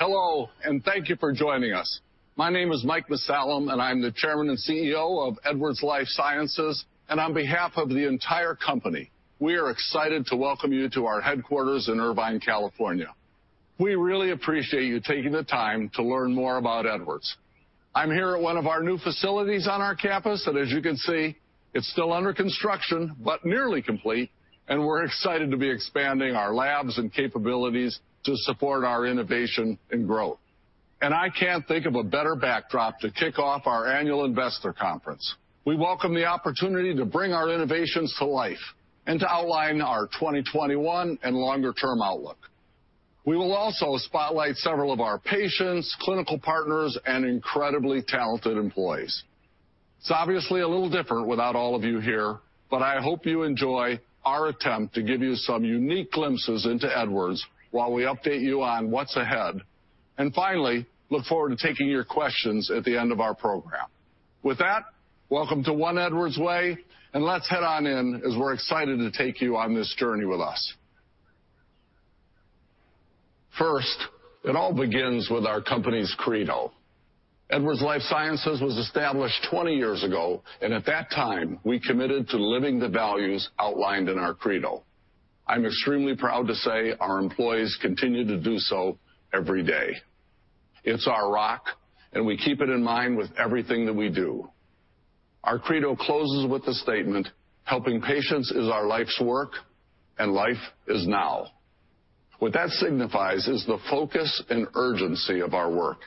Hello, thank you for joining us. My name is Mike Mussallem, I'm the Chairman and CEO of Edwards Lifesciences, on behalf of the entire company, we are excited to welcome you to our headquarters in Irvine, California. We really appreciate you taking the time to learn more about Edwards. I'm here at one of our new facilities on our campus, as you can see, it's still under construction, nearly complete, we're excited to be expanding our labs and capabilities to support our innovation and growth. I can't think of a better backdrop to kick off our annual investor conference. We welcome the opportunity to bring our innovations to life and to outline our 2021 and longer-term outlook. We will also spotlight several of our patients, clinical partners, and incredibly talented employees. It's obviously a little different without all of you here. I hope you enjoy our attempt to give you some unique glimpses into Edwards while we update you on what's ahead, and finally, look forward to taking your questions at the end of our program. With that, welcome to One Edwards Way. Let's head on in as we're excited to take you on this journey with us. First, it all begins with our company's credo. Edwards Lifesciences was established 20 years ago. At that time, we committed to living the values outlined in our credo. I'm extremely proud to say our employees continue to do so every day. It's our rock. We keep it in mind with everything that we do. Our credo closes with the statement, "Helping patients is our life's work, and life is now." What that signifies is the focus and urgency of our work.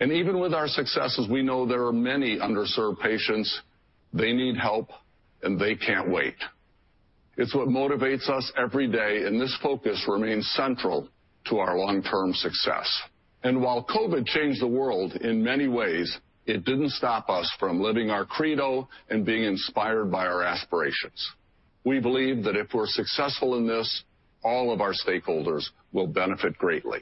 Even with our successes, we know there are many underserved patients. They need help, and they can't wait. It's what motivates us every day, and this focus remains central to our long-term success. While COVID changed the world in many ways, it didn't stop us from living our credo and being inspired by our aspirations. We believe that if we're successful in this, all of our stakeholders will benefit greatly.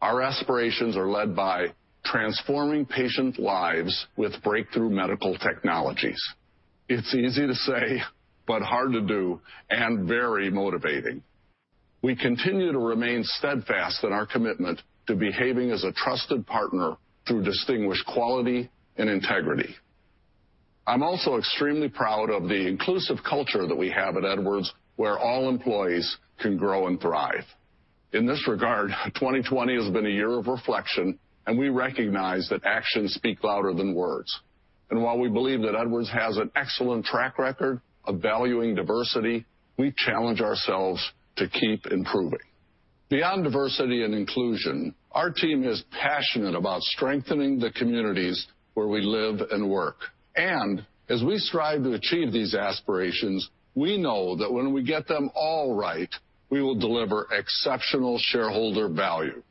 Our aspirations are led by transforming patient lives with breakthrough medical technologies. It's easy to say but hard to do and very motivating. We continue to remain steadfast in our commitment to behaving as a trusted partner through distinguished quality and integrity. I'm also extremely proud of the inclusive culture that we have at Edwards, where all employees can grow and thrive. In this regard, 2020 has been a year of reflection. We recognize that actions speak louder than words. While we believe that Edwards has an excellent track record of valuing diversity, we challenge ourselves to keep improving. Beyond diversity and inclusion, our team is passionate about strengthening the communities where we live and work. As we strive to achieve these aspirations, we know that when we get them all right, we will deliver exceptional shareholder value.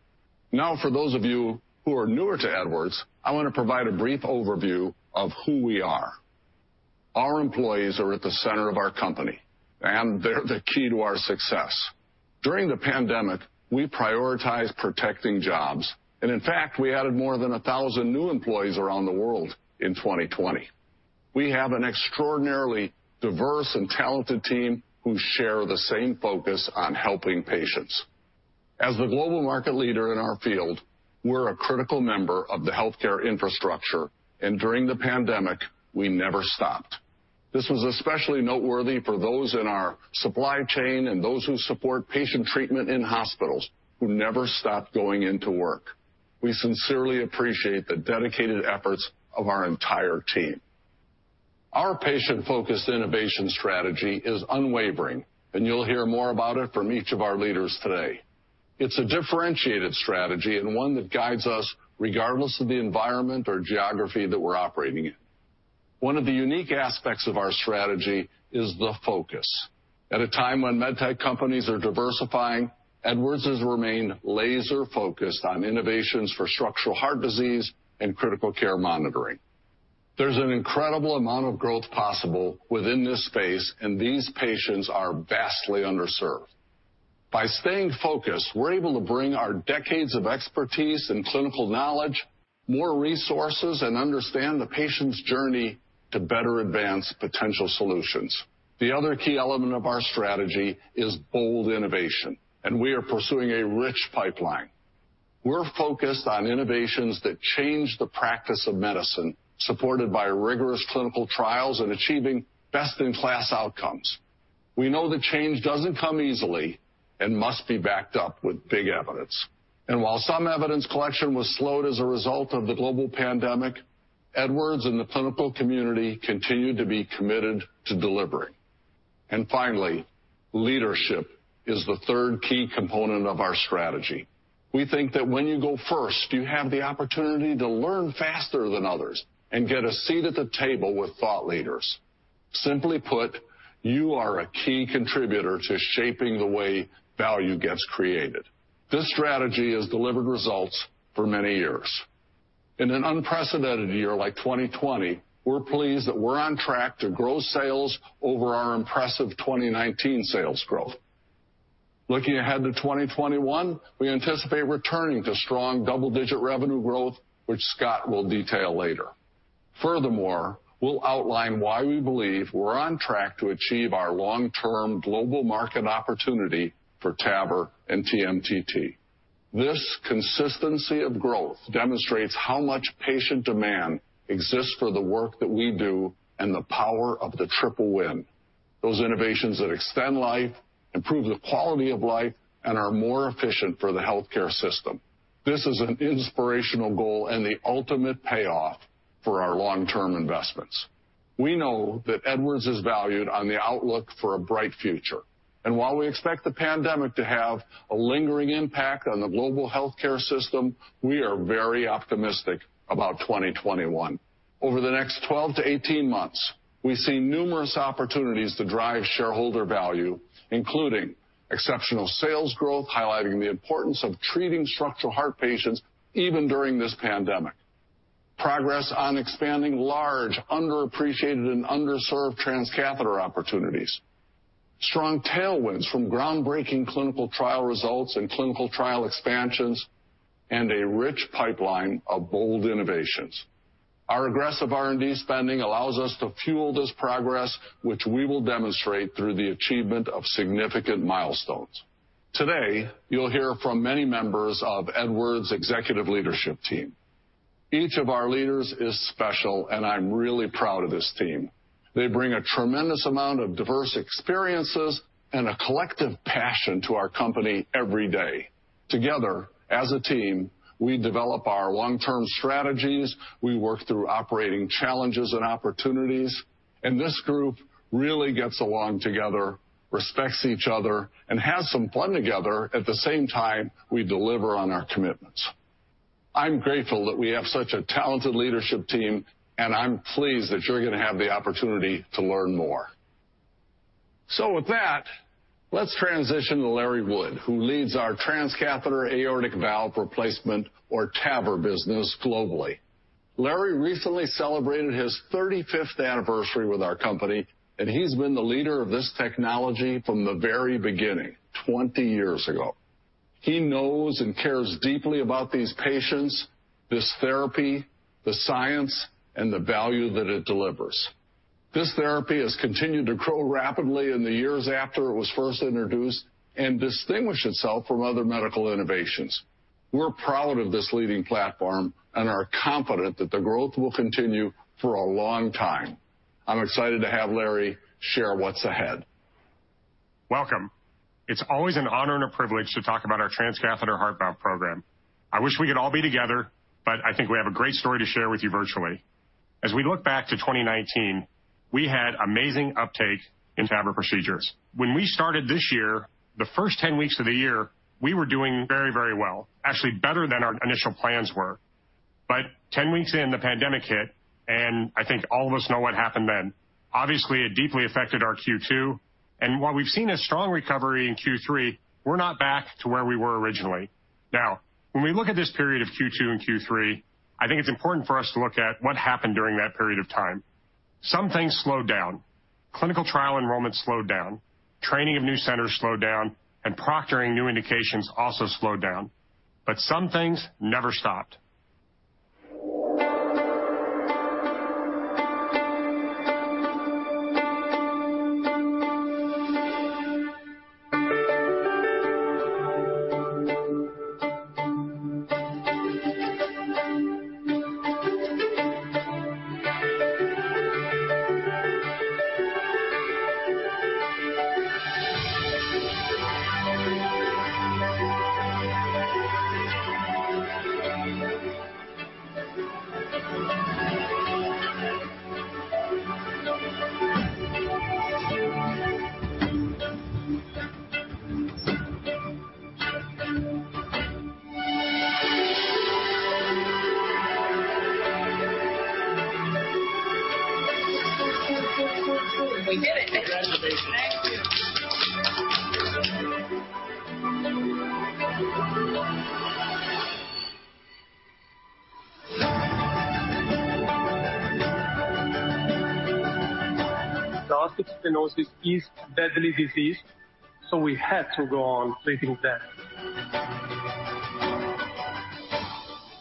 Now, for those of you who are newer to Edwards, I want to provide a brief overview of who we are. Our employees are at the center of our company, and they're the key to our success. During the pandemic, we prioritized protecting jobs. In fact, we added more than 1,000 new employees around the world in 2020. We have an extraordinarily diverse and talented team who share the same focus on helping patients. As the global market leader in our field, we're a critical member of the healthcare infrastructure. During the pandemic, we never stopped. This was especially noteworthy for those in our supply chain and those who support patient treatment in hospitals who never stopped going into work. We sincerely appreciate the dedicated efforts of our entire team. Our patient-focused innovation strategy is unwavering. You'll hear more about it from each of our leaders today. It's a differentiated strategy and one that guides us regardless of the environment or geography that we're operating in. One of the unique aspects of our strategy is the focus. At a time when medtech companies are diversifying, Edwards has remained laser-focused on innovations for structural heart disease and critical care monitoring. There's an incredible amount of growth possible within this space, and these patients are vastly underserved. By staying focused, we're able to bring our decades of expertise and clinical knowledge, more resources, and understand the patient's journey to better advance potential solutions. The other key element of our strategy is bold innovation, and we are pursuing a rich pipeline. We're focused on innovations that change the practice of medicine, supported by rigorous clinical trials and achieving best-in-class outcomes. We know that change doesn't come easily and must be backed up with big evidence. While some evidence collection was slowed as a result of the global pandemic, Edwards and the clinical community continued to be committed to delivering. Finally, leadership is the third key component of our strategy. We think that when you go first, you have the opportunity to learn faster than others and get a seat at the table with thought leaders. Simply put, you are a key contributor to shaping the way value gets created. This strategy has delivered results for many years. In an unprecedented year like 2020, we're pleased that we're on track to grow sales over our impressive 2019 sales growth. Looking ahead to 2021, we anticipate returning to strong double-digit revenue growth, which Scott will detail later. Furthermore, we'll outline why we believe we're on track to achieve our long-term global market opportunity for TAVR and TMTT. This consistency of growth demonstrates how much patient demand exists for the work that we do and the power of the triple win. Those innovations that extend life, improve the quality of life, and are more efficient for the healthcare system. This is an inspirational goal and the ultimate payoff for our long-term investments. We know that Edwards is valued on the outlook for a bright future, and while we expect the pandemic to have a lingering impact on the global healthcare system, we are very optimistic about 2021. Over the next 12-18 months, we see numerous opportunities to drive shareholder value, including exceptional sales growth, highlighting the importance of treating structural heart patients even during this pandemic. Progress on expanding large, underappreciated, and underserved transcatheter opportunities. Strong tailwinds from groundbreaking clinical trial results and clinical trial expansions, and a rich pipeline of bold innovations. Our aggressive R&D spending allows us to fuel this progress, which we will demonstrate through the achievement of significant milestones. Today, you'll hear from many members of Edwards' executive leadership team. Each of our leaders is special. I'm really proud of this team. They bring a tremendous amount of diverse experiences and a collective passion to our company every day. Together, as a team, we develop our long-term strategies, we work through operating challenges and opportunities. This group really gets along together, respects each other, and has some fun together at the same time we deliver on our commitments. I'm grateful that we have such a talented leadership team. I'm pleased that you're going to have the opportunity to learn more. With that, let's transition to Larry Wood, who leads our Transcatheter Aortic Valve Replacement or TAVR business globally. Larry recently celebrated his 35th anniversary with our company. He's been the leader of this technology from the very beginning, 20 years ago. He knows and cares deeply about these patients, this therapy, the science, and the value that it delivers. This therapy has continued to grow rapidly in the years after it was first introduced and distinguished itself from other medical innovations. We're proud of this leading platform and are confident that the growth will continue for a long time. I'm excited to have Larry share what's ahead. Welcome. It's always an honor and a privilege to talk about our transcatheter heart valve program. I wish we could all be together, but I think we have a great story to share with you virtually. As we look back to 2019, we had amazing uptake in TAVR procedures. When we started this year, the first 10 weeks of the year, we were doing very well. Actually better than our initial plans were. 10 weeks in, the pandemic hit, and I think all of us know what happened then. It deeply affected our Q2, and while we've seen a strong recovery in Q3, we're not back to where we were originally. When we look at this period of Q2 and Q3, I think it's important for us to look at what happened during that period of time. Some things slowed down. Clinical trial enrollment slowed down, training of new centers slowed down, and proctoring new indications also slowed down. Some things never stopped. We did it. Congratulations. Thank you. Aortic stenosis is deadly disease, we had to go on treating that.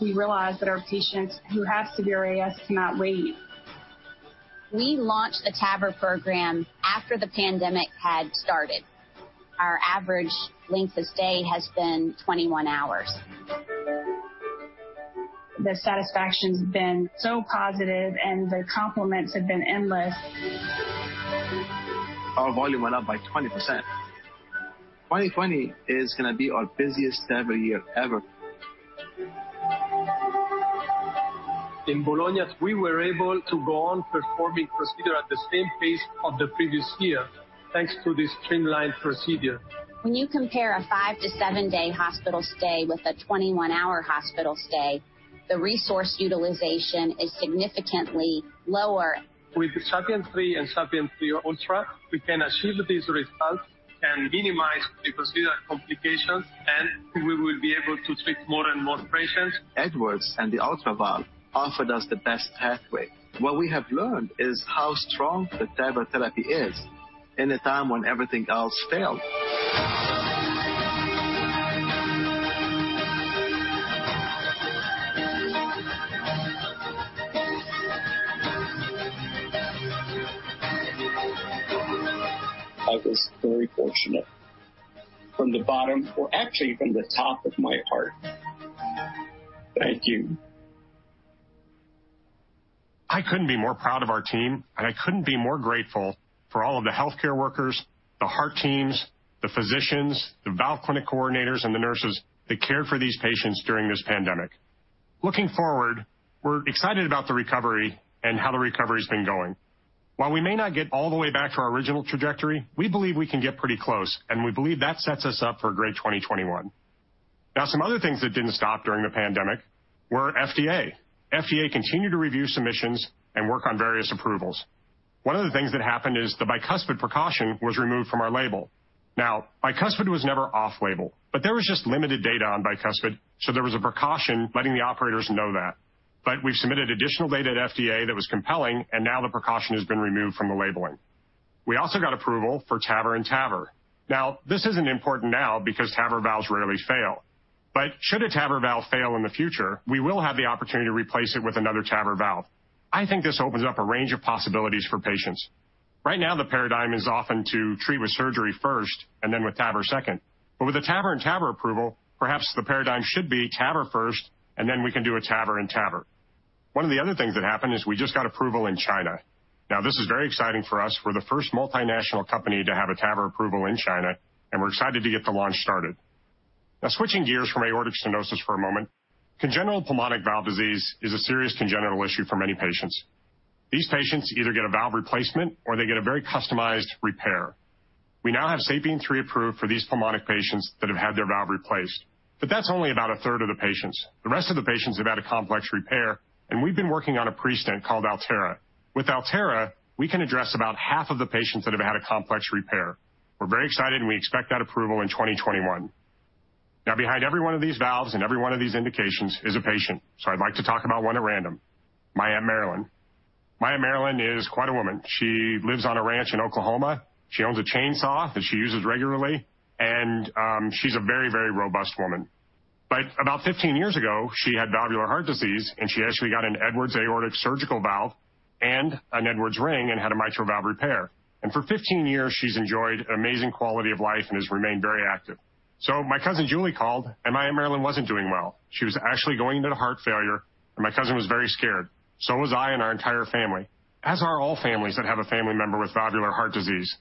We realized that our patients who have severe AS cannot wait. We launched the TAVR program after the pandemic had started. Our average length of stay has been 21 hours. The satisfaction's been so positive, and the compliments have been endless. Our volume went up by 20%. 2020 is going to be our busiest TAVR year ever. In Bologna, we were able to go on performing procedure at the same pace of the previous year, thanks to this streamlined procedure. When you compare a five to seven-day hospital stay with a 21-hour hospital stay, the resource utilization is significantly lower. With the SAPIEN 3 and SAPIEN 3 Ultra, we can achieve these results and minimize the procedure complications, and we will be able to treat more and more patients. Edwards and the Ultra valve offered us the best pathway. What we have learned is how strong the TAVR therapy is in a time when everything else failed. I was very fortunate. From the bottom, or actually from the top of my heart, thank you. I couldn't be more proud of our team, I couldn't be more grateful for all of the healthcare workers, the heart teams, the physicians, the valve clinic coordinators, and the nurses that cared for these patients during this pandemic. Looking forward, we're excited about the recovery and how the recovery's been going. While we may not get all the way back to our original trajectory, we believe we can get pretty close, we believe that sets us up for a great 2021. Some other things that didn't stop during the pandemic were FDA. FDA continued to review submissions and work on various approvals. One of the things that happened is the bicuspid precaution was removed from our label. Bicuspid was never off-label, there was just limited data on bicuspid, there was a precaution letting the operators know that. We've submitted additional data to FDA that was compelling, and now the precaution has been removed from the labeling. We also got approval for TAVR in TAVR. This isn't important now because TAVR valves rarely fail. Should a TAVR valve fail in the future, we will have the opportunity to replace it with another TAVR valve. I think this opens up a range of possibilities for patients. Right now, the paradigm is often to treat with surgery first and then with TAVR second. With the TAVR in TAVR approval, perhaps the paradigm should be TAVR first, and then we can do a TAVR in TAVR. One of the other things that happened is we just got approval in China. This is very exciting for us. We're the first multinational company to have a TAVR approval in China, and we're excited to get the launch started. Switching gears from aortic stenosis for a moment, congenital pulmonic valve disease is a serious congenital issue for many patients. These patients either get a valve replacement or they get a very customized repair. We now have SAPIEN 3 approved for these pulmonic patients that have had their valve replaced. That's only about a third of the patients. The rest of the patients have had a complex repair, we've been working on a pre-stent called Alterra. With Alterra, we can address about half of the patients that have had a complex repair. We're very excited, we expect that approval in 2021. Behind every one of these valves and every one of these indications is a patient. I'd like to talk about one at random, my Aunt Marilyn. My Aunt Marilyn is quite a woman. She lives on a ranch in Oklahoma. She owns a chainsaw that she uses regularly, and she's a very, very robust woman. About 15 years ago, she had valvular heart disease, and she actually got an Edwards aortic surgical valve and an Edwards ring and had a mitral valve repair. For 15 years, she's enjoyed an amazing quality of life and has remained very active. My cousin Julie called, and my Aunt Marilyn wasn't doing well. She was actually going into heart failure, and my cousin was very scared. So was I and our entire family, as are all families that have a family member with valvular heart disease.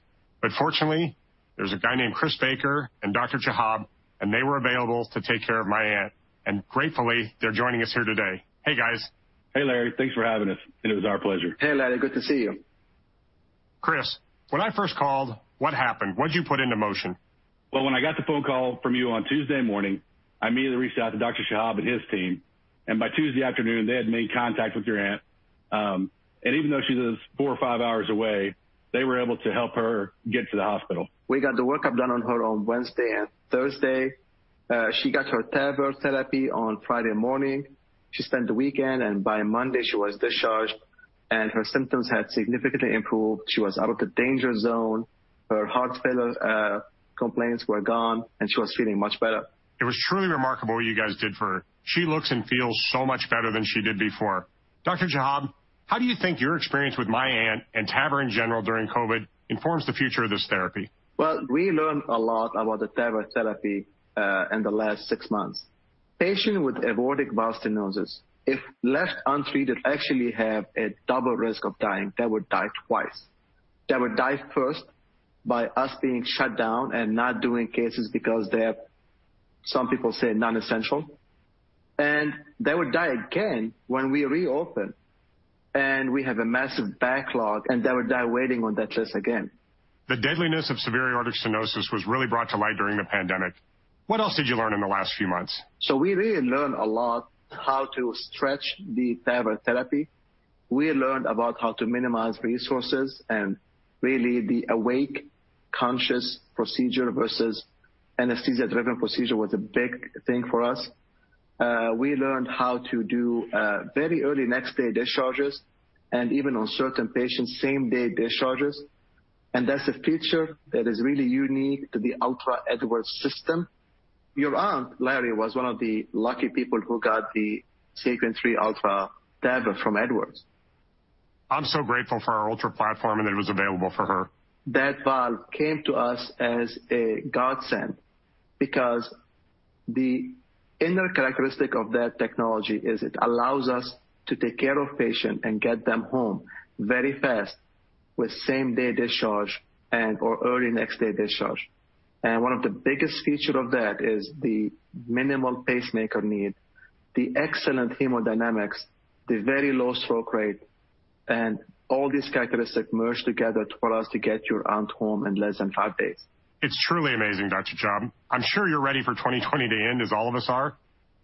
Fortunately, there's a guy named Chris Baker and Dr. Chehab, and they were available to take care of my aunt, and gratefully, they're joining us here today. Hey, guys. Hey, Larry. Thanks for having us, and it was our pleasure. Hey, Larry. Good to see you. Chris, when I first called, what happened? What'd you put into motion? Well, when I got the phone call from you on Tuesday morning, I immediately reached out to Dr. Chehab and his team, by Tuesday afternoon, they had made contact with your aunt. Even though she lives four or five hours away, they were able to help her get to the hospital. We got the work-up done on her on Wednesday and Thursday. She got her TAVR therapy on Friday morning. She spent the weekend, and by Monday, she was discharged, and her symptoms had significantly improved. She was out of the danger zone. Her heart failure complaints were gone, and she was feeling much better. It was truly remarkable what you guys did for her. She looks and feels so much better than she did before. Dr. Chehab, how do you think your experience with my aunt and TAVR in general during COVID informs the future of this therapy? Well, we learned a lot about the TAVR therapy in the last six months. Patients with aortic valve stenosis, if left untreated, actually have a double risk of dying. They would die twice. They would die first by us being shut down and not doing cases because they're, some people say, non-essential. They would die again when we reopen, and we have a massive backlog, and they would die waiting on that list again. The deadliness of severe aortic stenosis was really brought to light during the pandemic. What else did you learn in the last few months? We really learned a lot how to stretch the TAVR therapy. We learned about how to minimize resources and really the awake conscious procedure versus anesthesia-driven procedure was a big thing for us. We learned how to do very early next-day discharges, and even on certain patients, same-day discharges. That's a feature that is really unique to the ultra Edwards system. Your aunt, Larry, was one of the lucky people who got the SAPIEN 3 Ultra TAVR from Edwards. I'm so grateful for our Ultra platform and that it was available for her. That valve came to us as a godsend because the inner characteristic of that technology is it allows us to take care of patients and get them home very fast with same-day discharge and/or early next-day discharge. One of the biggest features of that is the minimal pacemaker need, the excellent hemodynamics, the very low stroke rate, and all these characteristics merged together for us to get your aunt home in less than five days. It's truly amazing, Dr. Chehab. I'm sure you're ready for 2020 to end, as all of us are.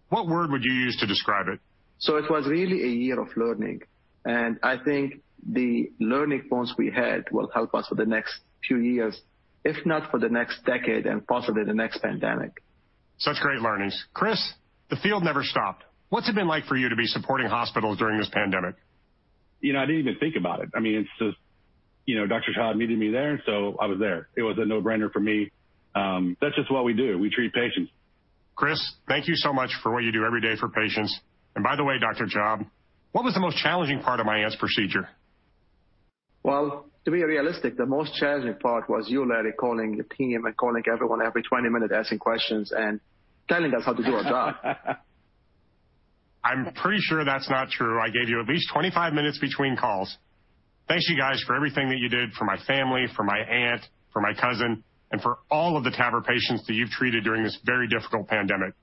What word would you use to describe it? It was really a year of learning, and I think the learning points we had will help us for the next few years, if not for the next decade, and possibly the next pandemic. Such great learnings. Chris, the field never stopped. What's it been like for you to be supporting hospitals during this pandemic? I didn't even think about it. Dr. Chehab needed me there, and so I was there. It was a no-brainer for me. That's just what we do. We treat patients. Chris, thank you so much for what you do every day for patients. By the way, Dr. Chehab, what was the most challenging part of my aunt's procedure? Well, to be realistic, the most challenging part was you, Larry, calling the team and calling everyone every 20 minutes asking questions and telling us how to do our job. I'm pretty sure that's not true. I gave you at least 25 minutes between calls. Thanks you guys for everything that you did for my family, for my aunt, for my cousin, and for all of the TAVR patients that you've treated during this very difficult pandemic.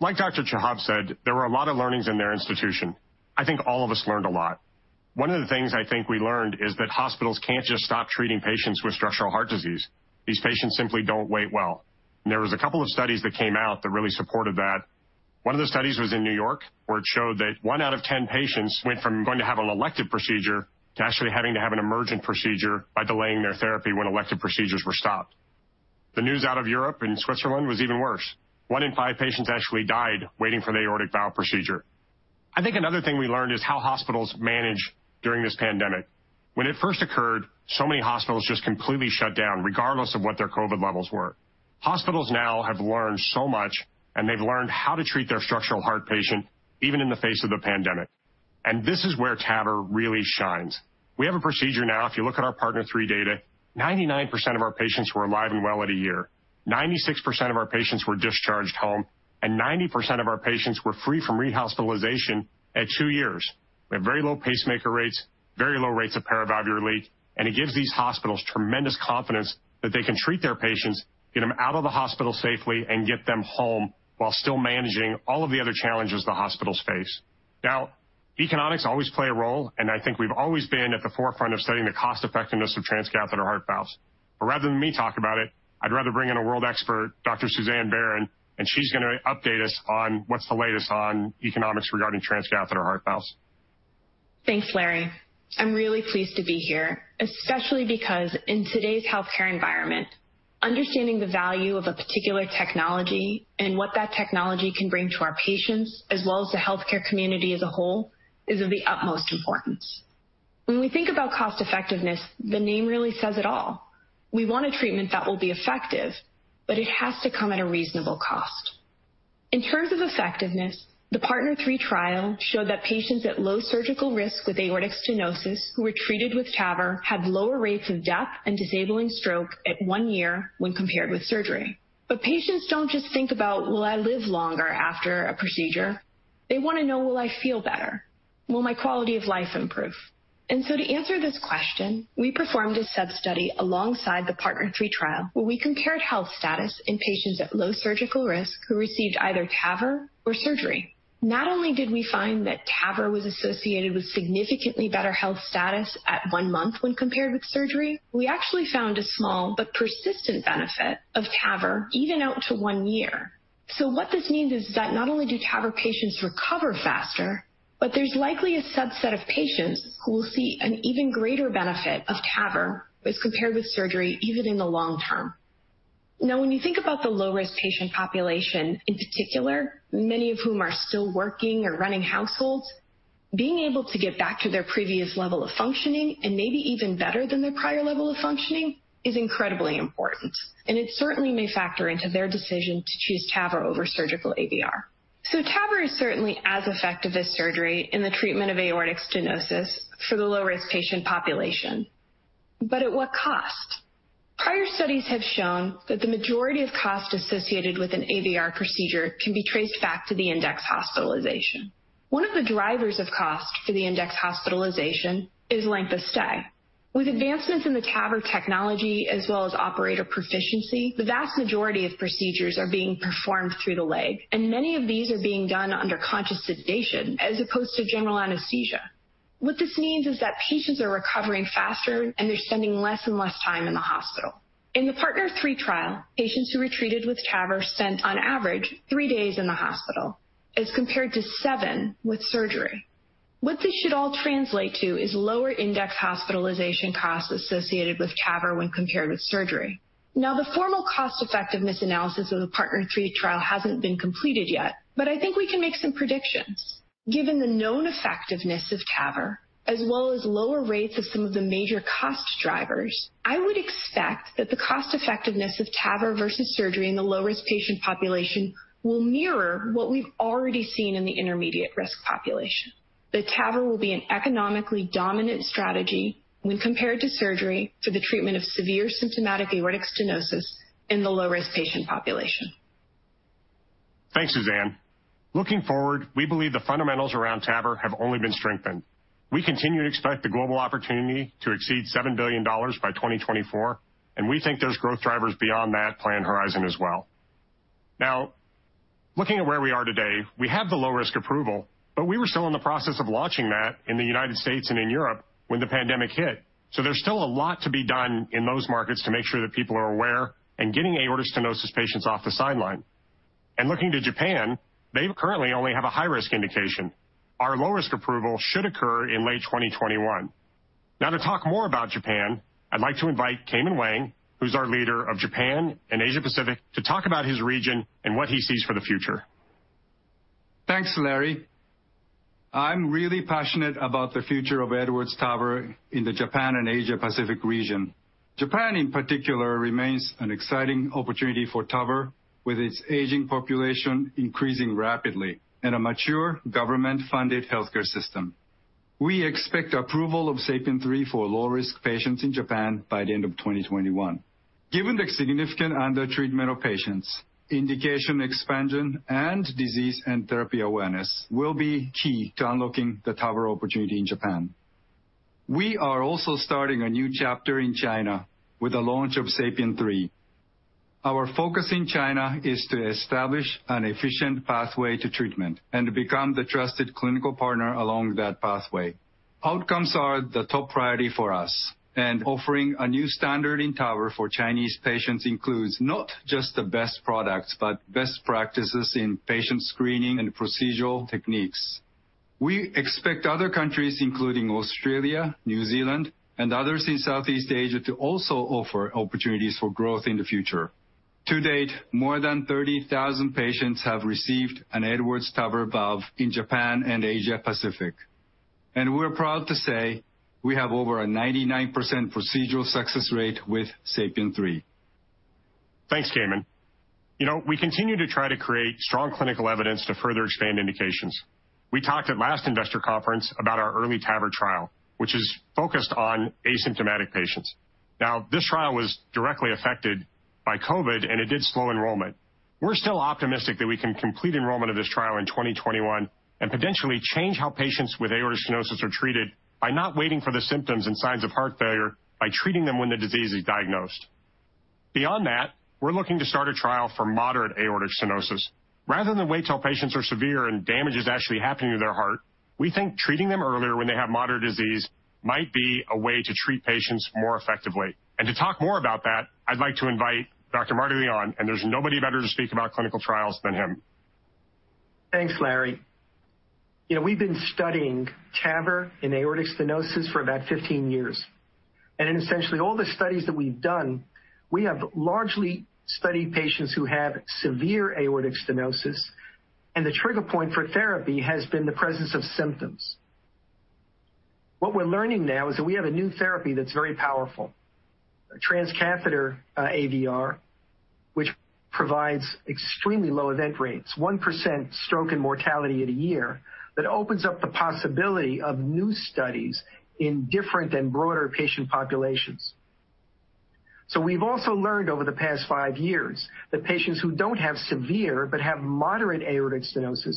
Like Dr. Chehab said, there were a lot of learnings in their institution. I think all of us learned a lot. One of the things I think we learned is that hospitals can't just stop treating patients with structural heart disease. These patients simply don't wait well. There was a couple of studies that came out that really supported that. One of the studies was in New York, where it showed that one out of 10 patients went from going to have an elective procedure to actually having to have an emergent procedure by delaying their therapy when elective procedures were stopped. The news out of Europe and Switzerland was even worse. One in five patients actually died waiting for the aortic valve procedure. I think another thing we learned is how hospitals manage during this pandemic. When it first occurred, so many hospitals just completely shut down, regardless of what their COVID-19 levels were. Hospitals now have learned so much, and they've learned how to treat their structural heart patient, even in the face of the pandemic. This is where TAVR really shines. We have a procedure now, if you look at our PARTNER 3 data, 99% of our patients were alive and well at a year, 96% of our patients were discharged home, and 90% of our patients were free from rehospitalization at two years. We have very low pacemaker rates, very low rates of paravalvular leak, and it gives these hospitals tremendous confidence that they can treat their patients, get them out of the hospital safely, and get them home while still managing all of the other challenges the hospitals face. Now, economics always play a role, and I think we've always been at the forefront of studying the cost-effectiveness of transcatheter heart valves. Rather than me talk about it, I'd rather bring in a world expert, Dr. Suzanne Baron, and she's going to update us on what's the latest on economics regarding transcatheter heart valves. Thanks, Larry. I'm really pleased to be here, especially because in today's healthcare environment, understanding the value of a particular technology and what that technology can bring to our patients, as well as the healthcare community as a whole, is of the utmost importance. When we think about cost-effectiveness, the name really says it all. We want a treatment that will be effective, but it has to come at a reasonable cost. In terms of effectiveness, the PARTNER 3 trial showed that patients at low surgical risk with aortic stenosis who were treated with TAVR had lower rates of death and disabling stroke at one year when compared with surgery. Patients don't just think about will I live longer after a procedure. They want to know will I feel better? Will my quality of life improve? To answer this question, we performed a sub-study alongside the PARTNER 3 trial where we compared health status in patients at low surgical risk who received either TAVR or surgery. Not only did we find that TAVR was associated with significantly better health status at one month when compared with surgery, we actually found a small but persistent benefit of TAVR even out to one year. What this means is that not only do TAVR patients recover faster, but there's likely a subset of patients who will see an even greater benefit of TAVR as compared with surgery, even in the long term. When you think about the low-risk patient population, in particular, many of whom are still working or running households, being able to get back to their previous level of functioning and maybe even better than their prior level of functioning is incredibly important, and it certainly may factor into their decision to choose TAVR over surgical AVR. TAVR is certainly as effective as surgery in the treatment of aortic stenosis for the low-risk patient population. At what cost? Prior studies have shown that the majority of cost associated with an AVR procedure can be traced back to the index hospitalization. One of the drivers of cost for the index hospitalization is length of stay. With advancements in the TAVR technology as well as operator proficiency, the vast majority of procedures are being performed through the leg, and many of these are being done under conscious sedation as opposed to general anesthesia. What this means is that patients are recovering faster, and they're spending less and less time in the hospital. In the PARTNER 3 trial, patients who were treated with TAVR spent on average three days in the hospital as compared to seven with surgery. What this should all translate to is lower index hospitalization costs associated with TAVR when compared with surgery. Now, the formal cost-effectiveness analysis of the PARTNER 3 trial hasn't been completed yet, but I think we can make some predictions. Given the known effectiveness of TAVR, as well as lower rates of some of the major cost drivers, I would expect that the cost-effectiveness of TAVR versus surgery in the low-risk patient population will mirror what we've already seen in the intermediate-risk population. That TAVR will be an economically dominant strategy when compared to surgery for the treatment of severe symptomatic aortic stenosis in the low-risk patient population. Thanks, Suzanne. Looking forward, we believe the fundamentals around TAVR have only been strengthened. We continue to expect the global opportunity to exceed $7 billion by 2024, and we think there's growth drivers beyond that planned horizon as well. Looking at where we are today, we have the low-risk approval, but we were still in the process of launching that in the U.S. and in Europe when the pandemic hit. There's still a lot to be done in those markets to make sure that people are aware and getting aortic stenosis patients off the sideline. Looking to Japan, they currently only have a high-risk indication. Our low-risk approval should occur in late 2021. To talk more about Japan, I'd like to invite Huimin Wang, who's our leader of Japan and Asia Pacific, to talk about his region and what he sees for the future. Thanks, Larry. I'm really passionate about the future of Edwards TAVR in the Japan and Asia Pacific region. Japan in particular remains an exciting opportunity for TAVR, with its aging population increasing rapidly and a mature government-funded healthcare system. We expect approval of SAPIEN 3 for low-risk patients in Japan by the end of 2021. Given the significant undertreatment of patients, indication expansion, and disease and therapy awareness will be key to unlocking the TAVR opportunity in Japan. We are also starting a new chapter in China with the launch of SAPIEN 3. Our focus in China is to establish an efficient pathway to treatment and to become the trusted clinical partner along that pathway. Outcomes are the top priority for us, and offering a new standard in TAVR for Chinese patients includes not just the best products, but best practices in patient screening and procedural techniques. We expect other countries, including Australia, New Zealand, and others in Southeast Asia, to also offer opportunities for growth in the future. To date, more than 30,000 patients have received an Edwards TAVR valve in Japan and Asia Pacific. We're proud to say we have over a 99% procedural success rate with SAPIEN 3. Thanks, Huimin. We continue to try to create strong clinical evidence to further expand indications. We talked at last investor conference about our EARLY TAVR trial, which is focused on asymptomatic patients. Now, this trial was directly affected by COVID-19, and it did slow enrollment. We're still optimistic that we can complete enrollment of this trial in 2021 and potentially change how patients with aortic stenosis are treated by not waiting for the symptoms and signs of heart failure, by treating them when the disease is diagnosed. Beyond that, we're looking to start a trial for moderate aortic stenosis. Rather than wait till patients are severe and damage is actually happening to their heart, we think treating them earlier when they have moderate disease might be a way to treat patients more effectively. To talk more about that, I'd like to invite Dr. Martin Leon, and there's nobody better to speak about clinical trials than him. Thanks, Larry. We've been studying TAVR and aortic stenosis for about 15 years. In essentially all the studies that we've done, we have largely studied patients who have severe aortic stenosis, and the trigger point for therapy has been the presence of symptoms. What we're learning now is that we have a new therapy that's very powerful. Transcatheter AVR, which provides extremely low event rates, 1% stroke and mortality at a year, that opens up the possibility of new studies in different and broader patient populations. We've also learned over the past five years that patients who don't have severe but have moderate aortic stenosis,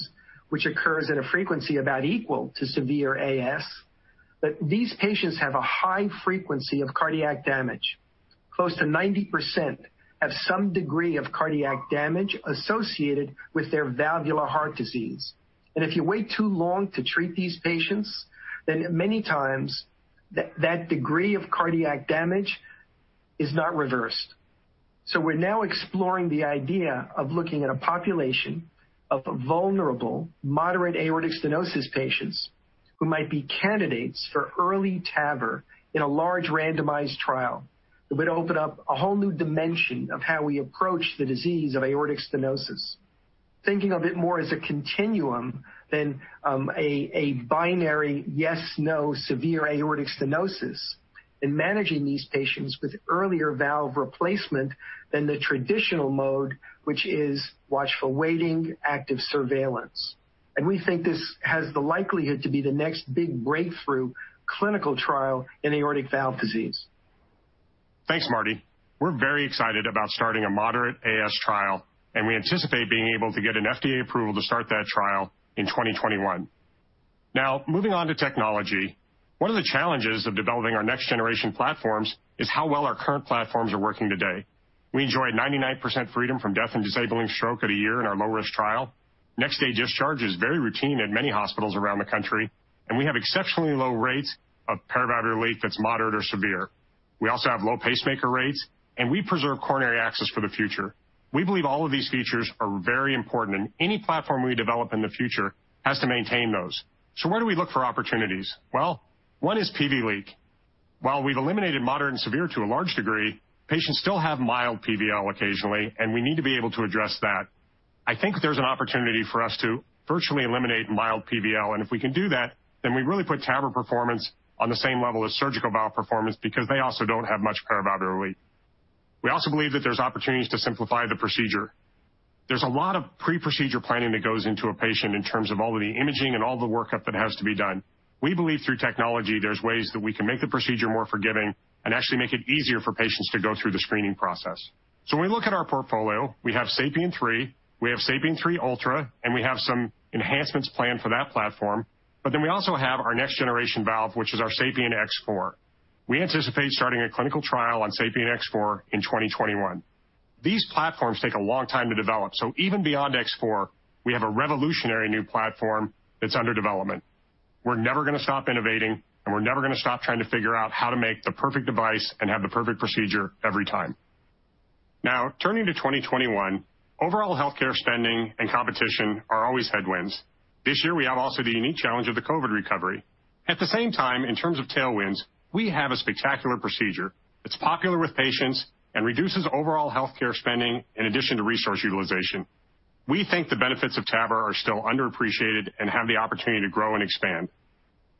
which occurs at a frequency about equal to severe AS, that these patients have a high frequency of cardiac damage. Close to 90% have some degree of cardiac damage associated with their valvular heart disease. If you wait too long to treat these patients, many times, that degree of cardiac damage is not reversed. We're now exploring the idea of looking at a population of vulnerable moderate aortic stenosis patients who might be candidates for early TAVR in a large randomized trial. It would open up a whole new dimension of how we approach the disease of aortic stenosis, thinking of it more as a continuum than a binary yes/no severe aortic stenosis in managing these patients with earlier valve replacement than the traditional mode, which is watchful waiting, active surveillance. We think this has the likelihood to be the next big breakthrough clinical trial in aortic valve disease. Thanks, Marty. We're very excited about starting a moderate AS trial, and we anticipate being able to get an FDA approval to start that trial in 2021. Moving on to technology. One of the challenges of developing our next-generation platforms is how well our current platforms are working today. We enjoy 99% freedom from death and disabling stroke at a year in our low-risk trial. Next-day discharge is very routine at many hospitals around the country, and we have exceptionally low rates of paravalvular leak that's moderate or severe. We also have low pacemaker rates, and we preserve coronary access for the future. We believe all of these features are very important, and any platform we develop in the future has to maintain those. Where do we look for opportunities? One is paravalvular leak. While we've eliminated moderate and severe to a large degree, patients still have mild PVL occasionally, and we need to be able to address that. I think there's an opportunity for us to virtually eliminate mild PVL, and if we can do that, then we really put TAVR performance on the same level as surgical valve performance because they also don't have much paravalvular leak. We also believe that there's opportunities to simplify the procedure. There's a lot of pre-procedure planning that goes into a patient in terms of all of the imaging and all the workup that has to be done. We believe through technology, there's ways that we can make the procedure more forgiving and actually make it easier for patients to go through the screening process. When we look at our portfolio, we have SAPIEN 3, we have SAPIEN 3 Ultra, and we have some enhancements planned for that platform. We also have our next-generation valve, which is our SAPIEN X4. We anticipate starting a clinical trial on SAPIEN X4 in 2021. These platforms take a long time to develop, so even beyond X4, we have a revolutionary new platform that's under development. We're never going to stop innovating, and we're never going to stop trying to figure out how to make the perfect device and have the perfect procedure every time. Now turning to 2021, overall healthcare spending and competition are always headwinds. This year we have also the unique challenge of the COVID recovery. At the same time, in terms of tailwinds, we have a spectacular procedure that's popular with patients and reduces overall healthcare spending in addition to resource utilization. We think the benefits of TAVR are still underappreciated and have the opportunity to grow and expand.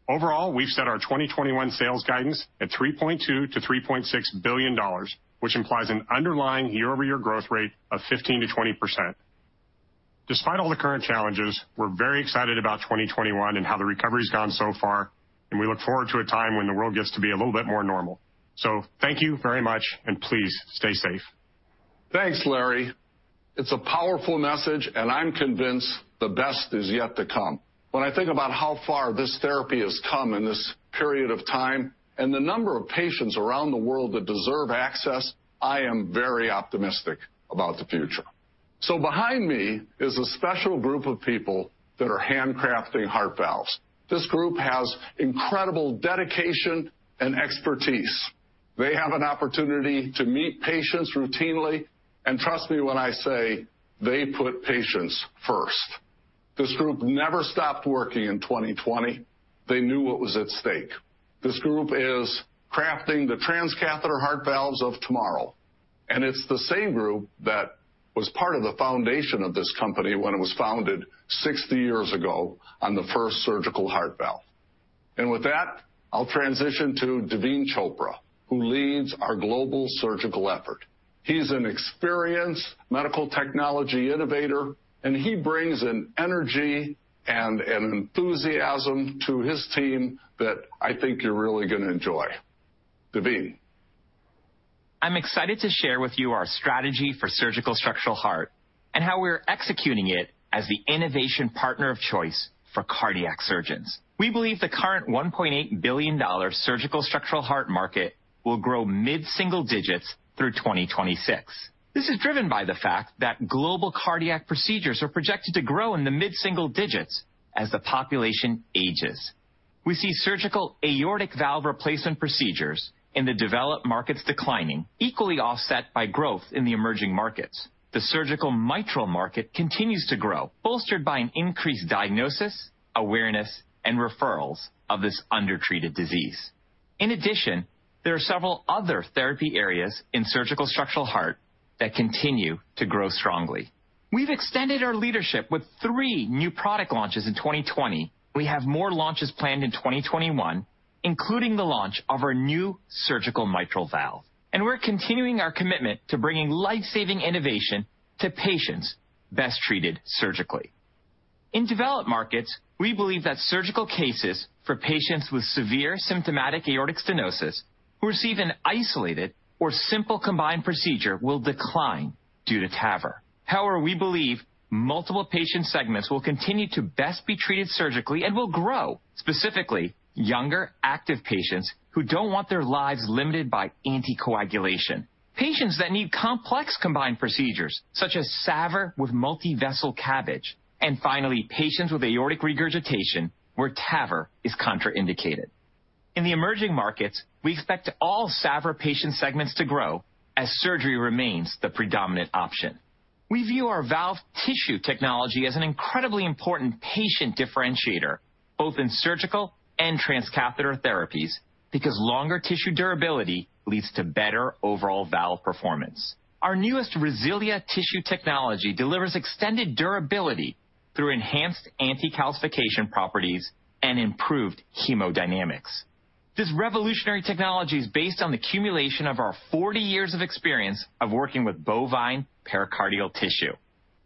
Overall, we've set our 2021 sales guidance at $3.2 billion-$3.6 billion, which implies an underlying year-over-year growth rate of 15%-20%. Despite all the current challenges, we're very excited about 2021 and how the recovery's gone so far. We look forward to a time when the world gets to be a little bit more normal. Thank you very much and please stay safe. Thanks, Larry. It's a powerful message. I'm convinced the best is yet to come. When I think about how far this therapy has come in this period of time and the number of patients around the world that deserve access, I am very optimistic about the future. Behind me is a special group of people that are handcrafting heart valves. This group has incredible dedication and expertise. They have an opportunity to meet patients routinely. Trust me when I say they put patients first. This group never stopped working in 2020. They knew what was at stake. This group is crafting the transcatheter heart valves of tomorrow. It's the same group that was part of the foundation of this company when it was founded 60 years ago on the first surgical heart valve. With that, I'll transition to Daveen Chopra, who leads our global surgical effort. He's an experienced medical technology innovator, and he brings an energy and an enthusiasm to his team that I think you're really going to enjoy. Daveen. I'm excited to share with you our strategy for surgical structural heart and how we're executing it as the innovation partner of choice for cardiac surgeons. We believe the current $1.8 billion surgical structural heart market will grow mid-single digits through 2026. This is driven by the fact that global cardiac procedures are projected to grow in the mid-single digits as the population ages. We see surgical aortic valve replacement procedures in the developed markets declining, equally offset by growth in the emerging markets. The surgical mitral market continues to grow, bolstered by an increased diagnosis, awareness, and referrals of this undertreated disease. In addition, there are several other therapy areas in surgical structural heart that continue to grow strongly. We've extended our leadership with three new product launches in 2020. We have more launches planned in 2021, including the launch of our new surgical mitral valve. We're continuing our commitment to bringing life-saving innovation to patients best treated surgically. In developed markets, we believe that surgical cases for patients with severe symptomatic aortic stenosis who receive an isolated or simple combined procedure will decline due to TAVR. However, we believe multiple patient segments will continue to best be treated surgically and will grow. Specifically, younger active patients who don't want their lives limited by anticoagulation. Patients that need complex combined procedures such as SAVR with multivessel CABG. Finally, patients with aortic regurgitation where TAVR is contraindicated. In the emerging markets, we expect all SAVR patient segments to grow as surgery remains the predominant option. We view our valve tissue technology as an incredibly important patient differentiator, both in surgical and transcatheter therapies, because longer tissue durability leads to better overall valve performance. Our newest RESILIA tissue technology delivers extended durability through enhanced anti-calcification properties and improved hemodynamics. This revolutionary technology is based on the cumulation of our 40 years of experience of working with bovine pericardial tissue.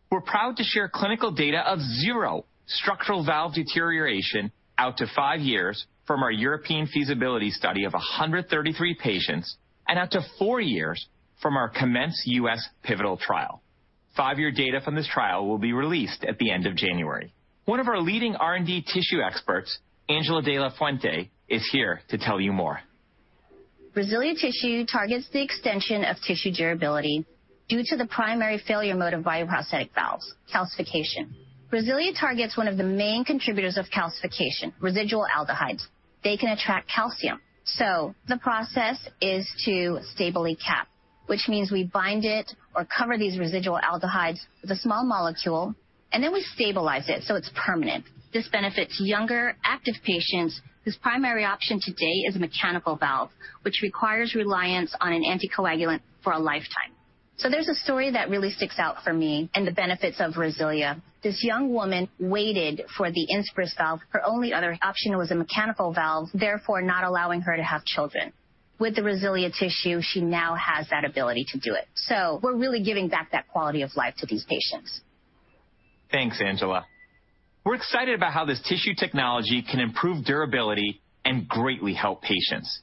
We're proud to share clinical data of zero structural valve deterioration out to five years from our European feasibility study of 133 patients and out to four years from our COMMENCE U.S. pivotal trial. Five-year data from this trial will be released at the end of January. One of our leading R&D tissue experts, Angela De La Fuente, is here to tell you more. RESILIA tissue targets the extension of tissue durability due to the primary failure mode of bioprosthetic valves, calcification. RESILIA targets one of the main contributors of calcification, residual aldehydes. They can attract calcium. The process is to stably cap, which means we bind it or cover these residual aldehydes with a small molecule, and then we stabilize it so it's permanent. This benefits younger active patients whose primary option today is a mechanical valve, which requires reliance on an anticoagulant for a lifetime. There's a story that really sticks out for me and the benefits of RESILIA. This young woman waited for the INSPIRIS valve. Her only other option was a mechanical valve, therefore not allowing her to have children. With the RESILIA tissue, she now has that ability to do it. We're really giving back that quality of life to these patients. Thanks, Angela. We're excited about how this tissue technology can improve durability and greatly help patients.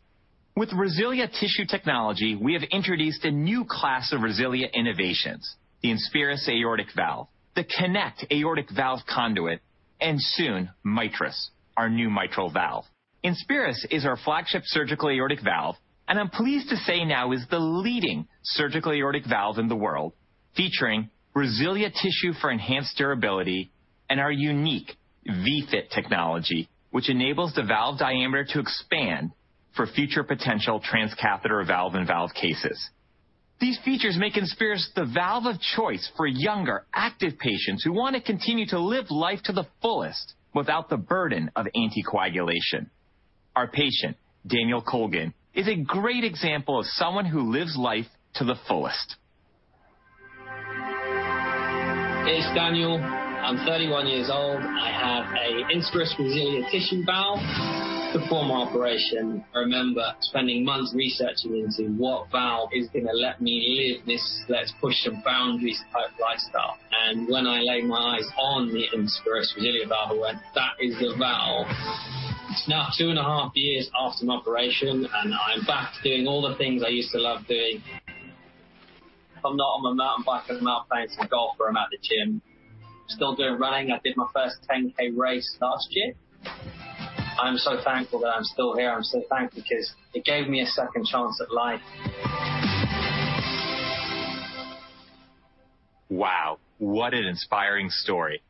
With RESILIA tissue technology, we have introduced a new class of RESILIA innovations, the INSPIRIS aortic valve, the KONECT aortic valve conduit, and soon MITRIS, our new mitral valve. INSPIRIS is our flagship surgical aortic valve, and I'm pleased to say now is the leading surgical aortic valve in the world, featuring RESILIA tissue for enhanced durability and our unique VFit technology, which enables the valve diameter to expand for future potential transcatheter valve-in-valve cases. These features make INSPIRIS the valve of choice for younger, active patients who want to continue to live life to the fullest without the burden of anticoagulation. Our patient, Daniel Colgan, is a great example of someone who lives life to the fullest. It's Daniel. I'm 31 years old. I have a INSPIRIS RESILIA tissue valve. Before my operation, I remember spending months researching into what valve is going to let me live this let's-push-the-boundaries type lifestyle. When I laid my eyes on the INSPIRIS RESILIA valve, I went, "That is the valve." It's now two and a half years after my operation, and I'm back doing all the things I used to love doing. If I'm not on my mountain bike, I'm out playing some golf or I'm at the gym. Still doing running. I did my first 10K race last year. I'm so thankful that I'm still here. I'm so thankful because it gave me a second chance at life. Wow, what an inspiring story.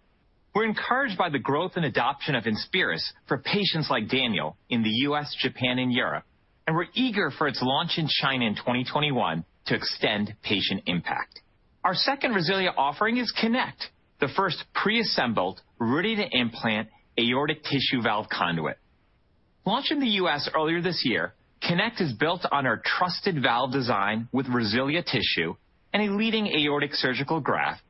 We're encouraged by the growth and adoption of INSPIRIS for patients like Daniel in the U.S., Japan, and Europe, and we're eager for its launch in China in 2021 to extend patient impact. Our second RESILIA offering is KONECT, the first preassembled, ready-to-implant aortic tissue valve conduit. Launched in the U.S. earlier this year, KONECT is built on our trusted valve design with RESILIA tissue and a leading aortic surgical graft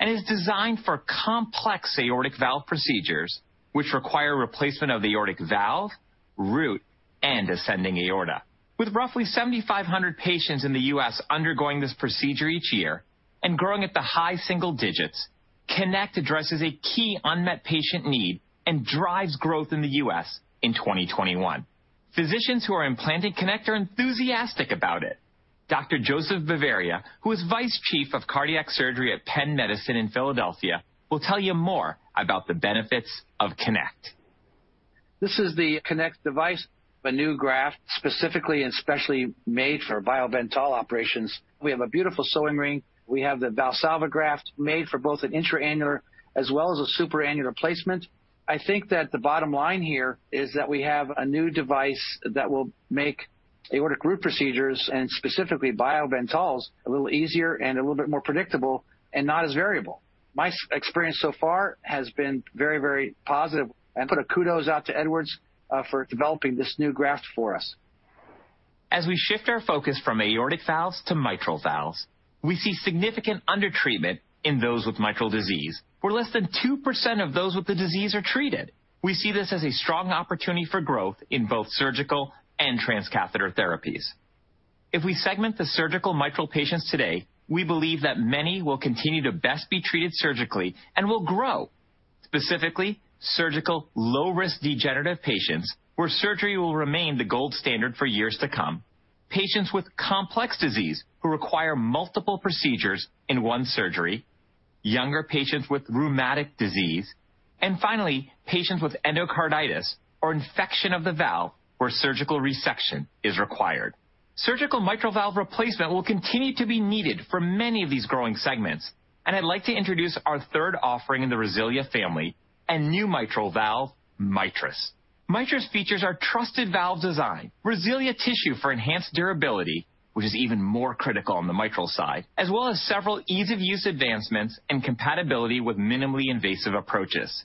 and is designed for complex aortic valve procedures which require replacement of the aortic valve, root, and ascending aorta. With roughly 7,500 patients in the U.S. undergoing this procedure each year and growing at the high single digits, KONECT addresses a key unmet patient need and drives growth in the U.S. in 2021. Physicians who are implanted KONECT are enthusiastic about it. Dr. Joseph Bavaria, who is Vice Chief of Cardiac Surgery at Penn Medicine in Philadelphia, will tell you more about the benefits of KONNECT. This is the KONNECT device, a new graft specifically and specially made for BioBentall operations. We have a beautiful sewing ring. We have the Valsalva graft made for both an intra-annular as well as a supra-annular replacement. I think that the bottom line here is that we have a new device that will make aortic root procedures, and specifically BioBentalls, a little easier and a little bit more predictable and not as variable. My experience so far has been very positive, and put a kudos out to Edwards for developing this new graft for us. As we shift our focus from aortic valves to mitral valves, we see significant undertreatment in those with mitral disease, where less than 2% of those with the disease are treated. We see this as a strong opportunity for growth in both surgical and transcatheter therapies. If we segment the surgical mitral patients today, we believe that many will continue to best be treated surgically and will grow, specifically surgical low-risk degenerative patients, where surgery will remain the gold standard for years to come, patients with complex disease who require multiple procedures in one surgery, younger patients with rheumatic disease, and finally, patients with endocarditis or infection of the valve where surgical resection is required. Surgical mitral valve replacement will continue to be needed for many of these growing segments. I'd like to introduce our third offering in the RESILIA family, a new mitral valve, MITRIS RESILIA. MITRIS RESILIA features our trusted valve design, RESILIA tissue for enhanced durability, which is even more critical on the mitral side, as well as several ease-of-use advancements and compatibility with minimally invasive approaches.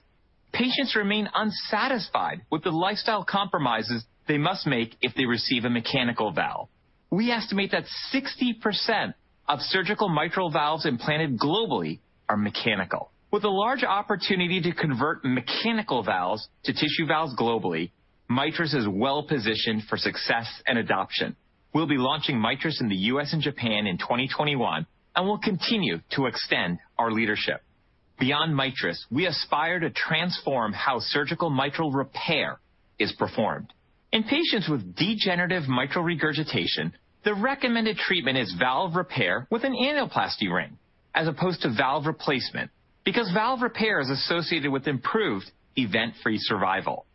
Patients remain unsatisfied with the lifestyle compromises they must make if they receive a mechanical valve. We estimate that 60% of surgical mitral valves implanted globally are mechanical. With a large opportunity to convert mechanical valves to tissue valves globally, MITRIS RESILIA is well positioned for success and adoption. We'll be launching MITRIS RESILIA in the U.S. and Japan in 2021, and we'll continue to extend our leadership. Beyond MITRIS RESILIA, we aspire to transform how surgical mitral repair is performed. In patients with degenerative mitral regurgitation, the recommended treatment is valve repair with an annuloplasty ring as opposed to valve replacement because valve repair is associated with improved event-free survival.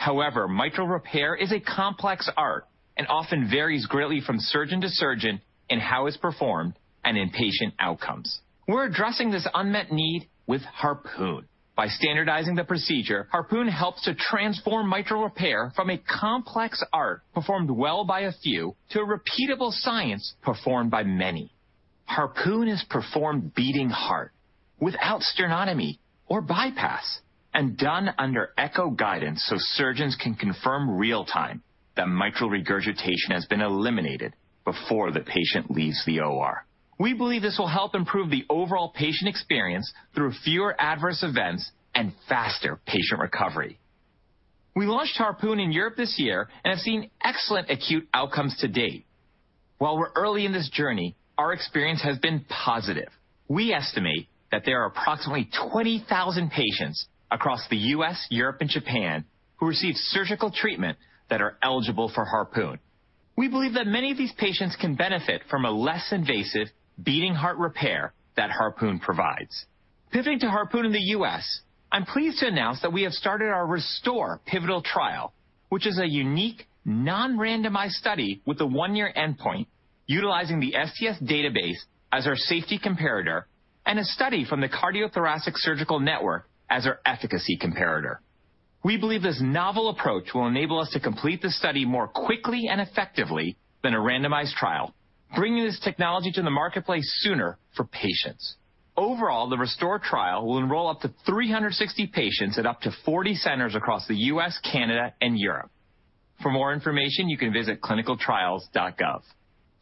Mitral repair is a complex art and often varies greatly from surgeon to surgeon in how it's performed and in patient outcomes. We're addressing this unmet need with HARPOON. By standardizing the procedure, HARPOON helps to transform mitral repair from a complex art performed well by a few to a repeatable science performed by many. HARPOON is performed beating heart without sternotomy or bypass and done under Echo guidance so surgeons can confirm real-time that mitral regurgitation has been eliminated before the patient leaves the OR. We believe this will help improve the overall patient experience through fewer adverse events and faster patient recovery. We launched HARPOON in Europe this year and have seen excellent acute outcomes to date. While we're early in this journey, our experience has been positive. We estimate that there are approximately 20,000 patients across the U.S., Europe, and Japan who receive surgical treatment that are eligible for HARPOON. We believe that many of these patients can benefit from a less invasive beating heart repair that HARPOON provides. Pivoting to HARPOON in the U.S., I am pleased to announce that we have started our RESTORE pivotal trial, which is a unique non-randomized study with a one-year endpoint utilizing the STS database as our safety comparator. A study from the cardiothoracic surgical network as our efficacy comparator. We believe this novel approach will enable us to complete the study more quickly and effectively than a randomized trial, bringing this technology to the marketplace sooner for patients. Overall, the RESTORE trial will enroll up to 360 patients at up to 40 centers across the U.S., Canada, and Europe. For more information, you can visit clinicaltrials.gov.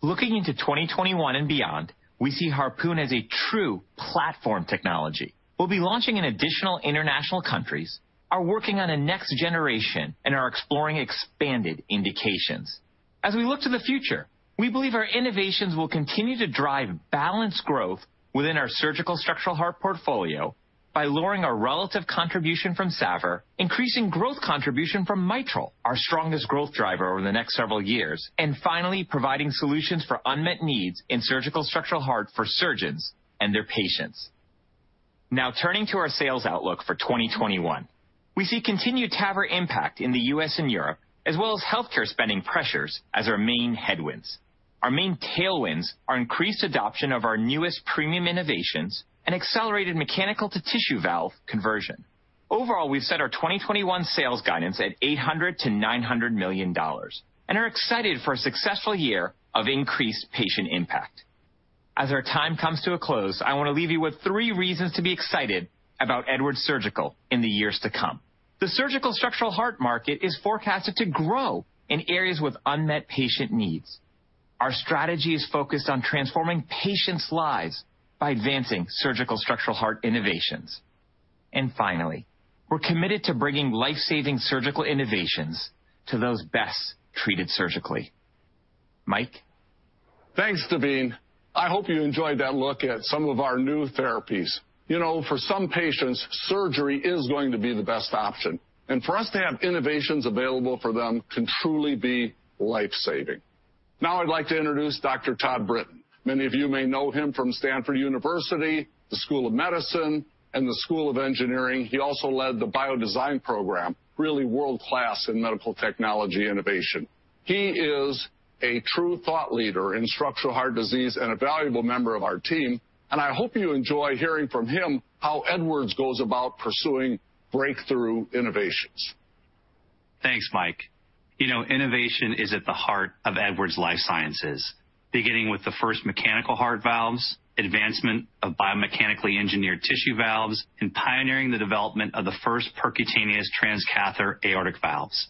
Looking into 2021 and beyond, we see HARPOON as a true platform technology. We'll be launching in additional international countries, are working on a next generation, and are exploring expanded indications. As we look to the future, we believe our innovations will continue to drive balanced growth within our surgical structural heart portfolio by lowering our relative contribution from SAVR, increasing growth contribution from mitral, our strongest growth driver over the next several years, and finally, providing solutions for unmet needs in surgical structural heart for surgeons and their patients. Now turning to our sales outlook for 2021. We see continued TAVR impact in the U.S. and Europe, as well as healthcare spending pressures as our main headwinds. Our main tailwinds are increased adoption of our newest premium innovations and accelerated mechanical-to-tissue valve conversion. Overall, we've set our 2021 sales guidance at $800 million-$900 million and are excited for a successful year of increased patient impact. As our time comes to a close, I want to leave you with three reasons to be excited about Edwards Surgical in the years to come. The surgical structural heart market is forecasted to grow in areas with unmet patient needs. Our strategy is focused on transforming patients' lives by advancing surgical structural heart innovations. Finally, we're committed to bringing life-saving surgical innovations to those best treated surgically. Mike? Thanks, Daveen. I hope you enjoyed that look at some of our new therapies. For some patients, surgery is going to be the best option, and for us to have innovations available for them can truly be life-saving. Now I'd like to introduce Dr. Todd Brinton. Many of you may know him from Stanford University, the School of Medicine, and the School of Engineering. He also led the Biodesign program, really world-class in medical technology innovation. He is a true thought leader in structural heart disease and a valuable member of our team, and I hope you enjoy hearing from him how Edwards goes about pursuing breakthrough innovations. Thanks, Mike. Innovation is at the heart of Edwards Lifesciences, beginning with the first mechanical heart valves, advancement of biomechanically engineered tissue valves, and pioneering the development of the first percutaneous transcatheter aortic valves.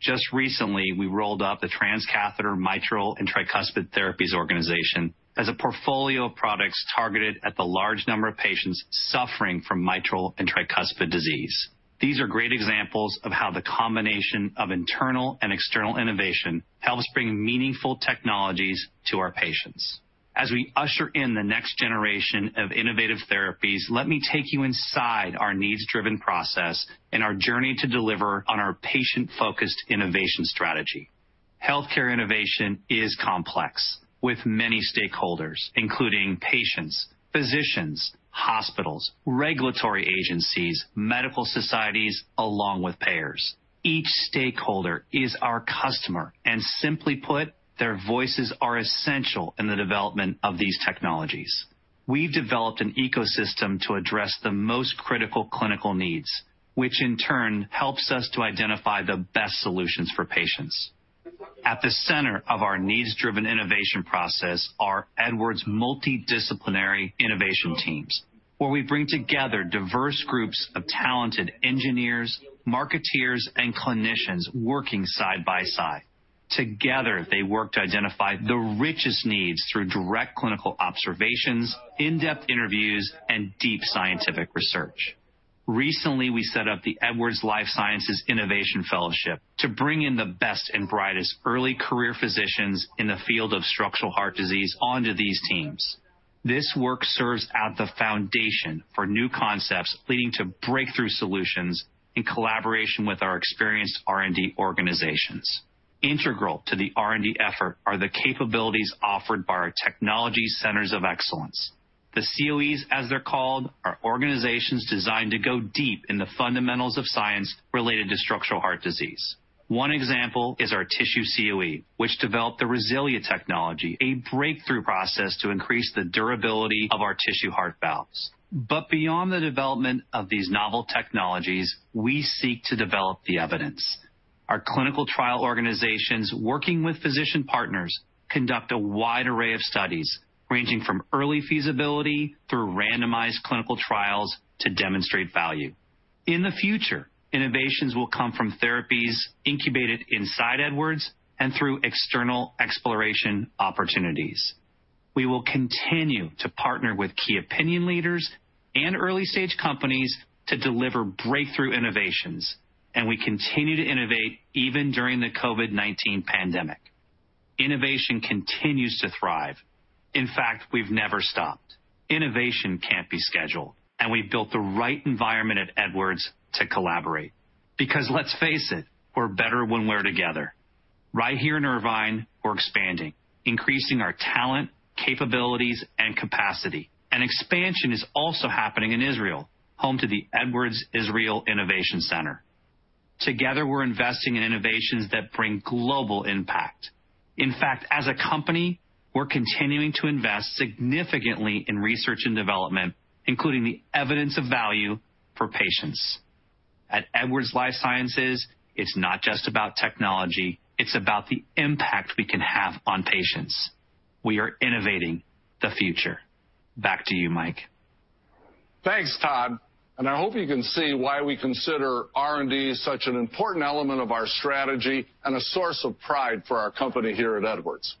Just recently, we rolled out the Transcatheter Mitral and Tricuspid Therapies organization as a portfolio of products targeted at the large number of patients suffering from mitral and tricuspid disease. These are great examples of how the combination of internal and external innovation helps bring meaningful technologies to our patients. We usher in the next generation of innovative therapies, let me take you inside our needs-driven process and our journey to deliver on our patient-focused innovation strategy. Healthcare innovation is complex, with many stakeholders, including patients, physicians, hospitals, regulatory agencies, medical societies, along with payers. Each stakeholder is our customer, simply put, their voices are essential in the development of these technologies. We've developed an ecosystem to address the most critical clinical needs, which in turn helps us to identify the best solutions for patients. At the center of our needs-driven innovation process are Edwards multidisciplinary innovation teams, where we bring together diverse groups of talented engineers, marketeers, and clinicians working side by side. They work to identify the richest needs through direct clinical observations, in-depth interviews, and deep scientific research. Recently, we set up the Edwards Lifesciences Innovation Fellowship to bring in the best and brightest early career physicians in the field of structural heart disease onto these teams. This work serves as the foundation for new concepts leading to breakthrough solutions in collaboration with our experienced R&D organizations. Integral to the R&D effort are the capabilities offered by our technology centers of excellence. The COEs, as they're called, are organizations designed to go deep in the fundamentals of science related to structural heart disease. One example is our tissue COE, which developed the RESILIA technology, a breakthrough process to increase the durability of our tissue heart valves. Beyond the development of these novel technologies, we seek to develop the evidence. Our clinical trial organizations, working with physician partners, conduct a wide array of studies, ranging from early feasibility through randomized clinical trials to demonstrate value. In the future, innovations will come from therapies incubated inside Edwards and through external exploration opportunities. We will continue to partner with key opinion leaders and early-stage companies to deliver breakthrough innovations, and we continue to innovate even during the COVID-19 pandemic. Innovation continues to thrive. In fact, we've never stopped. Innovation can't be scheduled, and we've built the right environment at Edwards to collaborate. Because let's face it, we're better when we're together. Right here in Irvine, we're expanding, increasing our talent, capabilities, and capacity. Expansion is also happening in Israel, home to the Edwards Israel Innovation Center. Together we're investing in innovations that bring global impact. In fact, as a company, we're continuing to invest significantly in research and development, including the evidence of value for patients. At Edwards Lifesciences, it's not just about technology, it's about the impact we can have on patients. We are innovating the future. Back to you, Mike. Thanks, Todd. I hope you can see why we consider R&D such an important element of our strategy and a source of pride for our company here at Edwards.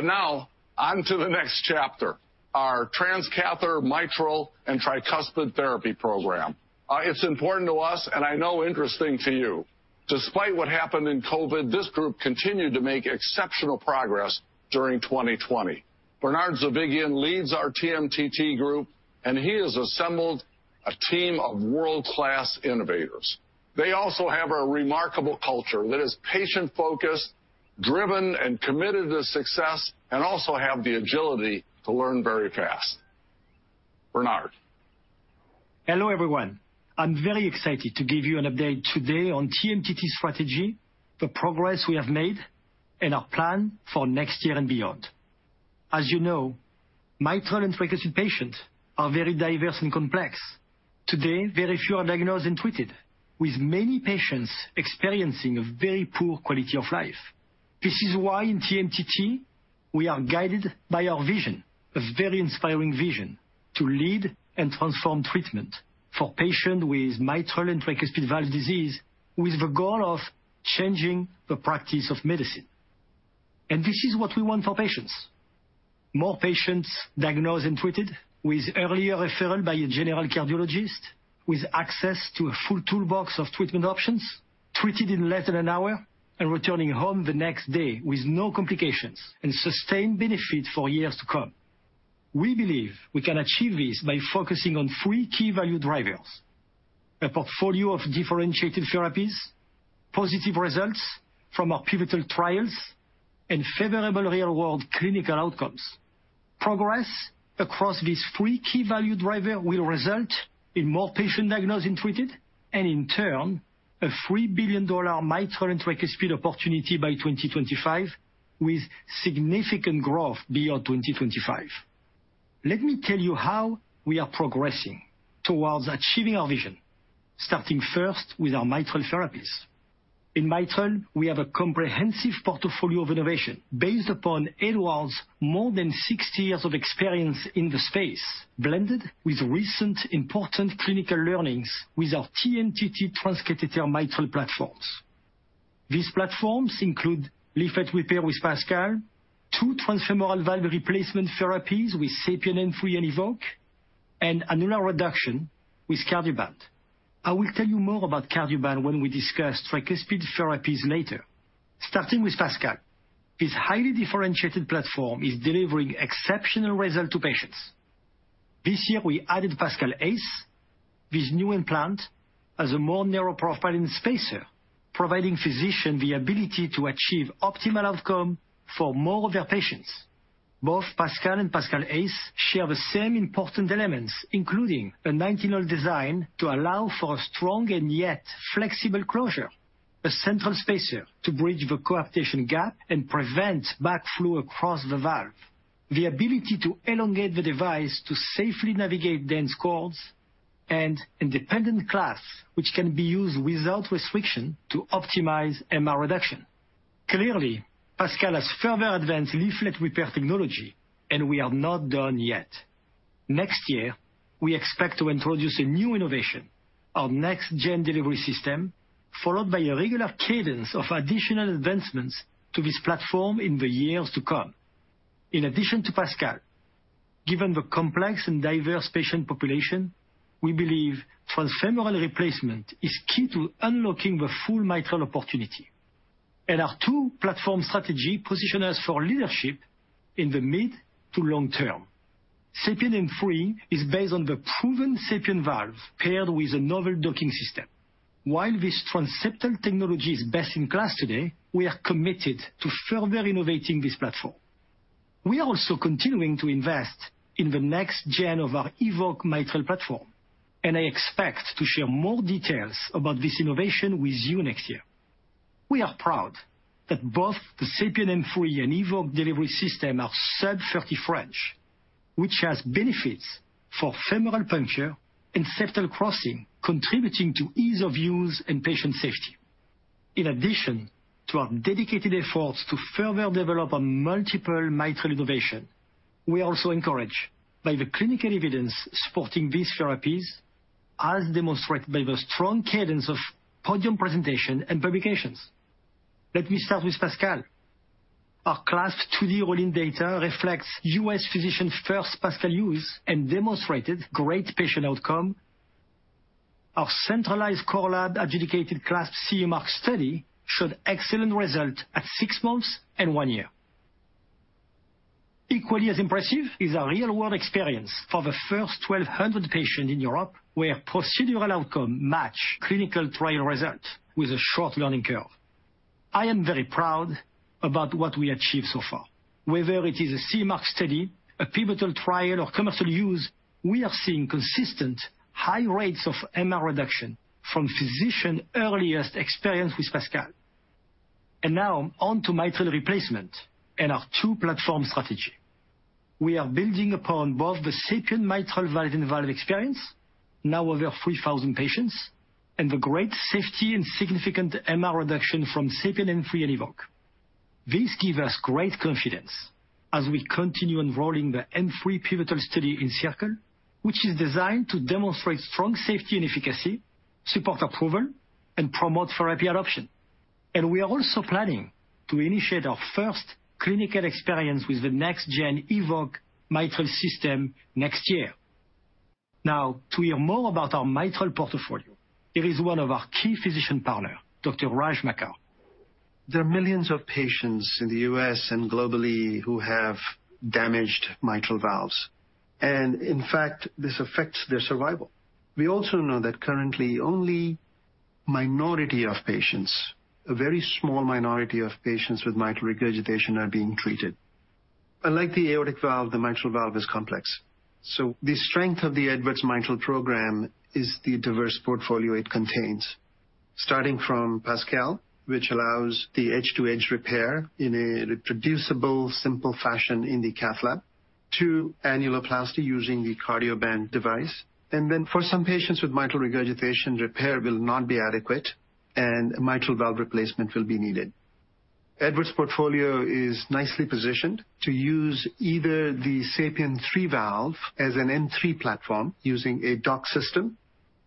Now, on to the next chapter, our transcatheter mitral and tricuspid therapy program. It's important to us, and I know interesting to you. Despite what happened in COVID, this group continued to make exceptional progress during 2020. Bernard Zovighian leads our TMTT group, and he has assembled a team of world-class innovators. They also have a remarkable culture that is patient-focused, driven, and committed to success, and also have the agility to learn very fast. Bernard. Hello, everyone. I'm very excited to give you an update today on TMTT strategy, the progress we have made, and our plan for next year and beyond. As you know, mitral and tricuspid patients are very diverse and complex. Today, very few are diagnosed and treated, with many patients experiencing a very poor quality of life. This is why in TMTT, we are guided by our vision, a very inspiring vision, to lead and transform treatment for patients with mitral and tricuspid valve disease, with the goal of changing the practice of medicine. This is what we want for patients. More patients diagnosed and treated with earlier referral by a general cardiologist, with access to a full toolbox of treatment options, treated in less than an hour, and returning home the next day with no complications, and sustained benefit for years to come. We believe we can achieve this by focusing on three key value drivers. A portfolio of differentiated therapies, positive results from our pivotal trials, and favorable real-world clinical outcomes. Progress across these three key value driver will result in more patients diagnosed and treated, and in turn, a $3 billion mitral and tricuspid opportunity by 2025, with significant growth beyond 2025. Let me tell you how we are progressing towards achieving our vision, starting first with our mitral therapies. In mitral, we have a comprehensive portfolio of innovation based upon Edwards' more than 60 years of experience in the space, blended with recent important clinical learnings with our TMTT transcatheter mitral platforms. These platforms include leaflet repair with PASCAL, two transfemoral valve replacement therapies with SAPIEN M3 and EVOQUE, and annular reduction with Cardioband. I will tell you more about Cardioband when we discuss tricuspid therapies later. Starting with PASCAL. This highly differentiated platform is delivering exceptional results to patients. This year we added PASCAL ACE. This new implant has a more narrow profiling spacer, providing physicians the ability to achieve optimal outcomes for more of their patients. Both PASCAL and PASCAL ACE share the same important elements, including a nitinol design to allow for a strong and yet flexible closure, a central spacer to bridge the coaptation gap and prevent backflow across the valve, the ability to elongate the device to safely navigate dense chords, and independent clasp which can be used without restriction to optimize MR reduction. Clearly, PASCAL has further advanced leaflet repair technology, and we are not done yet. Next year, we expect to introduce a new innovation, our next-gen delivery system, followed by a regular cadence of additional advancements to this platform in the years to come. In addition to PASCAL, given the complex and diverse patient population, we believe transfemoral replacement is key to unlocking the full mitral opportunity. Our two-platform strategy position us for leadership in the mid to long term. SAPIEN M3 is based on the proven SAPIEN valve paired with a novel docking system. While this transseptal technology is best in class today, we are committed to further innovating this platform. We are also continuing to invest in the next-gen of our EVOQUE mitral platform. I expect to share more details about this innovation with you next year. We are proud that both the SAPIEN M3 and EVOQUE delivery system are sub-30 French, which has benefits for femoral puncture and septal crossing, contributing to ease of use and patient safety. In addition to our dedicated efforts to further develop our multiple mitral innovation, we are also encouraged by the clinical evidence supporting these therapies, as demonstrated by the strong cadence of podium presentation and publications. Let me start with PASCAL. Our CLASP IID all-in data reflects U.S. physician first PASCAL use and demonstrated great patient outcome. Our centralized core lab adjudicated CLASP CE mark study showed excellent result at six months and one year. Equally as impressive is our real-world experience for the first 1,200 patient in Europe where procedural outcome match clinical trial result with a short learning curve. I am very proud about what we achieved so far. Whether it is a CE mark study, a pivotal trial, or commercial use, we are seeing consistent high rates of MR reduction from physician earliest experience with PASCAL. Now on to mitral replacement and our two-platform strategy. We are building upon both the SAPIEN mitral valve-in-valve experience, now over 3,000 patients, and the great safety and significant MR reduction from SAPIEN M3 and EVOQUE. This give us great confidence as we continue enrolling the M3 pivotal study in ENCIRCLE, which is designed to demonstrate strong safety and efficacy, support approval, and promote therapy adoption. We are also planning to initiate our first clinical experience with the next-gen EVOQUE mitral system next year. Now, to hear more about our mitral portfolio, here is one of our key physician partner, Dr Raj Makkar. There are millions of patients in the U.S. and globally who have damaged mitral valves. In fact, this affects their survival. We also know that currently only minority of patients, a very small minority of patients with mitral regurgitation are being treated. Unlike the aortic valve, the mitral valve is complex. The strength of the Edwards mitral program is the diverse portfolio it contains. Starting from PASCAL, which allows the edge-to-edge repair in a reproducible, simple fashion in the cath lab, to annuloplasty using the Cardioband device. For some patients with mitral regurgitation, repair will not be adequate, and a mitral valve replacement will be needed. Edwards portfolio is nicely positioned to use either the SAPIEN 3 valve as an M3 platform using a dock system.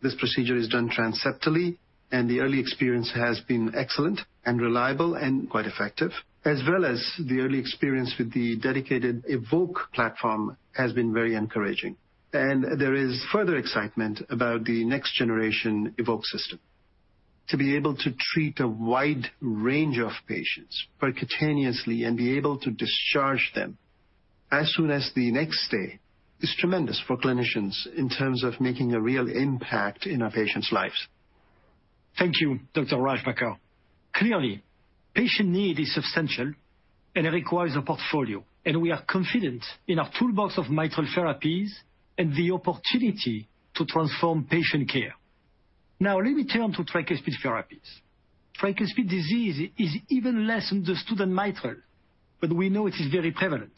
This procedure is done transeptally. The early experience has been excellent and reliable and quite effective. As well as the early experience with the dedicated EVOQUE platform has been very encouraging. There is further excitement about the next generation EVOQUE system. To be able to treat a wide range of patients percutaneously and be able to discharge them as soon as the next day is tremendous for clinicians in terms of making a real impact in our patients' lives. Thank you, Dr. Raj Makkar. Clearly, patient need is substantial and it requires a portfolio, and we are confident in our toolbox of mitral therapies and the opportunity to transform patient care. Now let me turn to tricuspid therapies. Tricuspid disease is even less understood than mitral, we know it is very prevalent.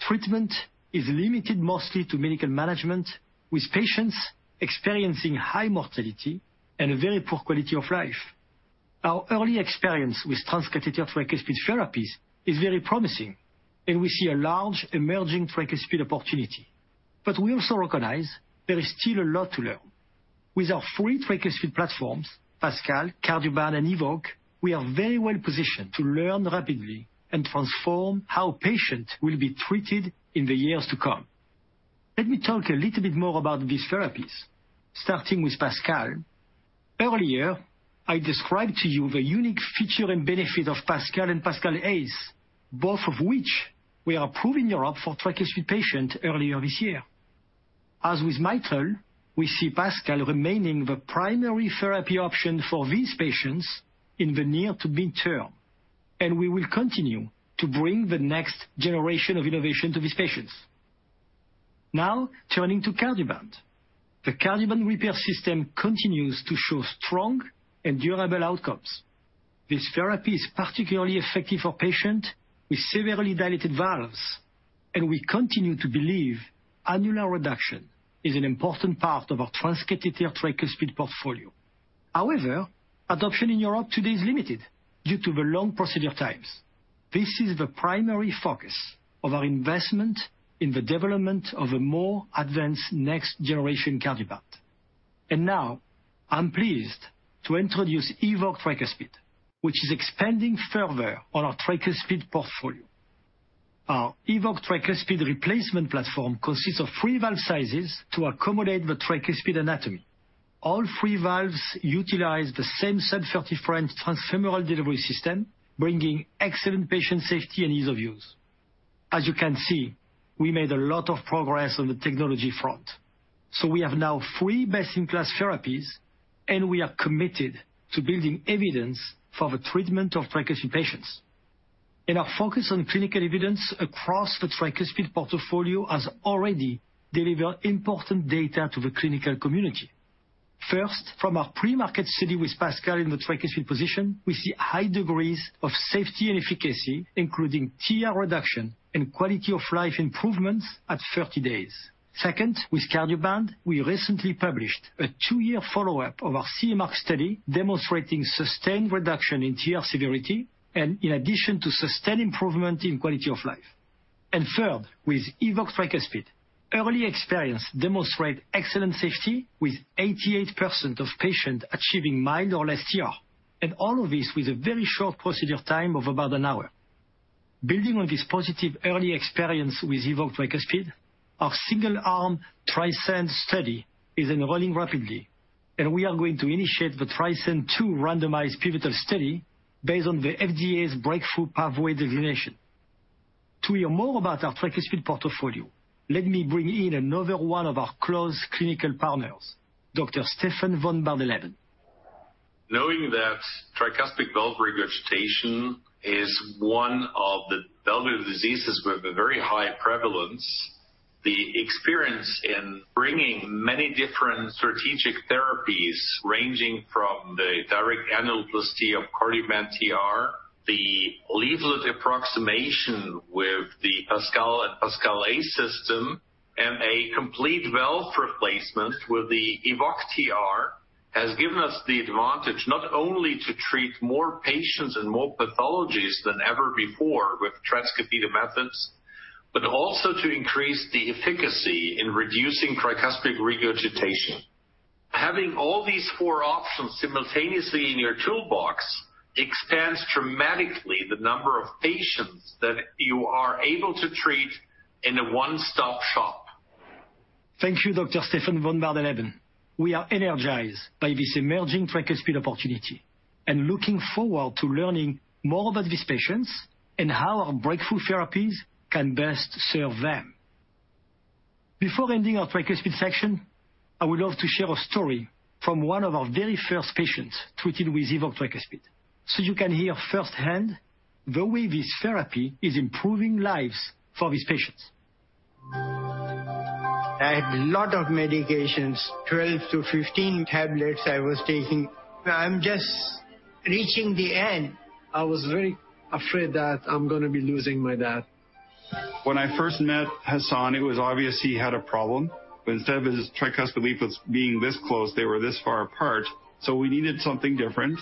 Treatment is limited mostly to medical management, with patients experiencing high mortality and a very poor quality of life. Our early experience with transcatheter tricuspid therapies is very promising, and we see a large emerging tricuspid opportunity. We also recognize there is still a lot to learn. With our three tricuspid platforms, PASCAL, Cardioband, and EVOQUE, we are very well positioned to learn rapidly and transform how patients will be treated in the years to come. Let me talk a little bit more about these therapies, starting with PASCAL. Earlier, I described to you the unique feature and benefit of PASCAL and PASCAL ACE, both of which were approved in Europe for tricuspid patients earlier this year. As with mitral, we see PASCAL remaining the primary therapy option for these patients in the near to mid-term, and we will continue to bring the next generation of innovation to these patients. Turning to Cardioband. The Cardioband repair system continues to show strong and durable outcomes. This therapy is particularly effective for patients with severely dilated valves, and we continue to believe annular reduction is an important part of our transcatheter tricuspid portfolio. Adoption in Europe today is limited due to the long procedure times. This is the primary focus of our investment in the development of a more advanced next generation Cardioband. Now I'm pleased to introduce EVOQUE Tricuspid, which is expanding further on our tricuspid portfolio. Our EVOQUE Tricuspid replacement platform consists of three valve sizes to accommodate the tricuspid anatomy. All three valves utilize the same SUD30 French transfemoral delivery system, bringing excellent patient safety and ease of use. As you can see, we made a lot of progress on the technology front. We have now three best-in-class therapies, and we are committed to building evidence for the treatment of tricuspid patients. Our focus on clinical evidence across the tricuspid portfolio has already delivered important data to the clinical community. First, from our pre-market study with PASCAL in the tricuspid position, we see high degrees of safety and efficacy, including TR reduction and quality-of-life improvements at 30 days. Second, with Cardioband, we recently published a two-year follow-up of our CE mark study demonstrating sustained reduction in TR severity and in addition to sustained improvement in quality of life. Third, with EVOQUE Tricuspid, early experience demonstrate excellent safety with 88% of patients achieving mild or less TR. All of this with a very short procedure time of about an hour. Building on this positive early experience with EVOQUE Tricuspid, our single-arm TRISCEND study is enrolling rapidly, and we are going to initiate the TRISCEND II randomized pivotal study based on the FDA's breakthrough pathway designation. To hear more about our tricuspid portfolio, let me bring in another one of our close clinical partners, Dr. Stefan Von Bardeleben. Knowing that tricuspid valve regurgitation is one of the valve diseases with a very high prevalence. The experience in bringing many different strategic therapies, ranging from the direct annuloplasty of Cardioband TR, the leaflet approximation with the PASCAL and PASCAL ACE system, and a complete valve replacement with the EVOQUE TR, has given us the advantage not only to treat more patients and more pathologies than ever before with transcatheter methods, but also to increase the efficacy in reducing tricuspid regurgitation. Having all these four options simultaneously in your toolbox expands dramatically the number of patients that you are able to treat in a one-stop shop. Thank you, Dr. Stefan Von Bardeleben. We are energized by this emerging tricuspid opportunity and looking forward to learning more about these patients and how our breakthrough therapies can best serve them. Before ending our tricuspid section, I would love to share a story from one of our very first patients treated with EVOQUE Tricuspid, so you can hear firsthand the way this therapy is improving lives for these patients. I had lot of medications, 12-15 tablets I was taking. I'm just reaching the end. I was very afraid that I'm going to be losing my dad. When I first met Hassan, it was obvious he had a problem. Instead of his tricuspid leaflets being this close, they were this far apart. We needed something different.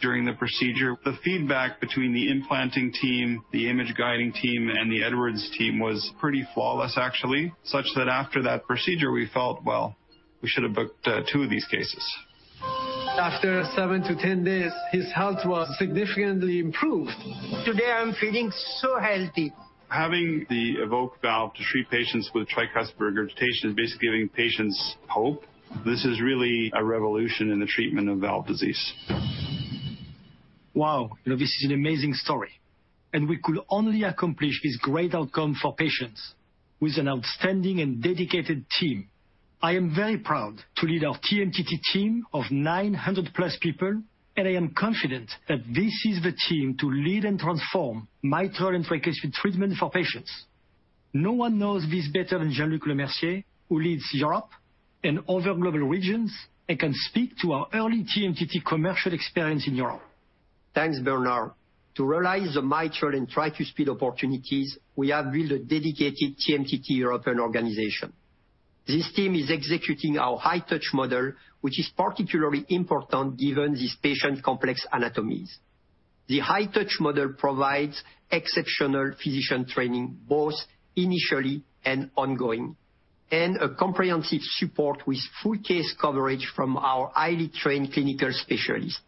During the procedure, the feedback between the implanting team, the image guiding team, and the Edwards team was pretty flawless, actually. Such that after that procedure, we felt, well, we should have booked two of these cases. After seven to 10 days, his health was significantly improved. Today, I'm feeling so healthy. Having the EVOQUE valve to treat patients with tricuspid regurgitation is basically giving patients hope. This is really a revolution in the treatment of valve disease. Wow. This is an amazing story. We could only accomplish this great outcome for patients with an outstanding and dedicated team. I am very proud to lead our TMTT team of 900-plus people, and I am confident that this is the team to lead and transform mitral and tricuspid treatment for patients. No one knows this better than Jean-Luc Lemercier, who leads Europe and other global regions and can speak to our early TMTT commercial experience in Europe. Thanks, Bernard. To realize the mitral and tricuspid opportunities, we have built a dedicated TMTT European organization. This team is executing our high-touch model, which is particularly important given these patients' complex anatomies. The high-touch model provides exceptional physician training, both initially and ongoing, and a comprehensive support with full case coverage from our highly trained clinical specialists.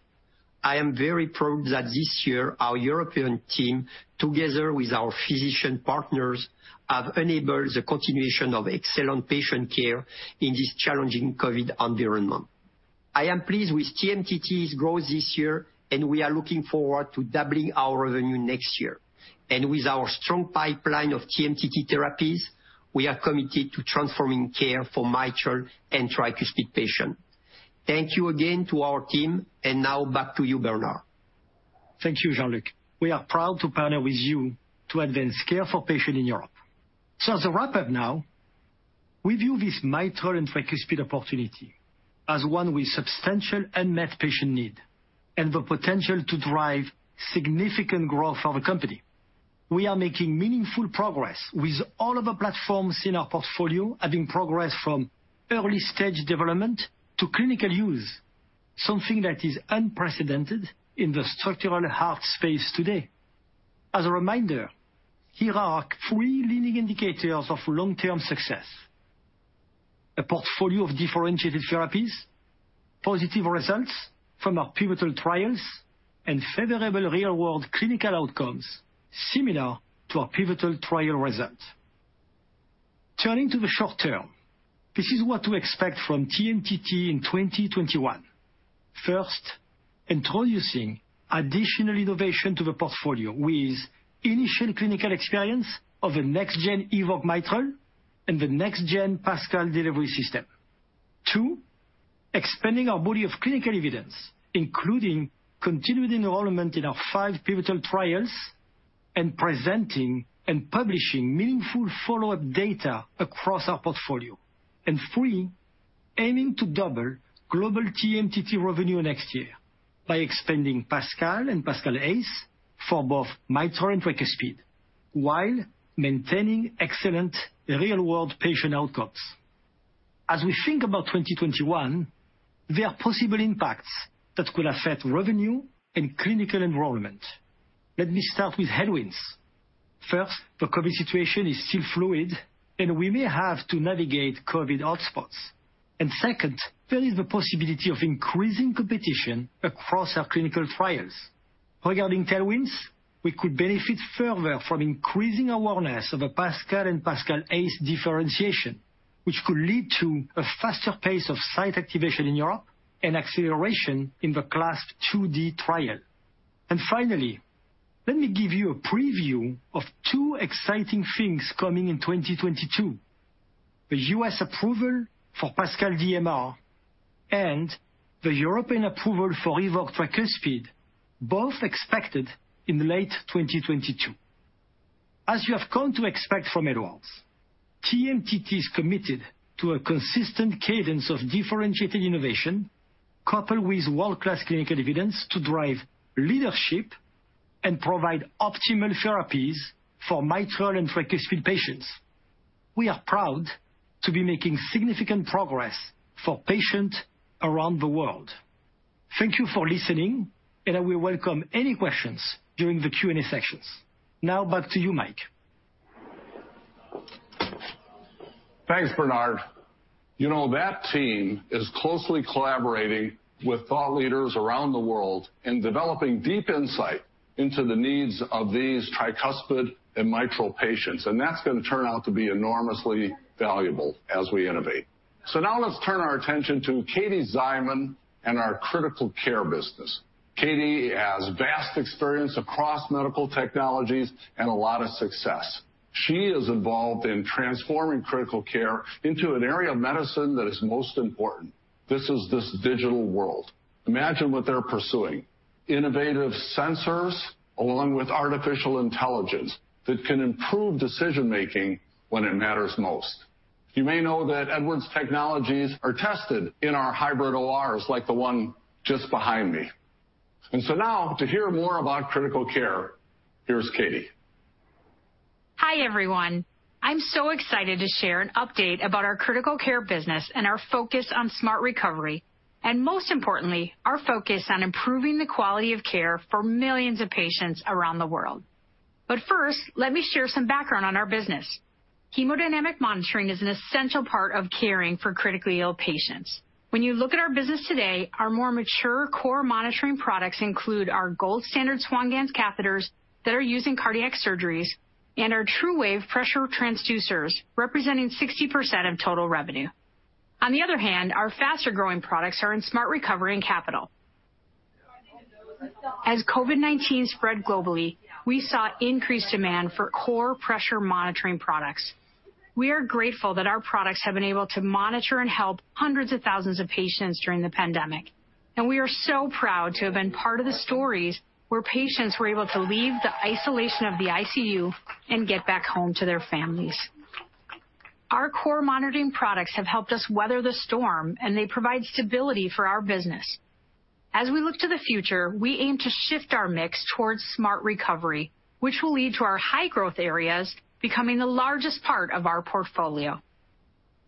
I am very proud that this year our European team, together with our physician partners, have enabled the continuation of excellent patient care in this challenging COVID environment. I am pleased with TMTT's growth this year, we are looking forward to doubling our revenue next year. With our strong pipeline of TMTT therapies, we are committed to transforming care for mitral and tricuspid patients. Thank you again to our team. Now back to you, Bernard. Thank you, Jean-Luc. We are proud to partner with you to advance care for patients in Europe. As a wrap-up now, we view this mitral and tricuspid opportunity as one with substantial unmet patient need and the potential to drive significant growth for the company. We are making meaningful progress with all of the platforms in our portfolio, having progressed from early-stage development to clinical use, something that is unprecedented in the structural heart space today. As a reminder, here are our three leading indicators of long-term success. A portfolio of differentiated therapies, positive results from our pivotal trials, and favorable real-world clinical outcomes similar to our pivotal trial results. Turning to the short term, this is what to expect from TMTT in 2021. First, introducing additional innovation to the portfolio with initial clinical experience of the next-gen EVOQUE mitral and the next-gen PASCAL delivery system. Two, expanding our body of clinical evidence, including continued enrollment in our five pivotal trials and presenting and publishing meaningful follow-up data across our portfolio. Three, aiming to double global TMTT revenue next year by expanding PASCAL and PASCAL ACE for both mitral and tricuspid while maintaining excellent real-world patient outcomes. As we think about 2021, there are possible impacts that could affect revenue and clinical enrollment. Let me start with headwinds. First, the COVID situation is still fluid, and we may have to navigate COVID hotspots. Second, there is the possibility of increasing competition across our clinical trials. Regarding tailwinds, we could benefit further from increasing awareness of the PASCAL and PASCAL ACE differentiation, which could lead to a faster pace of site activation in Europe and acceleration in the CLASP IId trial. Finally, let me give you a preview of two exciting things coming in 2022, the U.S. approval for PASCAL DMR and the European approval for EVOQUE Tricuspid, both expected in late 2022. As you have come to expect from Edwards, TMTT is committed to a consistent cadence of differentiated innovation coupled with world-class clinical evidence to drive leadership and provide optimal therapies for mitral and tricuspid patients. We are proud to be making significant progress for patients around the world. Thank you for listening, and I will welcome any questions during the Q&A sessions. Now back to you, Mike. Thanks, Bernard. That team is closely collaborating with thought leaders around the world in developing deep insight into the needs of these tricuspid and mitral patients, that is going to turn out to be enormously valuable as we innovate. Now let's turn our attention to Katie Szyman and our Critical Care business. Katie has vast experience across medical technologies and a lot of success. She is involved in transforming Critical Care into an area of medicine that is most important. This is this digital world. Imagine what they're pursuing. Innovative sensors along with artificial intelligence that can improve decision-making when it matters most. You may know that Edwards' technologies are tested in our hybrid ORs like the one just behind me. Now to hear more about Critical Care, here's Katie. Hi, everyone. I'm so excited to share an update about our critical care business and our focus on Smart Recovery, and most importantly, our focus on improving the quality of care for millions of patients around the world. First, let me share some background on our business. Hemodynamic monitoring is an essential part of caring for critically ill patients. When you look at our business today, our more mature core monitoring products include our gold standard Swan-Ganz catheters that are used in cardiac surgeries and our TruWave pressure transducers, representing 60% of total revenue. On the other hand, our faster-growing products are in Smart Recovery and capital. As COVID-19 spread globally, we saw increased demand for core pressure monitoring products. We are grateful that our products have been able to monitor and help hundreds of thousands of patients during the pandemic, and we are so proud to have been part of the stories where patients were able to leave the isolation of the ICU and get back home to their families. Our core monitoring products have helped us weather the storm, and they provide stability for our business. As we look to the future, we aim to shift our mix towards Smart Recovery, which will lead to our high-growth areas becoming the largest part of our portfolio.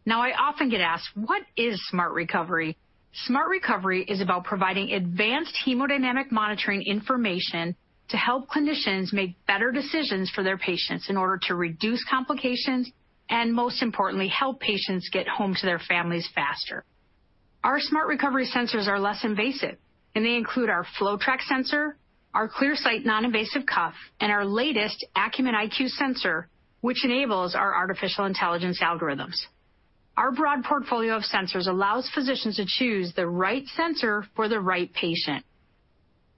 Now, I often get asked, what is Smart Recovery? Smart Recovery is about providing advanced hemodynamic monitoring information to help clinicians make better decisions for their patients in order to reduce complications, and most importantly, help patients get home to their families faster. Our Smart Recovery sensors are less invasive, and they include our FloTrac sensor, our ClearSight non-invasive cuff, and our latest Acumen IQ sensor, which enables our artificial intelligence algorithms. Our broad portfolio of sensors allows physicians to choose the right sensor for the right patient.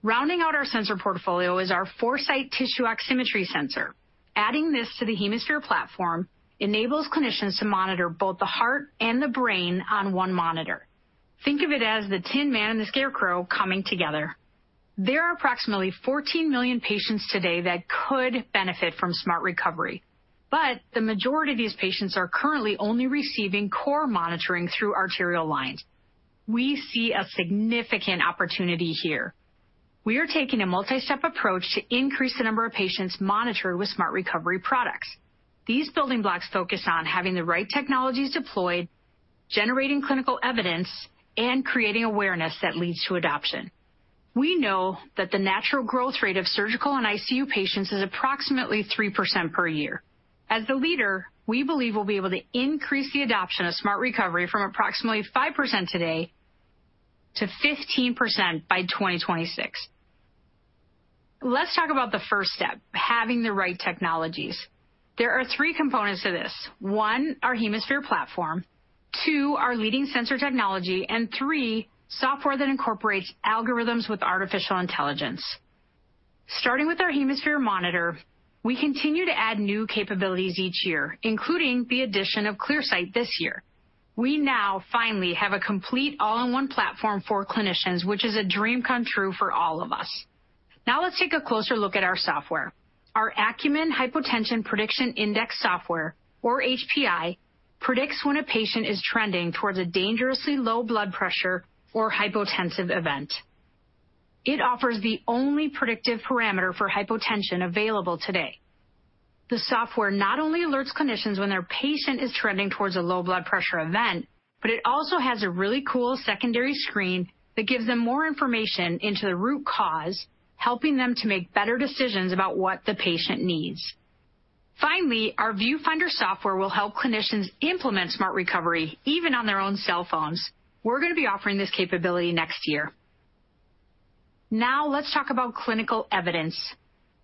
Rounding out our sensor portfolio is our ForeSight tissue oximetry sensor. Adding this to the HemoSphere platform enables clinicians to monitor both the heart and the brain on one monitor. Think of it as the Tin Man and the Scarecrow coming together. There are approximately 14 million patients today that could benefit from Smart Recovery, but the majority of these patients are currently only receiving core monitoring through arterial lines. We see a significant opportunity here. We are taking a multi-step approach to increase the number of patients monitored with Smart Recovery products. These building blocks focus on having the right technologies deployed, generating clinical evidence, and creating awareness that leads to adoption. We know that the natural growth rate of surgical and ICU patients is approximately 3% per year. As the leader, we believe we'll be able to increase the adoption of Smart Recovery from approximately 5% today to 15% by 2026. Let's talk about the first step, having the right technologies. There are three components to this. One, our HemoSphere platform, two, our leading sensor technology, and three, software that incorporates algorithms with artificial intelligence. Starting with our HemoSphere monitor, we continue to add new capabilities each year, including the addition of ClearSight this year. We now finally have a complete all-in-one platform for clinicians, which is a dream come true for all of us. Now let's take a closer look at our software. Our Acumen Hypotension Prediction Index software, or HPI, predicts when a patient is trending towards a dangerously low blood pressure or hypotensive event. It offers the only predictive parameter for hypotension available today. The software not only alerts clinicians when their patient is trending towards a low blood pressure event, but it also has a really cool secondary screen that gives them more information into the root cause, helping them to make better decisions about what the patient needs. Our Viewfinder software will help clinicians implement Smart Recovery even on their own cell phones. We're going to be offering this capability next year. Let's talk about clinical evidence.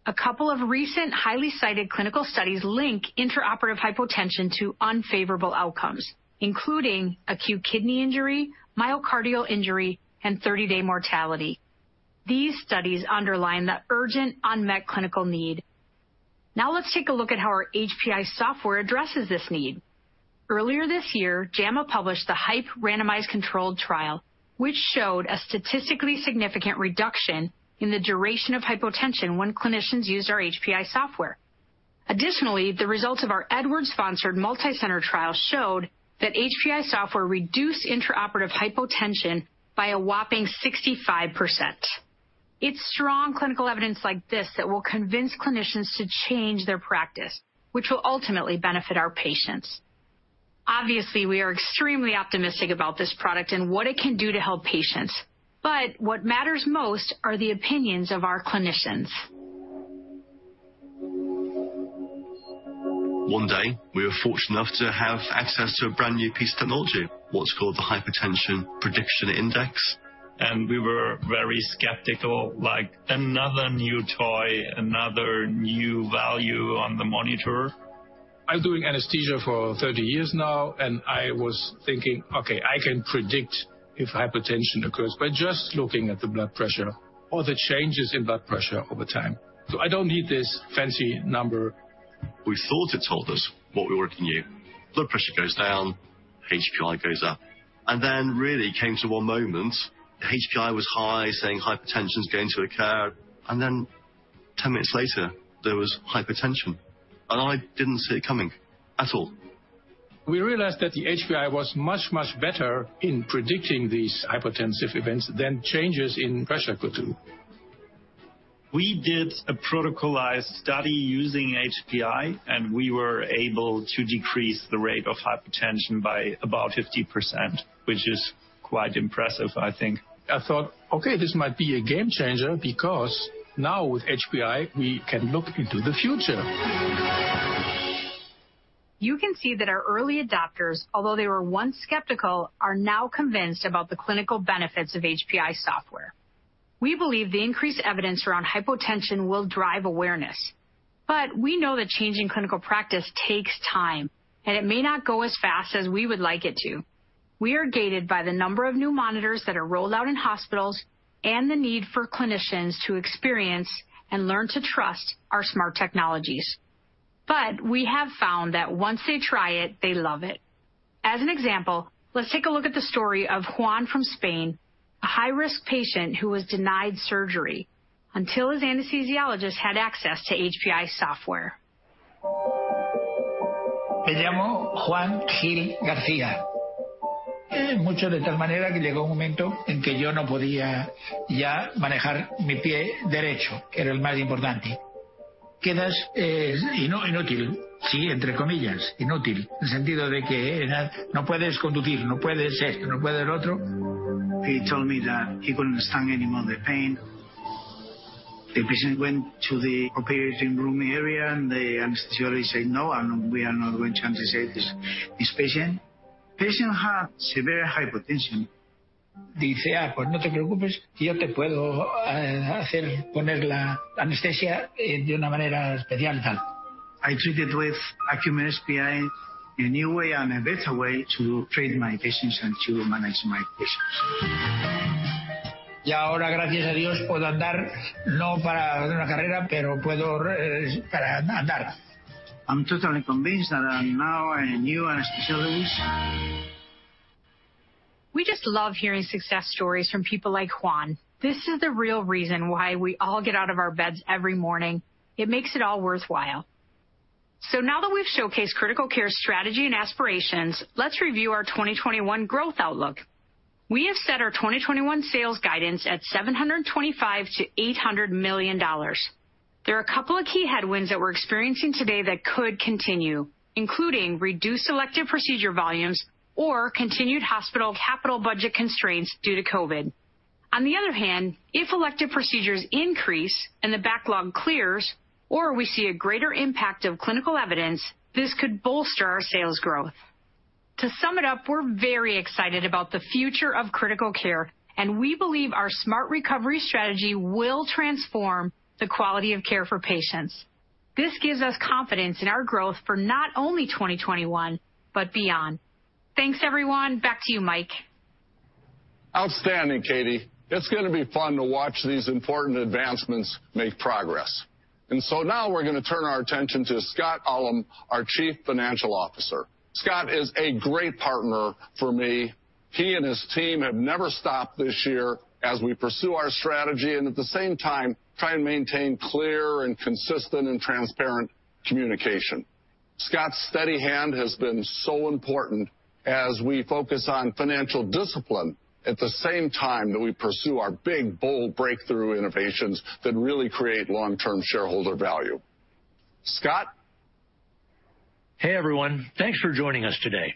A couple of recent highly cited clinical studies link intraoperative hypotension to unfavorable outcomes, including acute kidney injury, myocardial injury, and 30-day mortality. These studies underline the urgent unmet clinical need. Now let's take a look at how our HPI software addresses this need. Earlier this year, JAMA published the HYPE randomized controlled trial, which showed a statistically significant reduction in the duration of hypotension when clinicians used our HPI software. Additionally, the results of our Edwards-sponsored multicenter trial showed that HPI software reduced intraoperative hypotension by a whopping 65%. It's strong clinical evidence like this that will convince clinicians to change their practice, which will ultimately benefit our patients. Obviously, we are extremely optimistic about this product and what it can do to help patients. What matters most are the opinions of our clinicians. One day, we were fortunate enough to have access to a brand-new piece of technology, what's called the Hypotension Prediction Index. We were very skeptical, like another new toy, another new value on the monitor. I'm doing anesthesia for 30 years now, and I was thinking, "Okay, I can predict if hypotension occurs by just looking at the blood pressure or the changes in blood pressure over time. I don't need this fancy number. We thought it told us what we already knew. Blood pressure goes down, HPI goes up. Really came to one moment, HPI was high, saying hypotension is going to occur. 10 minutes later, there was hypotension, and I didn't see it coming at all. We realized that the HPI was much, much better in predicting these hypotensive events than changes in pressure could do. We did a protocolized study using HPI, and we were able to decrease the rate of hypotension by about 50%, which is quite impressive, I think. I thought, "Okay, this might be a game changer because now with HPI, we can look into the future. You can see that our early adopters, although they were once skeptical, are now convinced about the clinical benefits of HPI software. We believe the increased evidence around hypotension will drive awareness. We know that changing clinical practice takes time, and it may not go as fast as we would like it to. We are gated by the number of new monitors that are rolled out in hospitals and the need for clinicians to experience and learn to trust our SMART technologies. We have found that once they try it, they love it. As an example, let's take a look at the story of Juan from Spain, a high-risk patient who was denied surgery until his anesthesiologist had access to HPI software. He told me that he couldn't stand anymore the pain. The patient went to the operating room area. The anesthesiologist said, "No, we are not going to anesthetize this patient." Patient had severe hypotension. I treated with Acumen HPI, a new way and a better way to treat my patients and to manage my patients. I'm totally convinced that I'm now a new anesthesiologist. We just love hearing success stories from people like Juan. This is the real reason why we all get out of our beds every morning. It makes it all worthwhile. Now that we've showcased Critical Care's strategy and aspirations, let's review our 2021 growth outlook. We have set our 2021 sales guidance at $725 million-$800 million. There are a couple of key headwinds that we're experiencing today that could continue, including reduced elective procedure volumes or continued hospital capital budget constraints due to COVID. On the other hand, if elective procedures increase and the backlog clears, or we see a greater impact of clinical evidence, this could bolster our sales growth. To sum it up, we're very excited about the future of Critical Care, and we believe our Smart Recovery strategy will transform the quality of care for patients. This gives us confidence in our growth for not only 2021 but beyond. Thanks, everyone. Back to you, Mike. Outstanding, Katie. It's going to be fun to watch these important advancements make progress. Now we're going to turn our attention to Scott Ullem, our Chief Financial Officer. Scott is a great partner for me. He and his team have never stopped this year as we pursue our strategy and at the same time try and maintain clear and consistent and transparent communication. Scott's steady hand has been so important as we focus on financial discipline at the same time that we pursue our big, bold breakthrough innovations that really create long-term shareholder value. Scott? Hey, everyone. Thanks for joining us today.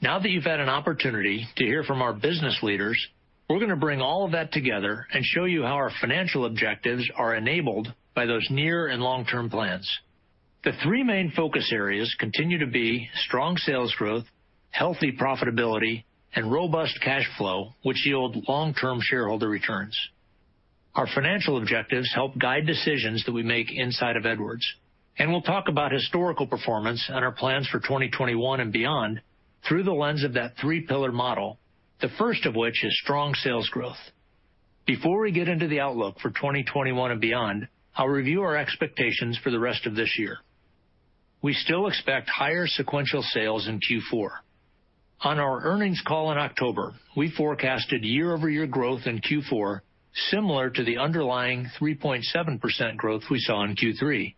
Now that you've had an opportunity to hear from our business leaders, we're going to bring all of that together and show you how our financial objectives are enabled by those near and long-term plans. The three main focus areas continue to be strong sales growth, healthy profitability, and robust cash flow, which yield long-term shareholder returns. Our financial objectives help guide decisions that we make inside of Edwards. We'll talk about historical performance and our plans for 2021 and beyond through the lens of that three-pillar model, the first of which is strong sales growth. Before we get into the outlook for 2021 and beyond, I'll review our expectations for the rest of this year. We still expect higher sequential sales in Q4. On our earnings call in October, we forecasted year-over-year growth in Q4 similar to the underlying 3.7% growth we saw in Q3.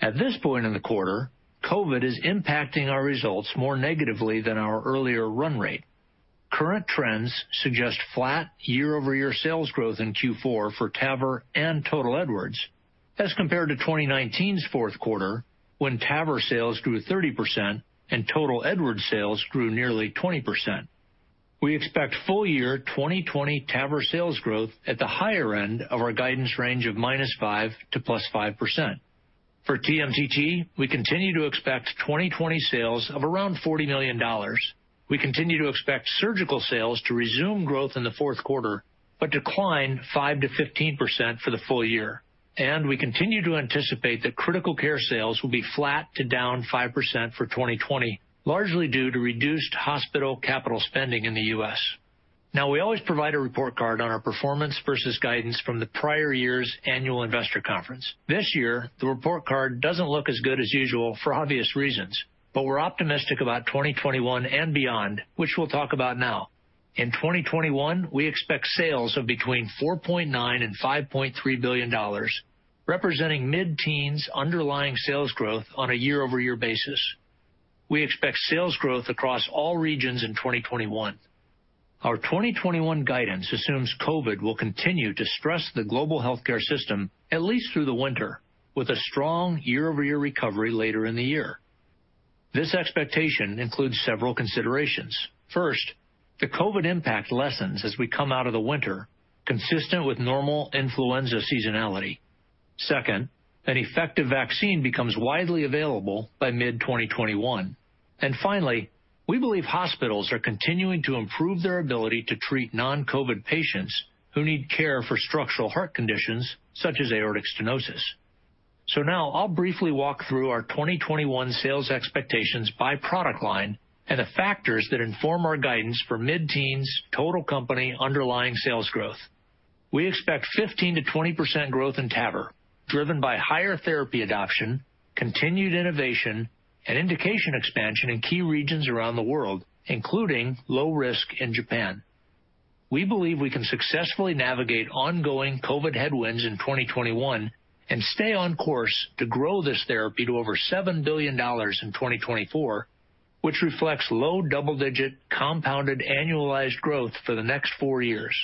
At this point in the quarter, COVID is impacting our results more negatively than our earlier run rate. Current trends suggest flat year-over-year sales growth in Q4 for TAVR and total Edwards as compared to 2019's fourth quarter, when TAVR sales grew 30% and total Edwards sales grew nearly 20%. We expect full-year 2020 TAVR sales growth at the higher end of our guidance range of -5% to +5%. For TMTT, we continue to expect 2020 sales of around $40 million. We continue to expect surgical sales to resume growth in the fourth quarter, but decline 5%-15% for the full year. We continue to anticipate that Critical Care sales will be flat to down 5% for 2020, largely due to reduced hospital capital spending in the U.S. We always provide a report card on our performance versus guidance from the prior year's annual investor conference. This year, the report card doesn't look as good as usual for obvious reasons, but we're optimistic about 2021 and beyond, which we'll talk about now. In 2021, we expect sales of between $4.9 billion and $5.3 billion, representing mid-teens underlying sales growth on a year-over-year basis. We expect sales growth across all regions in 2021. Our 2021 guidance assumes COVID will continue to stress the global healthcare system at least through the winter, with a strong year-over-year recovery later in the year. This expectation includes several considerations. First, the COVID impact lessens as we come out of the winter, consistent with normal influenza seasonality. Second, an effective vaccine becomes widely available by mid-2021. Finally, we believe hospitals are continuing to improve their ability to treat non-COVID patients who need care for structural heart conditions such as aortic stenosis. Now I'll briefly walk through our 2021 sales expectations by product line and the factors that inform our guidance for mid-teens total company underlying sales growth. We expect 15%-20% growth in TAVR, driven by higher therapy adoption, continued innovation, and indication expansion in key regions around the world, including low risk in Japan. We believe we can successfully navigate ongoing COVID headwinds in 2021 and stay on course to grow this therapy to over $7 billion in 2024, which reflects low double-digit compounded annualized growth for the next four years.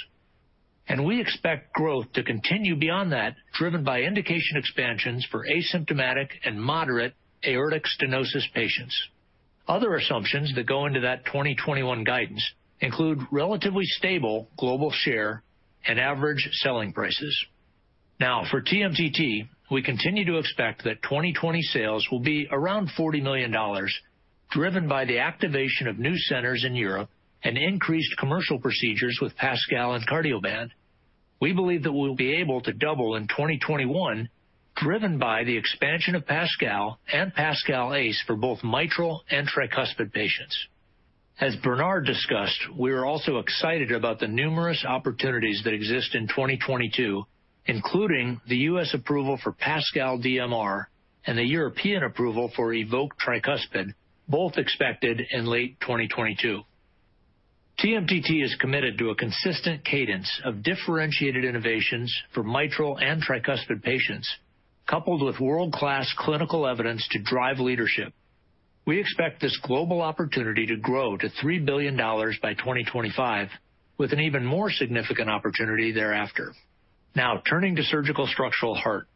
We expect growth to continue beyond that, driven by indication expansions for asymptomatic and moderate aortic stenosis patients. Other assumptions that go into that 2021 guidance include relatively stable global share and average selling prices. For TMTT, we continue to expect that 2020 sales will be around $40 million, driven by the activation of new centers in Europe and increased commercial procedures with PASCAL and Cardioband. We believe that we'll be able to double in 2021, driven by the expansion of PASCAL and PASCAL ACE for both mitral and tricuspid patients. As Bernard discussed, we are also excited about the numerous opportunities that exist in 2022, including the U.S. approval for PASCAL DMR and the European approval for EVOQUE Tricuspid, both expected in late 2022. TMTT is committed to a consistent cadence of differentiated innovations for mitral and tricuspid patients, coupled with world-class clinical evidence to drive leadership. We expect this global opportunity to grow to $3 billion by 2025, with an even more significant opportunity thereafter. Now turning to surgical structural heart.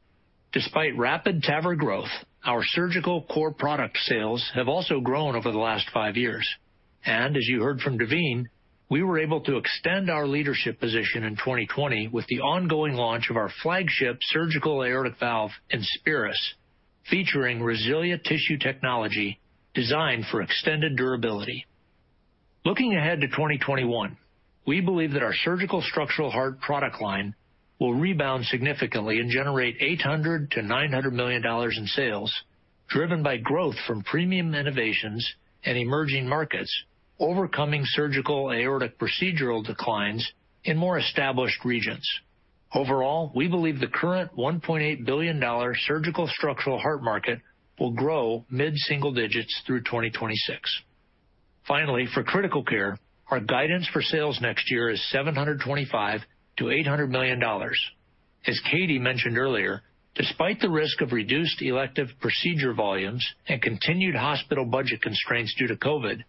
Despite rapid TAVR growth, our surgical core product sales have also grown over the last five years. As you heard from Daveen, we were able to extend our leadership position in 2020 with the ongoing launch of our flagship surgical aortic valve, INSPIRIS, featuring RESILIA tissue technology designed for extended durability. Looking ahead to 2021, we believe that our surgical structural heart product line will rebound significantly and generate $800 million-$900 million in sales, driven by growth from premium innovations and emerging markets, overcoming surgical aortic procedural declines in more established regions. Overall, we believe the current $1.8 billion surgical structural heart market will grow mid-single digits through 2026. Finally, for critical care, our guidance for sales next year is $725 million-$800 million. As Katie mentioned earlier, despite the risk of reduced elective procedure volumes and continued hospital budget constraints due to COVID,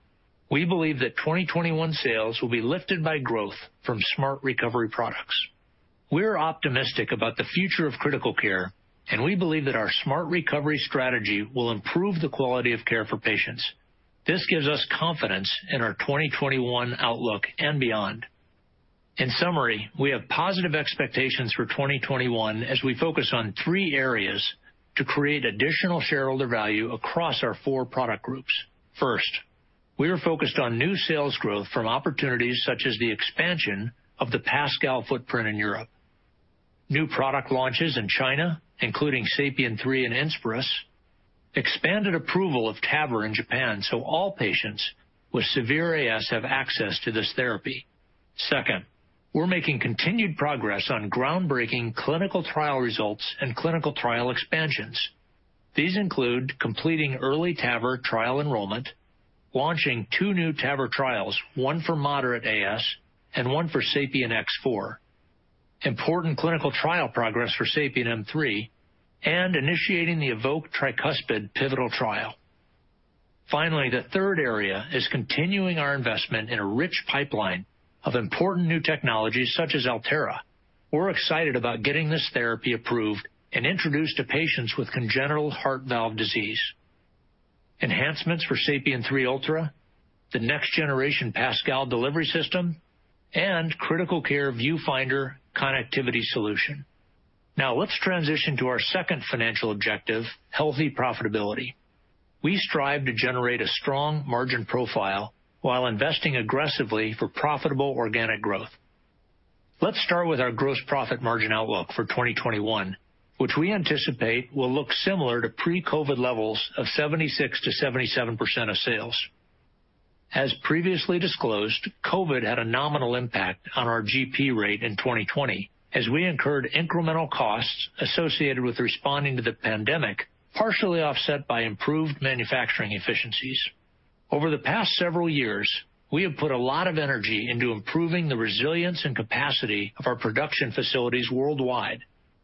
we believe that 2021 sales will be lifted by growth from Smart Recovery products. We're optimistic about the future of critical care, and we believe that our Smart Recovery strategy will improve the quality of care for patients. This gives us confidence in our 2021 outlook and beyond. In summary, we have positive expectations for 2021 as we focus on three areas to create additional shareholder value across our four product groups. First, we are focused on new sales growth from opportunities such as the expansion of the PASCAL footprint in Europe. New product launches in China, including SAPIEN 3 and INSPIRIS, expanded approval of TAVR in Japan so all patients with severe AS have access to this therapy. We're making continued progress on groundbreaking clinical trial results and clinical trial expansions. These include completing early TAVR trial enrollment, launching two new TAVR trials, one for moderate AS and one for SAPIEN X4, important clinical trial progress for SAPIEN M3, and initiating the EVOQUE Tricuspid pivotal trial. The third area is continuing our investment in a rich pipeline of important new technologies such as Alterra. We're excited about getting this therapy approved and introduced to patients with congenital heart valve disease. Enhancements for SAPIEN 3 Ultra, the next-generation PASCAL delivery system, and Critical Care Viewfinder connectivity solution. Let's transition to our second financial objective, healthy profitability. We strive to generate a strong margin profile while investing aggressively for profitable organic growth. Let's start with our gross profit margin outlook for 2021, which we anticipate will look similar to pre-COVID-19 levels of 76%-77% of sales. As previously disclosed, COVID had a nominal impact on our GP rate in 2020 as we incurred incremental costs associated with responding to the pandemic, partially offset by improved manufacturing efficiencies. Over the past several years, we have put a lot of energy into improving the resilience and capacity of our production facilities worldwide.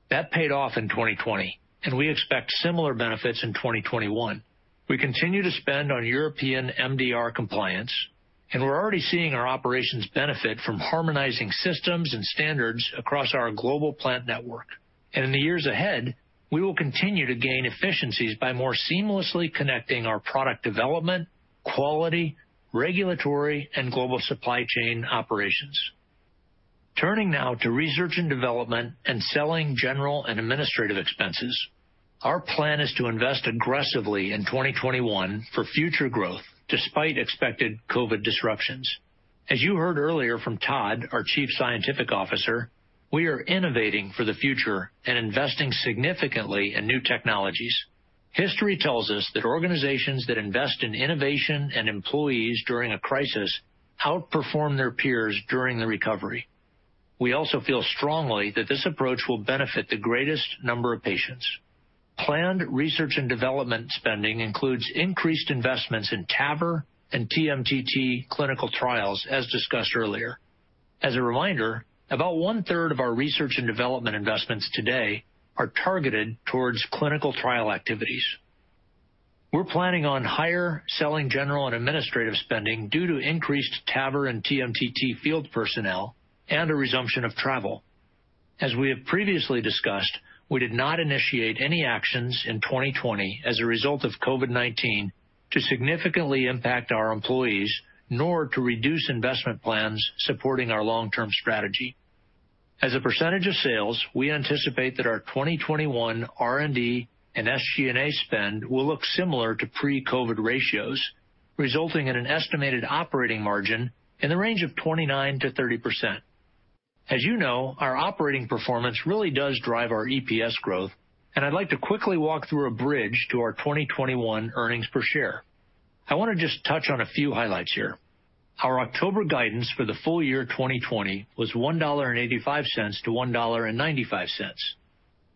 That paid off in 2020, and we expect similar benefits in 2021. We continue to spend on European MDR compliance, and we're already seeing our operations benefit from harmonizing systems and standards across our global plant network. In the years ahead, we will continue to gain efficiencies by more seamlessly connecting our product development, quality, regulatory, and global supply chain operations. Turning now to research and development and selling general and administrative expenses. Our plan is to invest aggressively in 2021 for future growth despite expected COVID disruptions. As you heard earlier from Todd, our Chief Scientific Officer, we are innovating for the future and investing significantly in new technologies. History tells us that organizations that invest in innovation and employees during a crisis outperform their peers during the recovery. We also feel strongly that this approach will benefit the greatest number of patients. Planned research and development spending includes increased investments in TAVR and TMTT clinical trials, as discussed earlier. As a reminder, about 1/3 of our research and development investments today are targeted towards clinical trial activities. We're planning on higher selling general and administrative spending due to increased TAVR and TMTT field personnel and a resumption of travel. As we have previously discussed, we did not initiate any actions in 2020 as a result of COVID-19 to significantly impact our employees, nor to reduce investment plans supporting our long-term strategy. As a percentage of sales, we anticipate that our 2021 R&D and SG&A spend will look similar to pre-COVID ratios, resulting in an estimated operating margin in the range of 29%-30%. As you know, our operating performance really does drive our EPS growth, and I'd like to quickly walk through a bridge to our 2021 earnings per share. I want to just touch on a few highlights here. Our October guidance for the full year 2020 was $1.85-$1.95.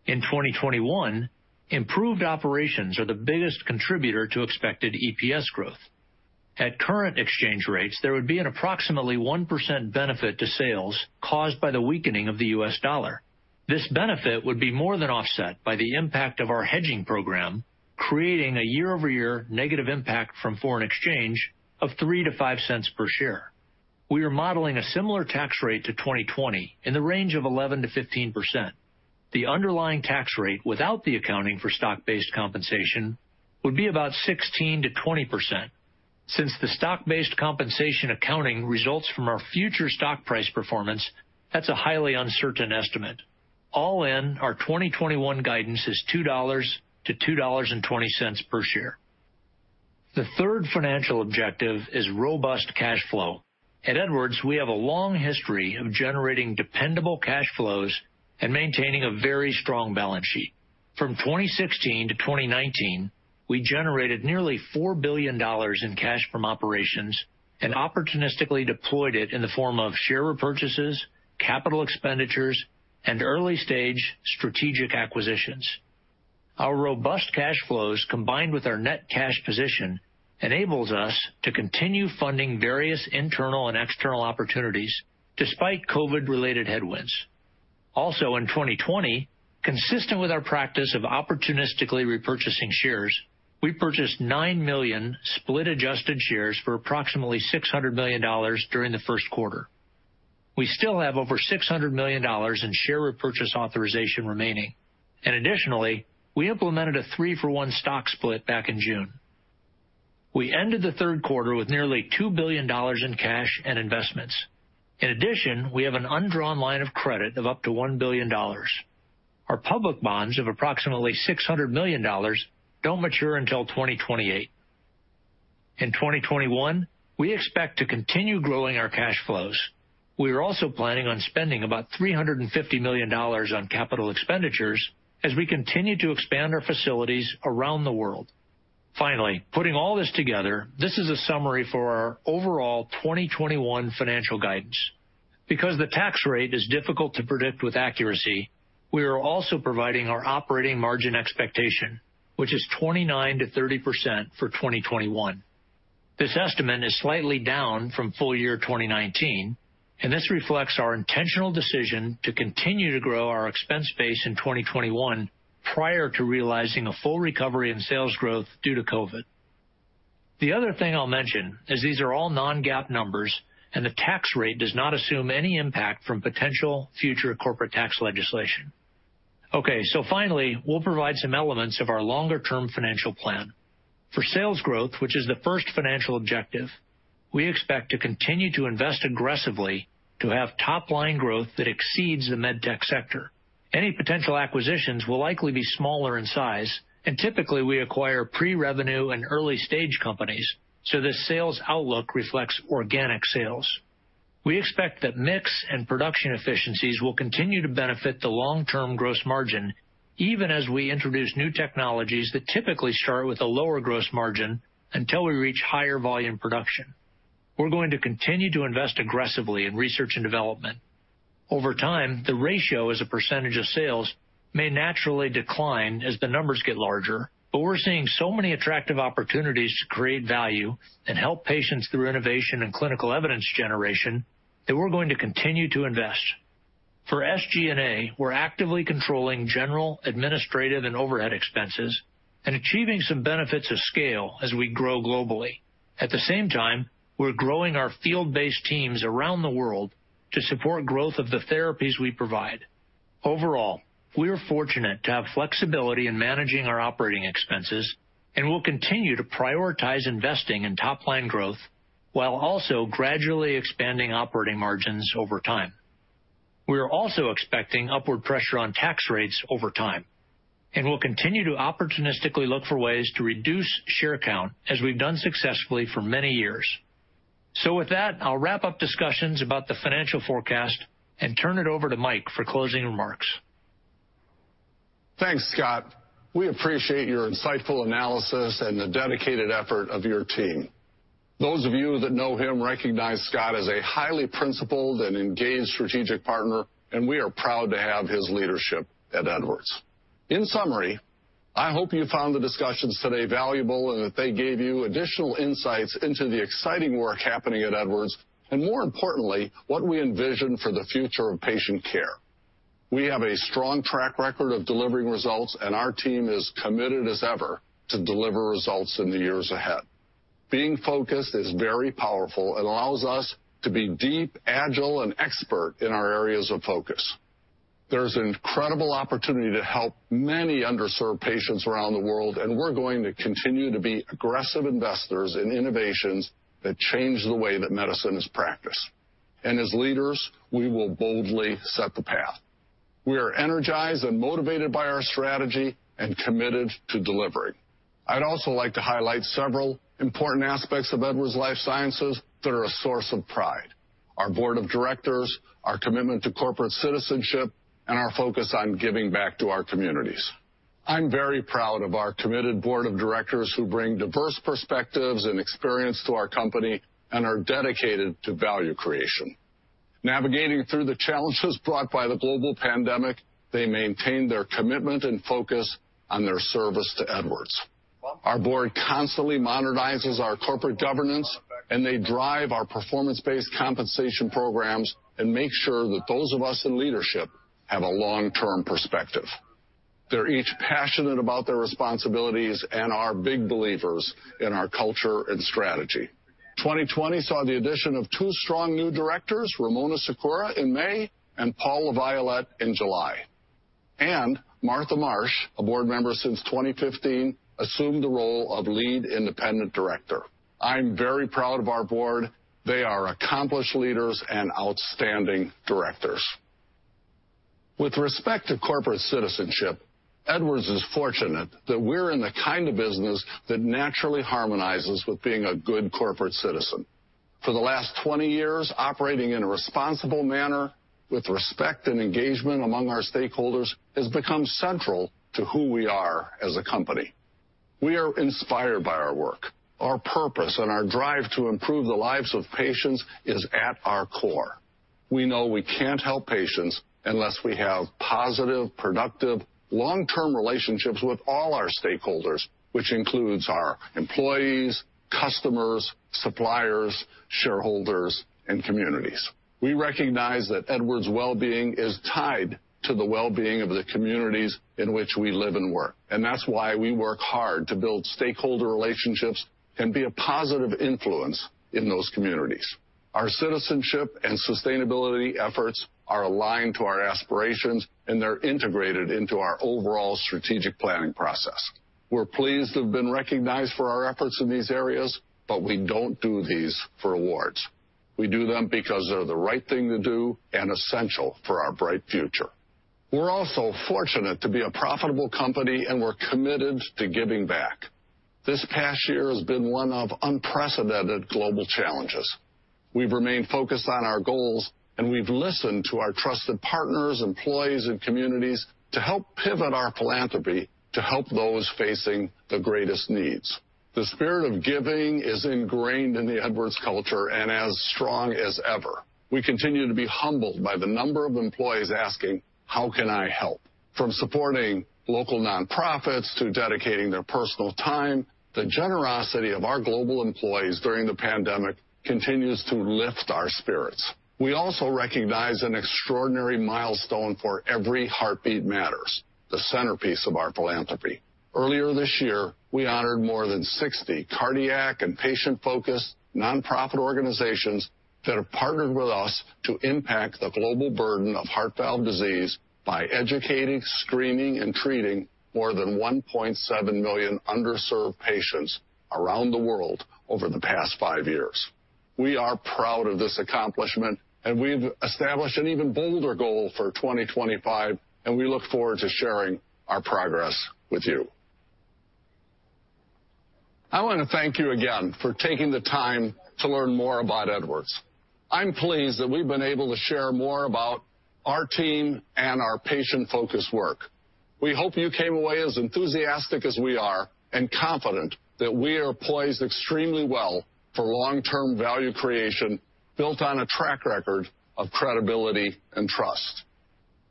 In 2021, improved operations are the biggest contributor to expected EPS growth. At current exchange rates, there would be an approximately 1% benefit to sales caused by the weakening of the US. dollar. This benefit would be more than offset by the impact of our hedging program, creating a year-over-year negative impact from foreign exchange of $0.03-$0.05 per share. We are modeling a similar tax rate to 2020 in the range of 11%-15%. The underlying tax rate without the accounting for stock-based compensation would be about 16%-20%. Since the stock-based compensation accounting results from our future stock price performance, that's a highly uncertain estimate. All in, our 2021 guidance is $2-$2.20 per share. The third financial objective is robust cash flow. At Edwards, we have a long history of generating dependable cash flows and maintaining a very strong balance sheet. From 2016-2019, we generated nearly $4 billion in cash from operations and opportunistically deployed it in the form of share repurchases, capital expenditures, and early-stage strategic acquisitions. Our robust cash flows, combined with our net cash position, enables us to continue funding various internal and external opportunities despite COVID-related headwinds. Also in 2020, consistent with our practice of opportunistically repurchasing shares, we purchased 9 million split-adjusted shares for approximately $600 million during the first quarter. We still have over $600 million in share repurchase authorization remaining. Additionally, we implemented a three-for-one stock split back in June. We ended the third quarter with nearly $2 billion in cash and investments. In addition, we have an undrawn line of credit of up to $1 billion. Our public bonds of approximately $600 million don't mature until 2028. In 2021, we expect to continue growing our cash flows. We are also planning on spending about $350 million on capital expenditures as we continue to expand our facilities around the world. Finally, putting all this together, this is a summary for our overall 2021 financial guidance. Because the tax rate is difficult to predict with accuracy, we are also providing our operating margin expectation, which is 29%-30% for 2021. This estimate is slightly down from full year 2019, and this reflects our intentional decision to continue to grow our expense base in 2021 prior to realizing a full recovery in sales growth due to COVID-19. The other thing I'll mention is these are all non-GAAP numbers, and the tax rate does not assume any impact from potential future corporate tax legislation. Finally, we'll provide some elements of our longer-term financial plan. For sales growth, which is the first financial objective, we expect to continue to invest aggressively to have top-line growth that exceeds the med tech sector. Any potential acquisitions will likely be smaller in size, and typically, we acquire pre-revenue and early-stage companies, so this sales outlook reflects organic sales. We expect that mix and production efficiencies will continue to benefit the long-term gross margin, even as we introduce new technologies that typically start with a lower gross margin until we reach higher volume production. We're going to continue to invest aggressively in research and development. We're seeing so many attractive opportunities to create value and help patients through innovation and clinical evidence generation that we're going to continue to invest. For SG&A, we're actively controlling general, administrative, and overhead expenses and achieving some benefits of scale as we grow globally. At the same time, we're growing our field-based teams around the world to support growth of the therapies we provide. Overall, we are fortunate to have flexibility in managing our operating expenses, and we'll continue to prioritize investing in top-line growth while also gradually expanding operating margins over time. We are also expecting upward pressure on tax rates over time, and we'll continue to opportunistically look for ways to reduce share count as we've done successfully for many years. With that, I'll wrap up discussions about the financial forecast and turn it over to Mike for closing remarks. Thanks, Scott. We appreciate your insightful analysis and the dedicated effort of your team. Those of you that know him recognize Scott as a highly principled and engaged strategic partner, and we are proud to have his leadership at Edwards. In summary, I hope you found the discussions today valuable, and that they gave you additional insights into the exciting work happening at Edwards, and more importantly, what we envision for the future of patient care. We have a strong track record of delivering results, and our team is committed as ever to deliver results in the years ahead. Being focused is very powerful and allows us to be deep, agile, and expert in our areas of focus. There's an incredible opportunity to help many underserved patients around the world, and we're going to continue to be aggressive investors in innovations that change the way that medicine is practiced. As leaders, we will boldly set the path. We are energized and motivated by our strategy and committed to delivering. I'd also like to highlight several important aspects of Edwards Lifesciences that are a source of pride. Our board of directors, our commitment to corporate citizenship, and our focus on giving back to our communities. I'm very proud of our committed board of directors who bring diverse perspectives and experience to our company and are dedicated to value creation. Navigating through the challenges brought by the global pandemic, they maintain their commitment and focus on their service to Edwards. Our board constantly modernizes our corporate governance, and they drive our performance-based compensation programs and make sure that those of us in leadership have a long-term perspective. They're each passionate about their responsibilities and are big believers in our culture and strategy. 2020 saw the addition of two strong new directors, Ramona Sequeira in May and Paul LaViolette in July. Martha Marsh, a board member since 2015, assumed the role of Lead Independent Director. I'm very proud of our board. They are accomplished leaders and outstanding directors. With respect to corporate citizenship, Edwards is fortunate that we're in the kind of business that naturally harmonizes with being a good corporate citizen. For the last 20 years, operating in a responsible manner with respect and engagement among our stakeholders has become central to who we are as a company. We are inspired by our work. Our purpose and our drive to improve the lives of patients is at our core. We know we can't help patients unless we have positive, productive, long-term relationships with all our stakeholders, which includes our employees, customers, suppliers, shareholders, and communities. We recognize that Edwards' wellbeing is tied to the wellbeing of the communities in which we live and work. That's why we work hard to build stakeholder relationships and be a positive influence in those communities. Our citizenship and sustainability efforts are aligned to our aspirations. They're integrated into our overall strategic planning process. We're pleased to have been recognized for our efforts in these areas. We don't do these for awards. We do them because they're the right thing to do and essential for our bright future. We're also fortunate to be a profitable company. We're committed to giving back. This past year has been one of unprecedented global challenges. We've remained focused on our goals. We've listened to our trusted partners, employees, and communities to help pivot our philanthropy to help those facing the greatest needs. The spirit of giving is ingrained in the Edwards culture and as strong as ever. We continue to be humbled by the number of employees asking, "How can I help?" From supporting local nonprofits to dedicating their personal time, the generosity of our global employees during the pandemic continues to lift our spirits. We also recognize an extraordinary milestone for Every Heartbeat Matters, the centerpiece of our philanthropy. Earlier this year, we honored more than 60 cardiac and patient-focused nonprofit organizations that have partnered with us to impact the global burden of heart valve disease by educating, screening, and treating more than 1.7 million underserved patients around the world over the past five years. We are proud of this accomplishment, and we've established an even bolder goal for 2025, and we look forward to sharing our progress with you. I want to thank you again for taking the time to learn more about Edwards. I'm pleased that we've been able to share more about our team and our patient-focused work. We hope you came away as enthusiastic as we are and confident that we are poised extremely well for long-term value creation built on a track record of credibility and trust.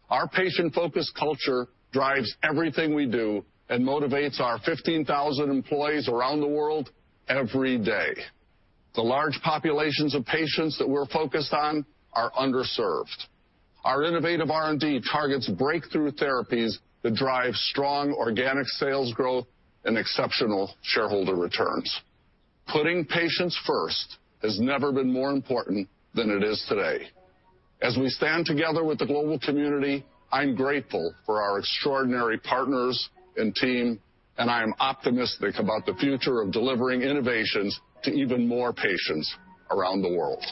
Our patient-focused culture drives everything we do and motivates our 15,000 employees around the world every day. The large populations of patients that we're focused on are underserved. Our innovative R&D targets breakthrough therapies that drive strong organic sales growth and exceptional shareholder returns. Putting patients first has never been more important than it is today. As we stand together with the global community, I'm grateful for our extraordinary partners and team, and I am optimistic about the future of delivering innovations to even more patients around the world.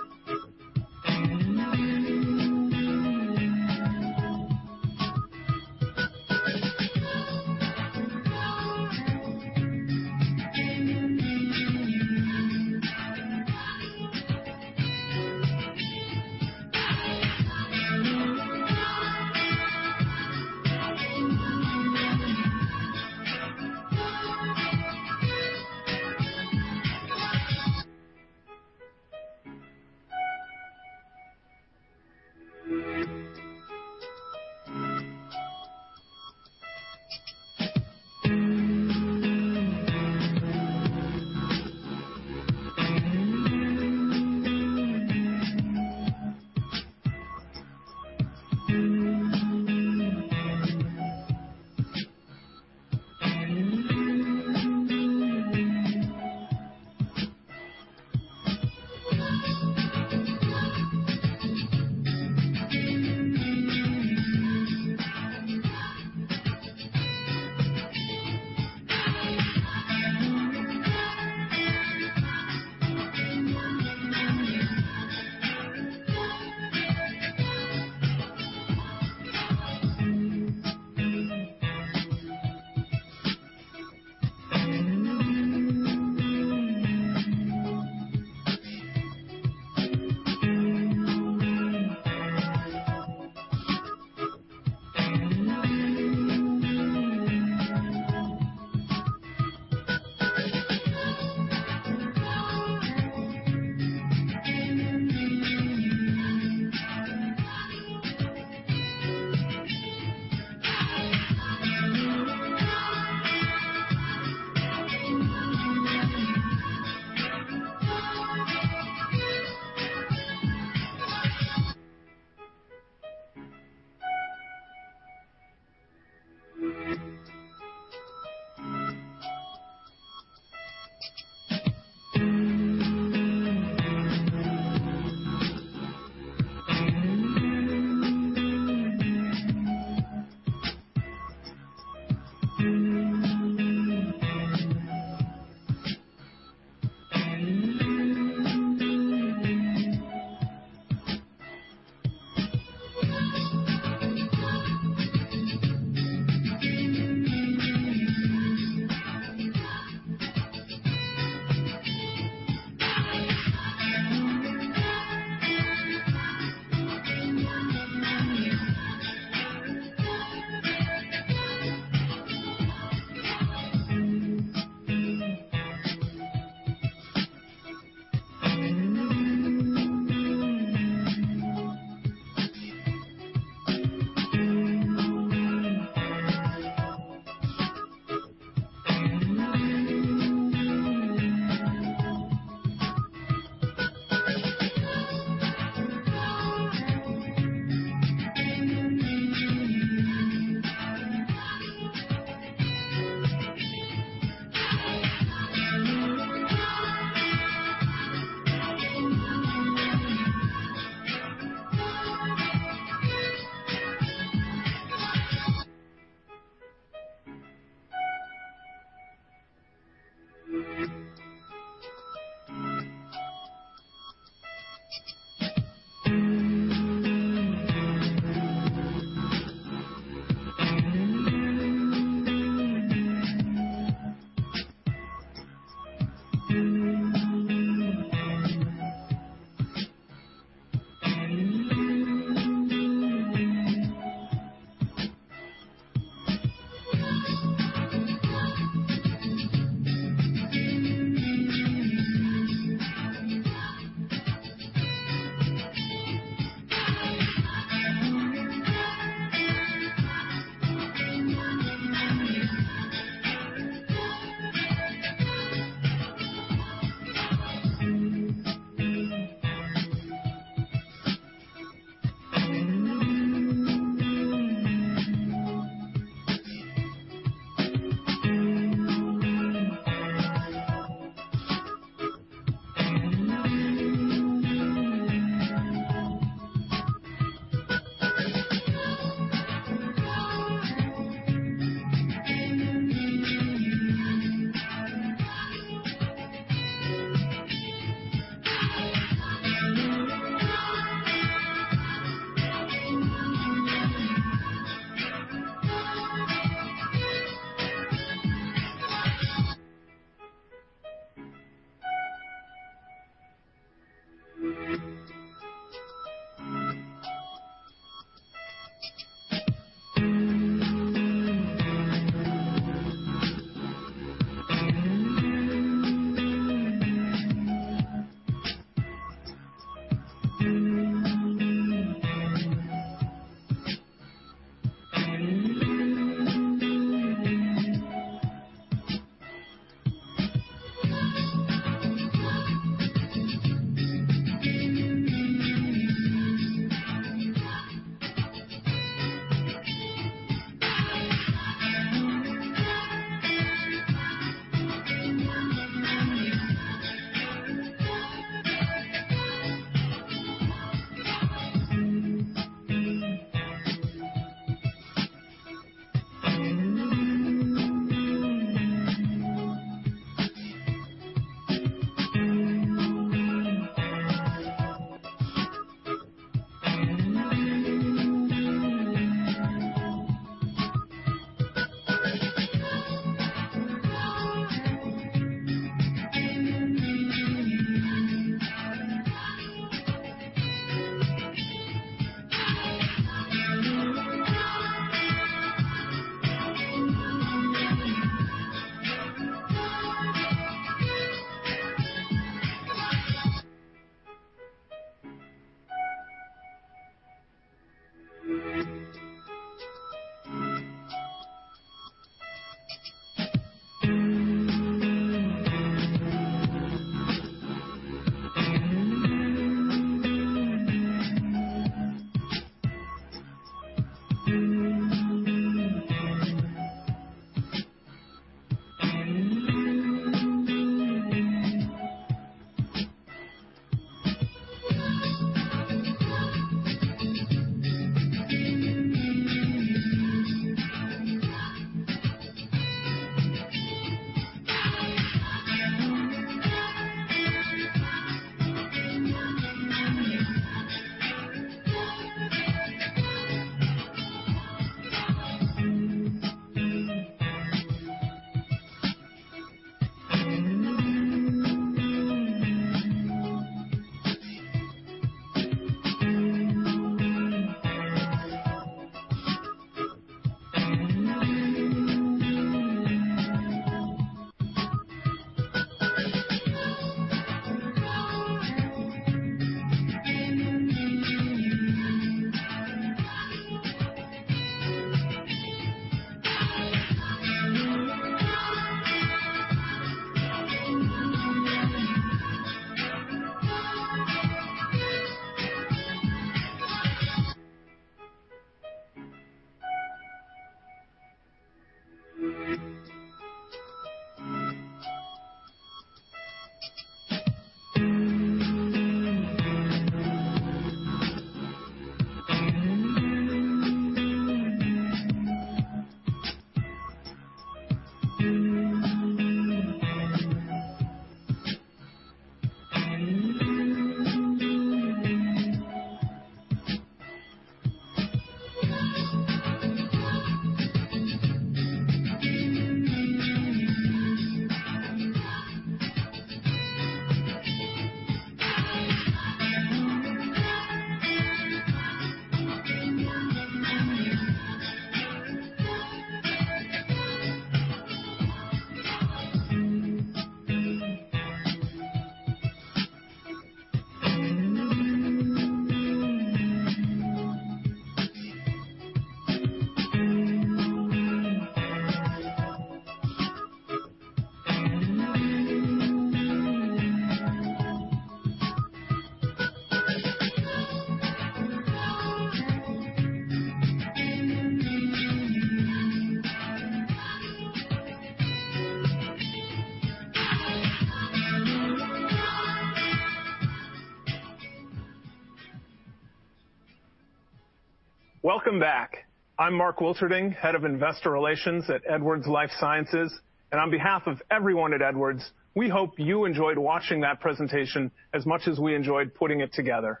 Welcome back. I'm Mark Wilterding, Head of Investor Relations at Edwards Lifesciences. On behalf of everyone at Edwards, we hope you enjoyed watching that presentation as much as we enjoyed putting it together.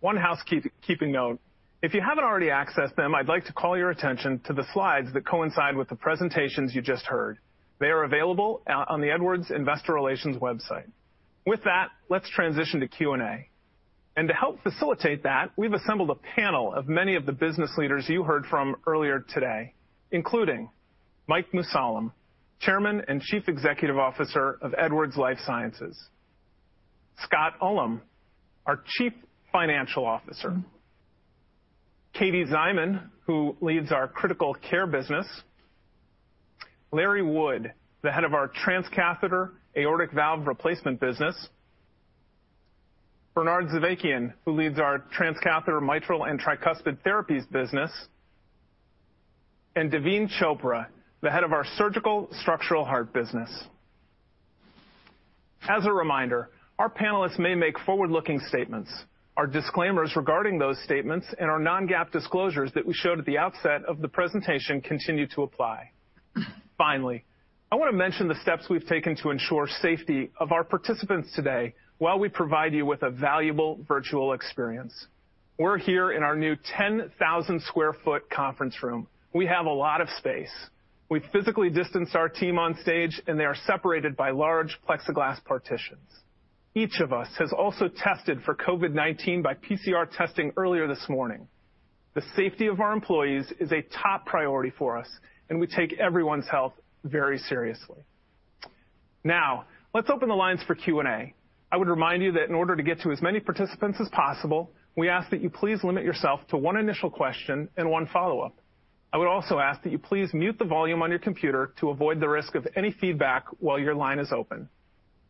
One housekeeping note, if you haven't already accessed them, I'd like to call your attention to the slides that coincide with the presentations you just heard. They are available on the Edwards Investor Relations website. With that, let's transition to Q&A. To help facilitate that, we've assembled a panel of many of the business leaders you heard from earlier today, including Mike Mussallem, Chairman and Chief Executive Officer of Edwards Lifesciences, Scott Ullem, our Chief Financial Officer, Katie Szyman, who leads our Critical Care business, Larry Wood, the Head of our Transcatheter Aortic Valve Replacement business, Bernard Zovighian, who leads our Transcatheter Mitral and Tricuspid Therapies business, and Daveen Chopra, the Head of our Surgical Structural Heart business. As a reminder, our panelists may make forward-looking statements. Our disclaimers regarding those statements and our non-GAAP disclosures that we showed at the outset of the presentation continue to apply. Finally, I want to mention the steps we've taken to ensure safety of our participants today while we provide you with a valuable virtual experience. We're here in our new 10,000 sq ft conference room. We have a lot of space. We've physically distanced our team on stage, and they are separated by large plexiglass partitions. Each of us has also tested for COVID-19 by PCR testing earlier this morning. The safety of our employees is a top priority for us, and we take everyone's health very seriously. Now, let's open the lines for Q&A. I would remind you that in order to get to as many participants as possible, we ask that you please limit yourself to one initial question and one follow-up. I would also ask that you please mute the volume on your computer to avoid the risk of any feedback while your line is open.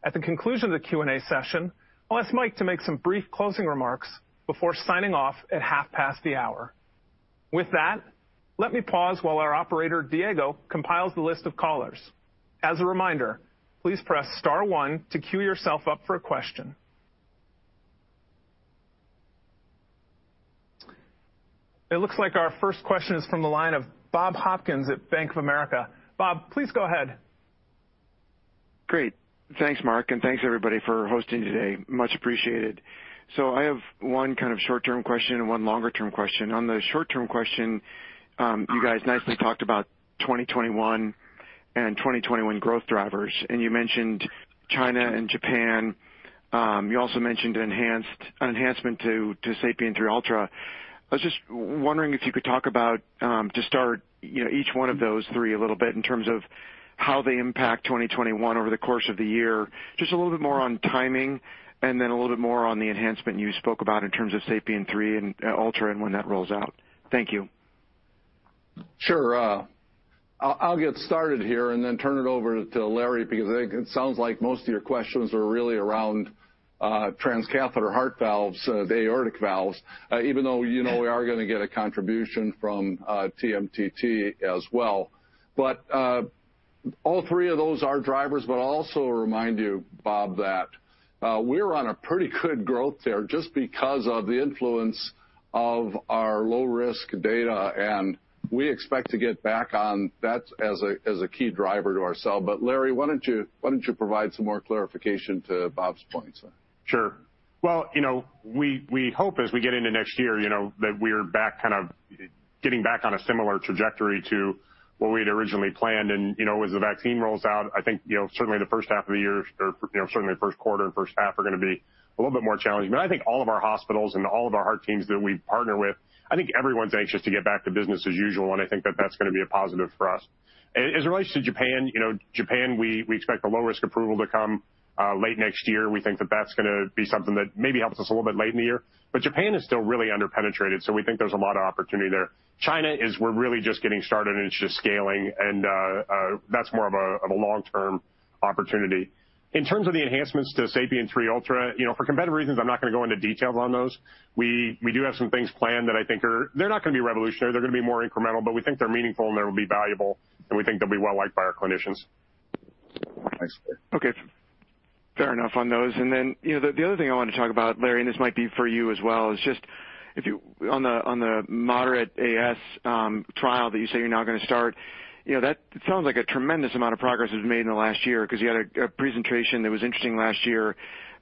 At the conclusion of the Q&A session, I'll ask Mike to make some brief closing remarks before signing off at half past the hour. With that, let me pause while our operator, Diego, compiles the list of callers. As a reminder, please press star one to queue yourself up for a question. It looks like our first question is from the line of Bob Hopkins at Bank of America. Bob, please go ahead. Great. Thanks, Mark, and thanks everybody for hosting today. Much appreciated. I have one kind of short-term question and one longer-term question. On the short-term question, you guys nicely talked about 2021 and 2021 growth drivers, and you mentioned China and Japan. You also mentioned an enhancement to SAPIEN 3 Ultra. I was just wondering if you could talk about, to start, each one of those three a little bit in terms of how they impact 2021 over the course of the year. Just a little bit more on timing and then a little bit more on the enhancement you spoke about in terms of SAPIEN 3 Ultra and when that rolls out. Thank you. Sure. I'll get started here and then turn it over to Larry because I think it sounds like most of your questions are really around transcatheter heart valves, the aortic valves, even though you know we are going to get a contribution from TMTT as well. All three of those are drivers. I'll also remind you, Bob, that we're on a pretty good growth there just because of the influence of our low-risk data, and we expect to get back on that as a key driver to ourselves. Larry, why don't you provide some more clarification to Bob's points? Sure. We hope as we get into next year that we're getting back on a similar trajectory to what we had originally planned. As the vaccine rolls out, I think certainly the first half of the year or certainly the first quarter and first half are going to be a little bit more challenging. I think all of our hospitals and all of our heart teams that we partner with, I think everyone's anxious to get back to business as usual, and I think that that's going to be a positive for us. As it relates to Japan, we expect the low-risk approval to come late next year. We think that that's going to be something that maybe helps us a little bit late in the year. Japan is still really under-penetrated, so we think there's a lot of opportunity there. China is we're really just getting started, and it's just scaling, and that's more of a long-term opportunity. In terms of the enhancements to SAPIEN 3 Ultra, for competitive reasons, I'm not going to go into details on those. We do have some things planned. They're not going to be revolutionary. They're going to be more incremental, but we think they're meaningful, and they will be valuable, and we think they'll be well-liked by our clinicians. Thanks. Okay. Fair enough on those. The other thing I wanted to talk about, Larry, and this might be for you as well, is just on the moderate AS trial that you say you're now going to start. That sounds like a tremendous amount of progress was made in the last year because you had a presentation that was interesting last year,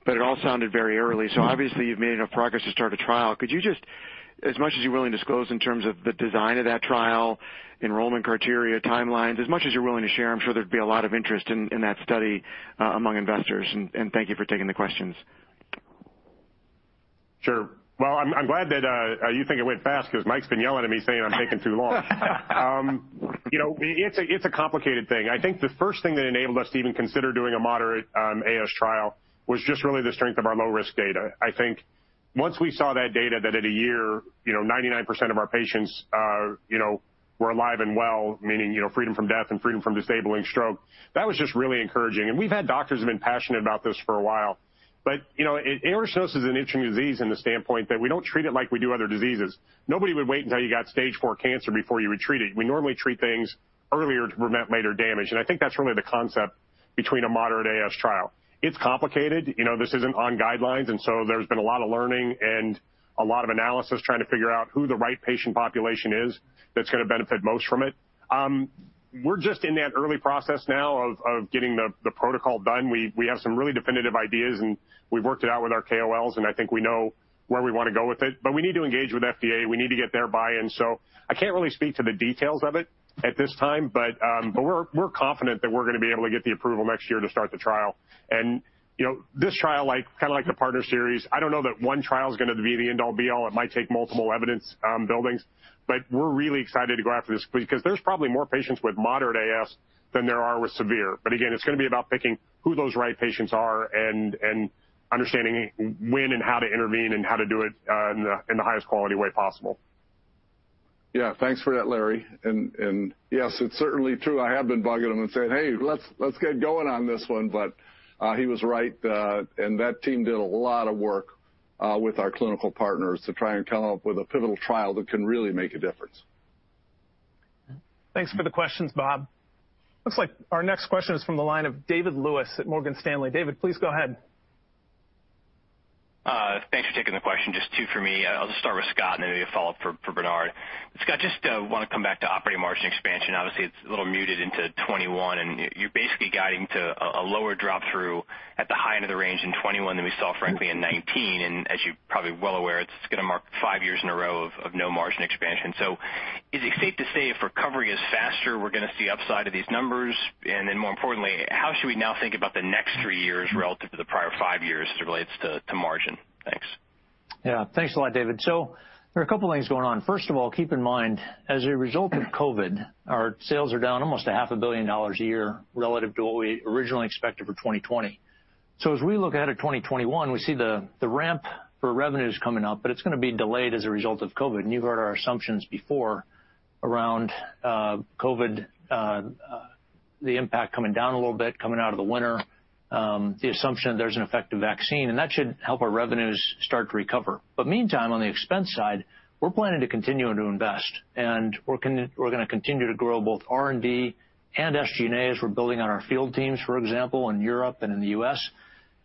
but it all sounded very early. Obviously, you've made enough progress to start a trial. Could you just, as much as you're willing to disclose in terms of the design of that trial, enrollment criteria, timelines, as much as you're willing to share, I'm sure there'd be a lot of interest in that study among investors, and thank you for taking the questions. Sure. Well, I'm glad that you think it went fast because Mike's been yelling at me saying I'm taking too long. It's a complicated thing. I think the first thing that enabled us to even consider doing a moderate AS trial was just really the strength of our low-risk data. I think once we saw that data that at a year 99% of our patients were alive and well, meaning freedom from death and freedom from disabling stroke, that was just really encouraging. We've had doctors who've been passionate about this for a while. Aortic stenosis is an interesting disease in the standpoint that we don't treat it like we do other diseases. Nobody would wait until you got Stage IV cancer before you would treat it. We normally treat things earlier to prevent later damage, and I think that's really the concept between a moderate AS trial. It's complicated. This isn't on guidelines, and so there's been a lot of learning and a lot of analysis trying to figure out who the right patient population is that's going to benefit most from it. We're just in that early process now of getting the protocol done. We have some really definitive ideas, and we've worked it out with our KOLs, and I think we know where we want to go with it. We need to engage with FDA. We need to get their buy-in. I can't really speak to the details of it at this time, but we're confident that we're going to be able to get the approval next year to start the trial. This trial, kind of like the PARTNER series, I don't know that one trial is going to be the end all be all. It might take multiple evidence buildings. We're really excited to go after this because there's probably more patients with moderate AS than there are with severe. Again, it's going to be about picking who those right patients are and understanding when and how to intervene and how to do it in the highest quality way possible. Thanks for that, Larry. Yes, it's certainly true. I have been bugging him and saying, "Hey, let's get going on this one." He was right, and that team did a lot of work with our clinical partners to try and come up with a pivotal trial that can really make a difference. Thanks for the questions, Bob. Looks like our next question is from the line of David Lewis at Morgan Stanley. David, please go ahead. Thanks for taking the question. Just two for me. I'll just start with Scott and then maybe a follow-up for Bernard. Scott, just want to come back to operating margin expansion. Obviously, it's a little muted into 2021, and you're basically guiding to a lower drop through at the high end of the range in 2021 than we saw frankly in 2019. As you're probably well aware, it's going to mark five years in a row of no margin expansion. Is it safe to say if recovery is faster, we're going to see upside of these numbers? More importantly, how should we now think about the next three years relative to the prior five years as it relates to margin? Thanks. Yeah. Thanks a lot, David. There are a couple of things going on. First of all, keep in mind, as a result of COVID, our sales are down almost a half a billion dollars a year relative to what we originally expected for 2020. As we look ahead at 2021, we see the ramp for revenues coming up, but it's going to be delayed as a result of COVID. You've heard our assumptions before around COVID, the impact coming down a little bit, coming out of the winter, the assumption that there's an effective vaccine, and that should help our revenues start to recover. Meantime, on the expense side, we're planning to continue to invest, and we're going to continue to grow both R&D and SG&A as we're building on our field teams, for example, in Europe and in the U.S.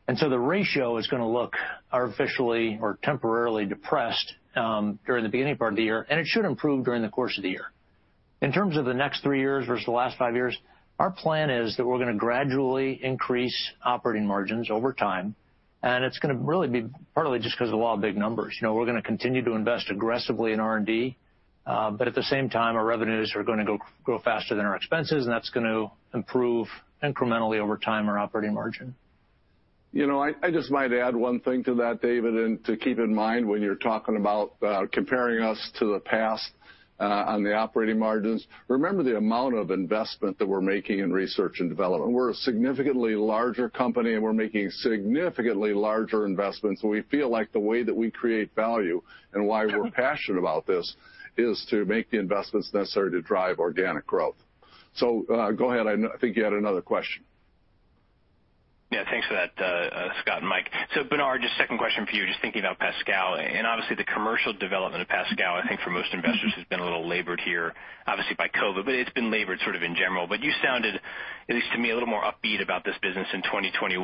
The ratio is going to look artificially or temporarily depressed during the beginning part of the year, and it should improve during the course of the year. In terms of the next three years versus the last five years, our plan is that we're going to gradually increase operating margins over time, and it's going to really be partly just because of the law of big numbers. We're going to continue to invest aggressively in R&D. At the same time, our revenues are going to grow faster than our expenses, and that's going to improve incrementally over time our operating margin. I just might add one thing to that, David, to keep in mind when you're talking about comparing us to the past on the operating margins. Remember the amount of investment that we're making in research and development. We're a significantly larger company, we're making significantly larger investments, we feel like the way that we create value and why we're passionate about this is to make the investments necessary to drive organic growth. Go ahead. I think you had another question. Thanks for that, Scott and Mike. Bernard, just second question for you, just thinking about PASCAL and obviously the commercial development of PASCAL, I think for most investors has been a little labored here, obviously by COVID, but it's been labored sort of in general. You sounded, at least to me, a little more upbeat about this business in 2021.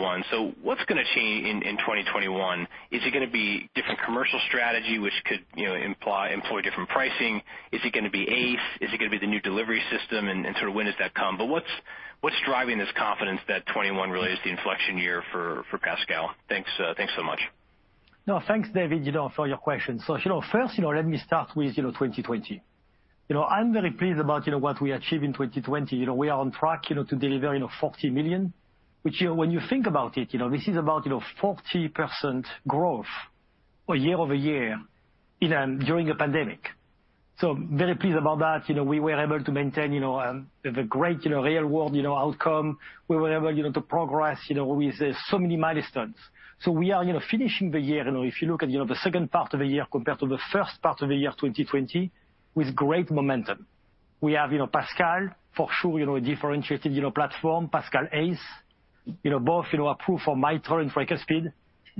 What's going to change in 2021? Is it going to be different commercial strategy, which could employ different pricing? Is it going to be Ace? Is it going to be the new delivery system, and sort of when does that come? What's driving this confidence that 2021 really is the inflection year for PASCAL? Thanks so much. No, thanks, David, for your question. First, let me start with 2020. I'm very pleased about what we achieved in 2020. We are on track to deliver $40 million, which when you think about it, this is about 40% growth year-over-year during a pandemic. Very pleased about that. We were able to maintain the great real-world outcome. We were able to progress with so many milestones. We are finishing the year, if you look at the second part of the year compared to the first part of the year 2020, with great momentum. We have PASCAL for sure, a differentiated platform, PASCAL ACE, both approved for mitral and tricuspid.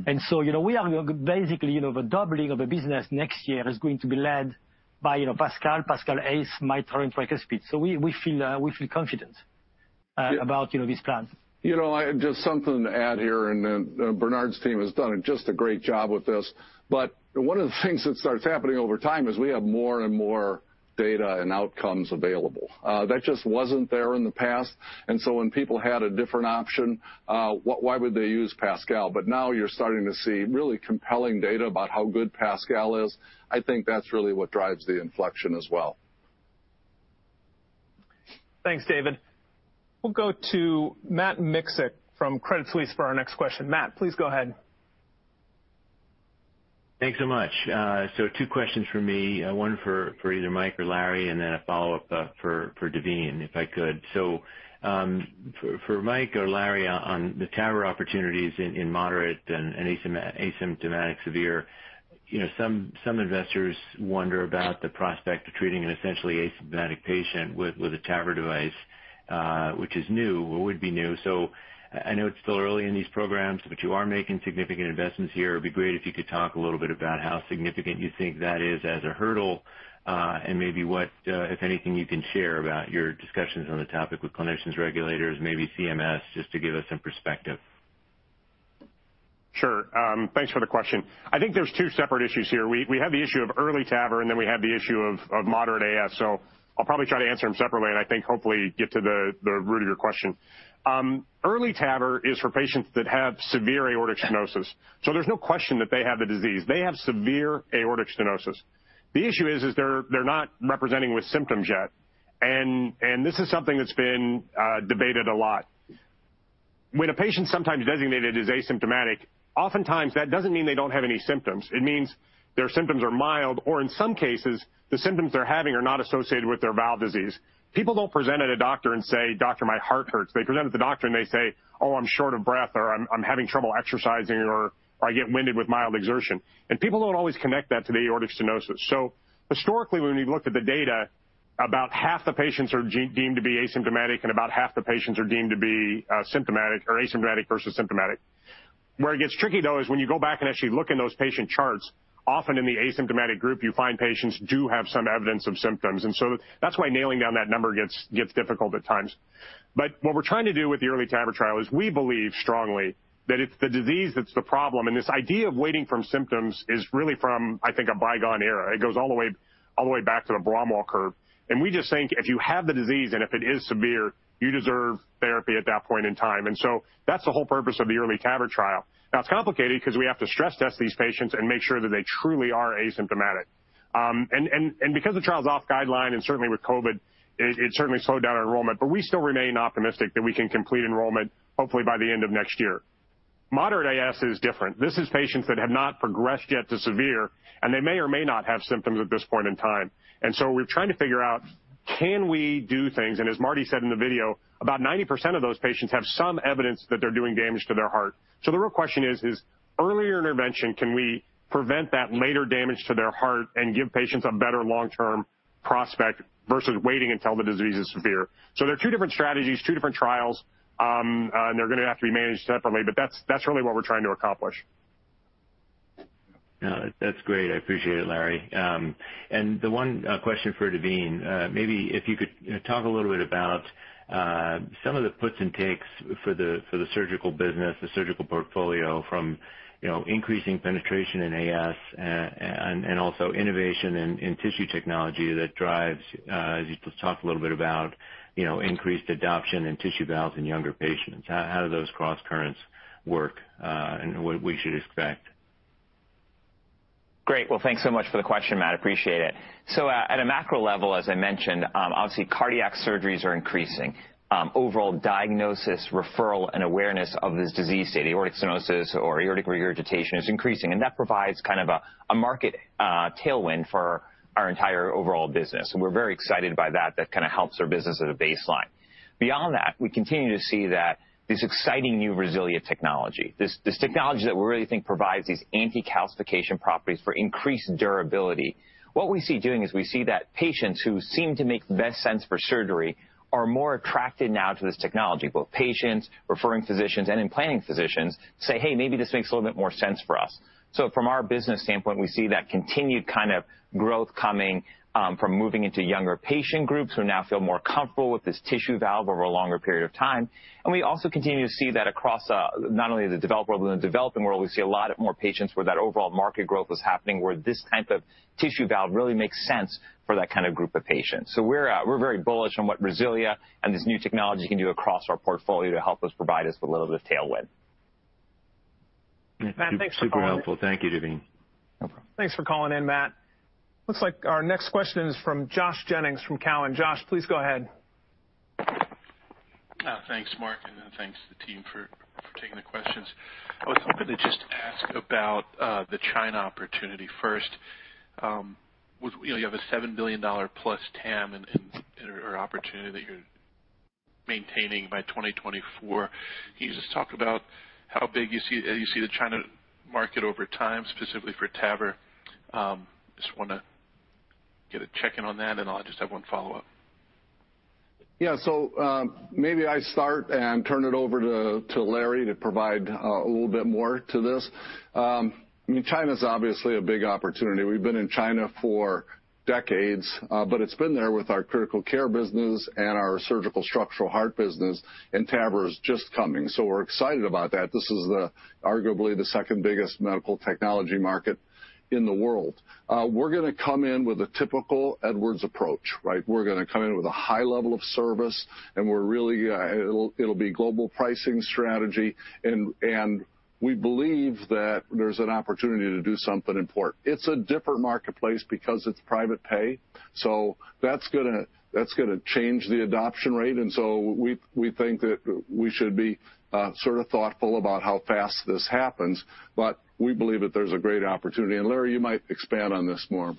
We are basically the doubling of the business next year is going to be led by PASCAL ACE, mitral, and tricuspid. We feel confident about these plans. Just something to add here. Bernard's team has done just a great job with this. One of the things that starts happening over time is we have more and more data and outcomes available. That just wasn't there in the past. When people had a different option, why would they use PASCAL? Now you're starting to see really compelling data about how good PASCAL is. I think that's really what drives the inflection as well. Thanks, David. We'll go to Matt Miksic from Credit Suisse for our next question. Matt, please go ahead. Thanks so much. Two questions from me. One for either Mike or Larry, and then a follow-up for Daveen, if I could. For Mike or Larry on the TAVR opportunities in moderate and asymptomatic severe. Some investors wonder about the prospect of treating an essentially asymptomatic patient with a TAVR device, which is new or would be new. I know it's still early in these programs, but you are making significant investments here. It'd be great if you could talk a little bit about how significant you think that is as a hurdle, and maybe what, if anything, you can share about your discussions on the topic with clinicians, regulators, maybe CMS, just to give us some perspective. Sure. Thanks for the question. I think there's two separate issues here. We have the issue of early TAVR, and then we have the issue of moderate AS. I'll probably try to answer them separately and I think hopefully get to the root of your question. Early TAVR is for patients that have severe aortic stenosis, so there's no question that they have the disease. They have severe aortic stenosis. The issue is they're not representing with symptoms yet, and this is something that's been debated a lot. When a patient's sometimes designated as asymptomatic, oftentimes that doesn't mean they don't have any symptoms. It means their symptoms are mild, or in some cases, the symptoms they're having are not associated with their valve disease. People don't present at a doctor and say, "Doctor, my heart hurts." They present at the doctor and they say, "Oh, I'm short of breath," or, "I'm having trouble exercising," or, "I get winded with mild exertion." People don't always connect that to the aortic stenosis. Historically, when we've looked at the data, about half the patients are deemed to be asymptomatic, and about half the patients are deemed to be symptomatic or asymptomatic versus symptomatic. Where it gets tricky, though, is when you go back and actually look in those patient charts. Often in the asymptomatic group, you find patients do have some evidence of symptoms, and so that's why nailing down that number gets difficult at times. What we're trying to do with the early TAVR trial is we believe strongly that it's the disease that's the problem. This idea of waiting from symptoms is really from, I think, a bygone era. It goes all the way back to the Braunwald curve. We just think if you have the disease and if it is severe, you deserve therapy at that point in time. That's the whole purpose of the early TAVR trial. Now, it's complicated because we have to stress test these patients and make sure that they truly are asymptomatic. Because the trial is off guideline and certainly with COVID, it certainly slowed down our enrollment, but we still remain optimistic that we can complete enrollment hopefully by the end of next year. Moderate AS is different. This is patients that have not progressed yet to severe, and they may or may not have symptoms at this point in time. We're trying to figure out, can we do things, as Marty said in the video, about 90% of those patients have some evidence that they're doing damage to their heart. The real question is, earlier intervention, can we prevent that later damage to their heart and give patients a better long-term prospect versus waiting until the disease is severe? They're two different strategies, two different trials, and they're going to have to be managed separately, but that's really what we're trying to accomplish. That's great. I appreciate it, Larry. The one question for Daveen, maybe if you could talk a little bit about some of the puts and takes for the surgical business, the surgical portfolio from increasing penetration in AS, and also innovation in tissue technology that drives, as you talk a little bit about increased adoption in tissue valves in younger patients. How do those crosscurrents work, and what we should expect? Great. Well, thanks so much for the question, Matt, appreciate it. At a macro level, as I mentioned, obviously cardiac surgeries are increasing. Overall diagnosis, referral, and awareness of this disease state, aortic stenosis or aortic regurgitation, is increasing, and that provides kind of a market tailwind for our entire overall business. We're very excited by that. That kind of helps our business at a baseline. Beyond that, we continue to see that this exciting new RESILIA technology, this technology that we really think provides these anti-calcification properties for increased durability. What we see doing is we see that patients who seem to make the best sense for surgery are more attracted now to this technology. Both patients, referring physicians, and implanting physicians say, "Hey, maybe this makes a little bit more sense for us." From our business standpoint, we see that continued kind of growth coming from moving into younger patient groups who now feel more comfortable with this tissue valve over a longer period of time. We also continue to see that across not only the developed world, but in the developing world, we see a lot more patients where that overall market growth is happening, where this kind of tissue valve really makes sense for that kind of group of patients. We're very bullish on what RESILIA and this new technology can do across our portfolio to help us provide us with a little bit of tailwind. Matt, thanks for calling. Super helpful. Thank you, Daveen. No problem. Thanks for calling in, Matt. Looks like our next question is from Josh Jennings from Cowen. Josh, please go ahead. Thanks, Mark, and thanks to the team for taking the questions. I was hoping to just ask about the China opportunity first. You have a $7 billion+ TAM or opportunity that you're maintaining by 2024. Can you just talk about how big you see the China market over time, specifically for TAVR? I just want to get a check-in on that. I'll just have one follow-up. Yeah. Maybe I start and turn it over to Larry to provide a little bit more to this. China's obviously a big opportunity. We've been in China for decades, but it's been there with our Critical Care business and our Surgical Structural Heart business, and TAVR is just coming. We're excited about that. This is arguably the second-biggest medical technology market in the world. We're going to come in with a typical Edwards approach, right? We're going to come in with a high level of service, and it'll be global pricing strategy, and we believe that there's an opportunity to do something important. It's a different marketplace because it's private pay. That's going to change the adoption rate, and so we think that we should be sort of thoughtful about how fast this happens. We believe that there's a great opportunity. Larry, you might expand on this more.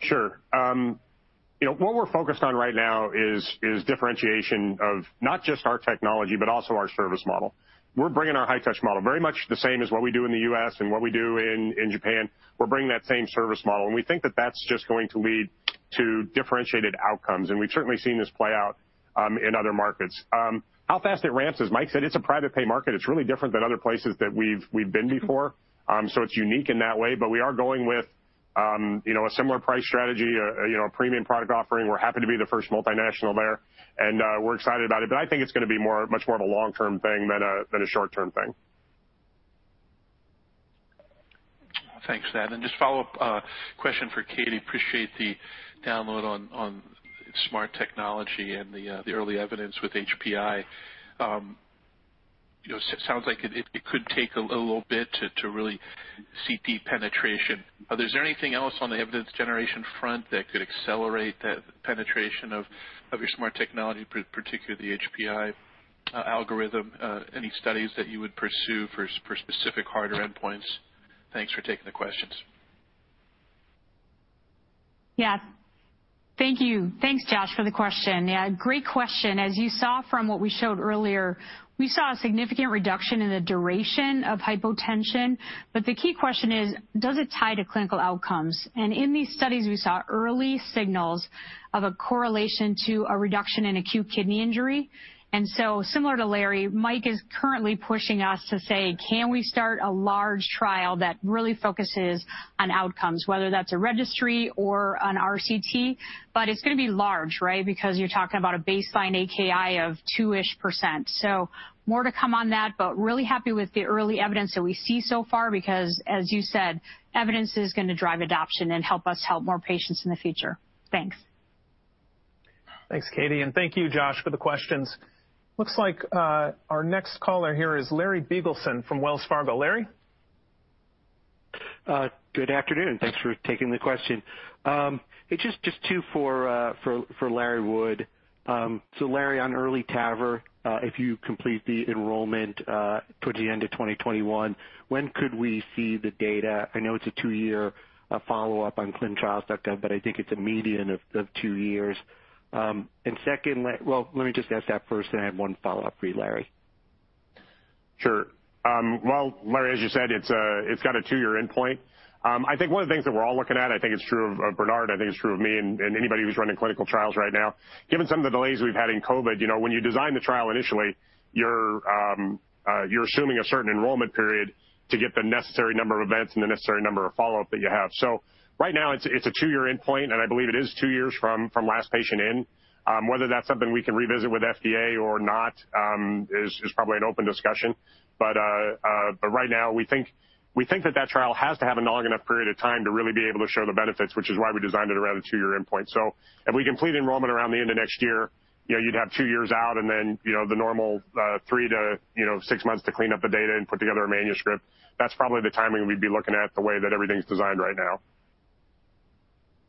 Sure. What we're focused on right now is differentiation of not just our technology, but also our service model. We're bringing our high-touch model, very much the same as what we do in the U.S. and what we do in Japan. We're bringing that same service model, and we think that that's just going to lead to differentiated outcomes, and we've certainly seen this play out in other markets. How fast it ramps, as Mike said, it's a private pay market. It's really different than other places that we've been before. It's unique in that way, but we are going with a similar price strategy, a premium product offering. We're happy to be the first multinational there, and we're excited about it. I think it's going to be much more of a long-term thing than a short-term thing. Thanks for that. Just follow-up question for Katie. Appreciate the download on SMART technology and the early evidence with HPI. Sounds like it could take a little bit to really see deep penetration. Is there anything else on the evidence generation front that could accelerate that penetration of your SMART technology, particularly the HPI algorithm? Any studies that you would pursue for specific harder endpoints? Thanks for taking the questions. Yeah. Thank you. Thanks, Josh, for the question. Yeah, great question. As you saw from what we showed earlier, we saw a significant reduction in the duration of hypotension. The key question is: does it tie to clinical outcomes? In these studies, we saw early signals of a correlation to a reduction in acute kidney injury. Similar to Larry, Mike is currently pushing us to say, can we start a large trial that really focuses on outcomes, whether that's a registry or an RCT. It's going to be large, right? Because you're talking about a baseline AKI of two-ish %. More to come on that, but really happy with the early evidence that we see so far because, as you said, evidence is going to drive adoption and help us help more patients in the future. Thanks. Thanks, Katie, and thank you Josh for the questions. Looks like our next caller here is Larry Biegelsen from Wells Fargo. Larry? Good afternoon. Thanks for taking the question. It's just two for Larry Wood. Larry, on early TAVR, if you complete the enrollment towards the end of 2021, when could we see the data? I know it's a two-year follow-up on clinicaltrials.gov, but I think it's a median of two years. Second, let me just ask that first, then I have one follow-up for you, Larry. Sure. Larry, as you said, it's got a two-year endpoint. I think one of the things that we're all looking at, I think it's true of Bernard, I think it's true of me and anybody who's running clinical trials right now. Given some of the delays we've had in COVID, when you design the trial initially, you're assuming a certain enrollment period to get the necessary number of events and the necessary number of follow-up that you have. Right now it's a two-year endpoint, and I believe it is two years from last patient in. Whether that's something we can revisit with FDA or not is probably an open discussion. Right now, we think that that trial has to have a long enough period of time to really be able to show the benefits, which is why we designed it around a two-year endpoint. If we complete enrollment around the end of next year, you'd have two years out, and then the normal three to six months to clean up the data and put together a manuscript. That's probably the timing we'd be looking at the way that everything's designed right now.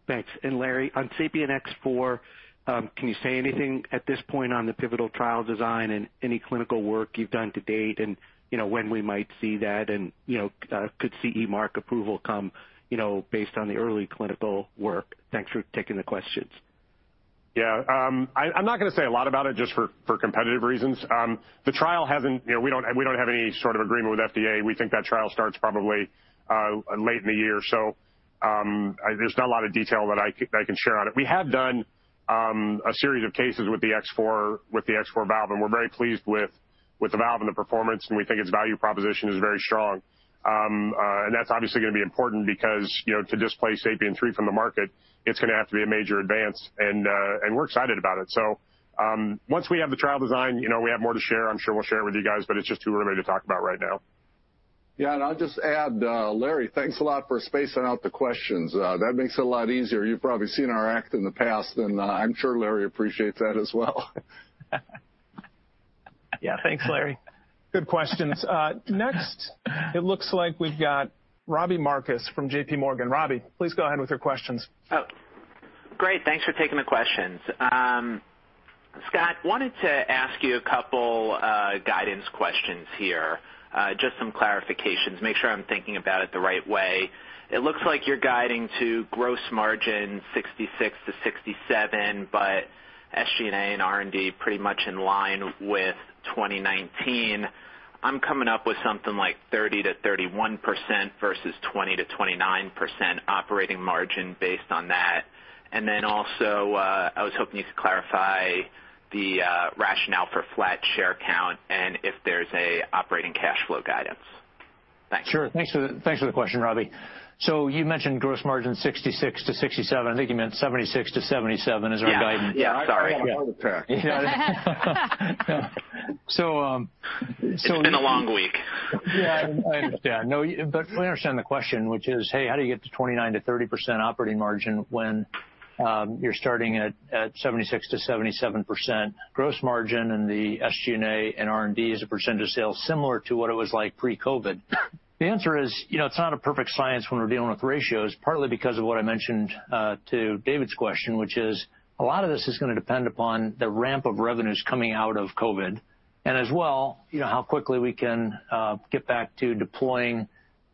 Thanks. Larry, on SAPIEN X4, can you say anything at this point on the pivotal trial design and any clinical work you've done to date, and when we might see that, and could CE mark approval come based on the early clinical work? Thanks for taking the questions. Yeah. I'm not going to say a lot about it just for competitive reasons. We don't have any sort of agreement with FDA. We think that trial starts probably late in the year. There's not a lot of detail that I can share on it. We have done a series of cases with the X4 valve, and we're very pleased with the valve and the performance, and we think its value proposition is very strong. That's obviously going to be important because to displace SAPIEN 3 from the market, it's going to have to be a major advance, and we're excited about it. Once we have the trial design, we have more to share, I'm sure we'll share it with you guys, but it's just too early to talk about right now. I'll just add, Larry, thanks a lot for spacing out the questions. That makes it a lot easier. You've probably seen our act in the past, and I'm sure Larry appreciates that as well. Yeah. Thanks, Larry. Good questions. Next, it looks like we've got Robbie Marcus from JPMorgan. Robbie, please go ahead with your questions. Oh, great. Thanks for taking the questions. Scott, wanted to ask you a couple guidance questions here. Just some clarifications, make sure I'm thinking about it the right way. It looks like you're guiding to gross margin 66%-67%, but SG&A and R&D pretty much in line with 2019. I'm coming up with something like 30%-31% versus 20%-29% operating margin based on that. Also, I was hoping you could clarify the rationale for flat share count and if there's a operating cash flow guidance. Thanks. Sure. Thanks for the question, Robbie. You mentioned gross margin 66%-67%. I think you meant 76%-77% as our guidance. Yeah. Sorry. I was on the track. It's been a long week. Yeah. I understand. But we understand the question, which is, hey, how do you get to 29%-30% operating margin when you're starting at 76%-77% gross margin and the SG&A and R&D as a percentage of sales similar to what it was like pre-COVID? The answer is it's not a perfect science when we're dealing with ratios, partly because of what I mentioned to David's question, which is a lot of this is going to depend upon the ramp of revenues coming out of COVID. As well, how quickly we can get back to deploying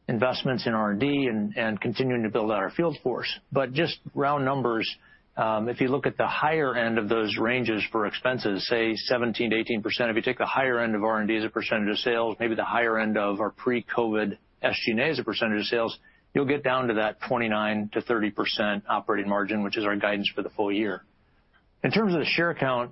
investments in R&D and continuing to build out our field force. Just round numbers, if you look at the higher end of those ranges for expenses, say 17%-18%, if you take the higher end of R&D as a percentage of sales, maybe the higher end of our pre-COVID SG&A as a percentage of sales, you'll get down to that 29%-30% operating margin, which is our guidance for the full year. In terms of the share count,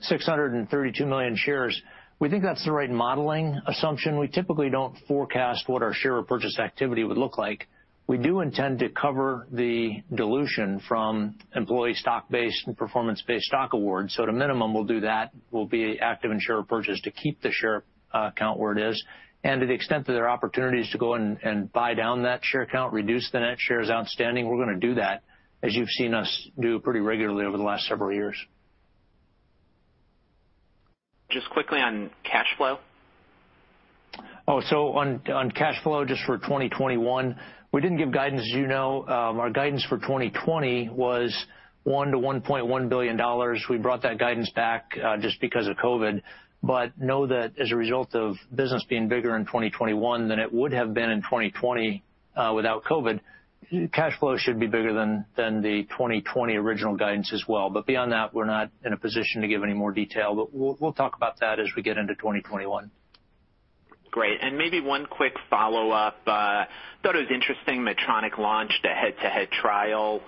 632 million shares, we think that's the right modeling assumption. We typically don't forecast what our share purchase activity would look like. We do intend to cover the dilution from employee stock-based and performance-based stock awards. At a minimum, we'll do that. We'll be active in share purchase to keep the share count where it is. To the extent that there are opportunities to go and buy down that share count, reduce the net shares outstanding, we're going to do that, as you've seen us do pretty regularly over the last several years. Just quickly on cash flow. On cash flow, just for 2021, we didn't give guidance. As you know, our guidance for 2020 was $1 billion-$1.1 billion. We brought that guidance back just because of COVID. Know that as a result of business being bigger in 2021 than it would have been in 2020 without COVID, cash flow should be bigger than the 2020 original guidance as well. Beyond that, we're not in a position to give any more detail. We'll talk about that as we get into 2021. Great. Maybe one quick follow-up. Thought it was interesting Medtronic launched a head-to-head trial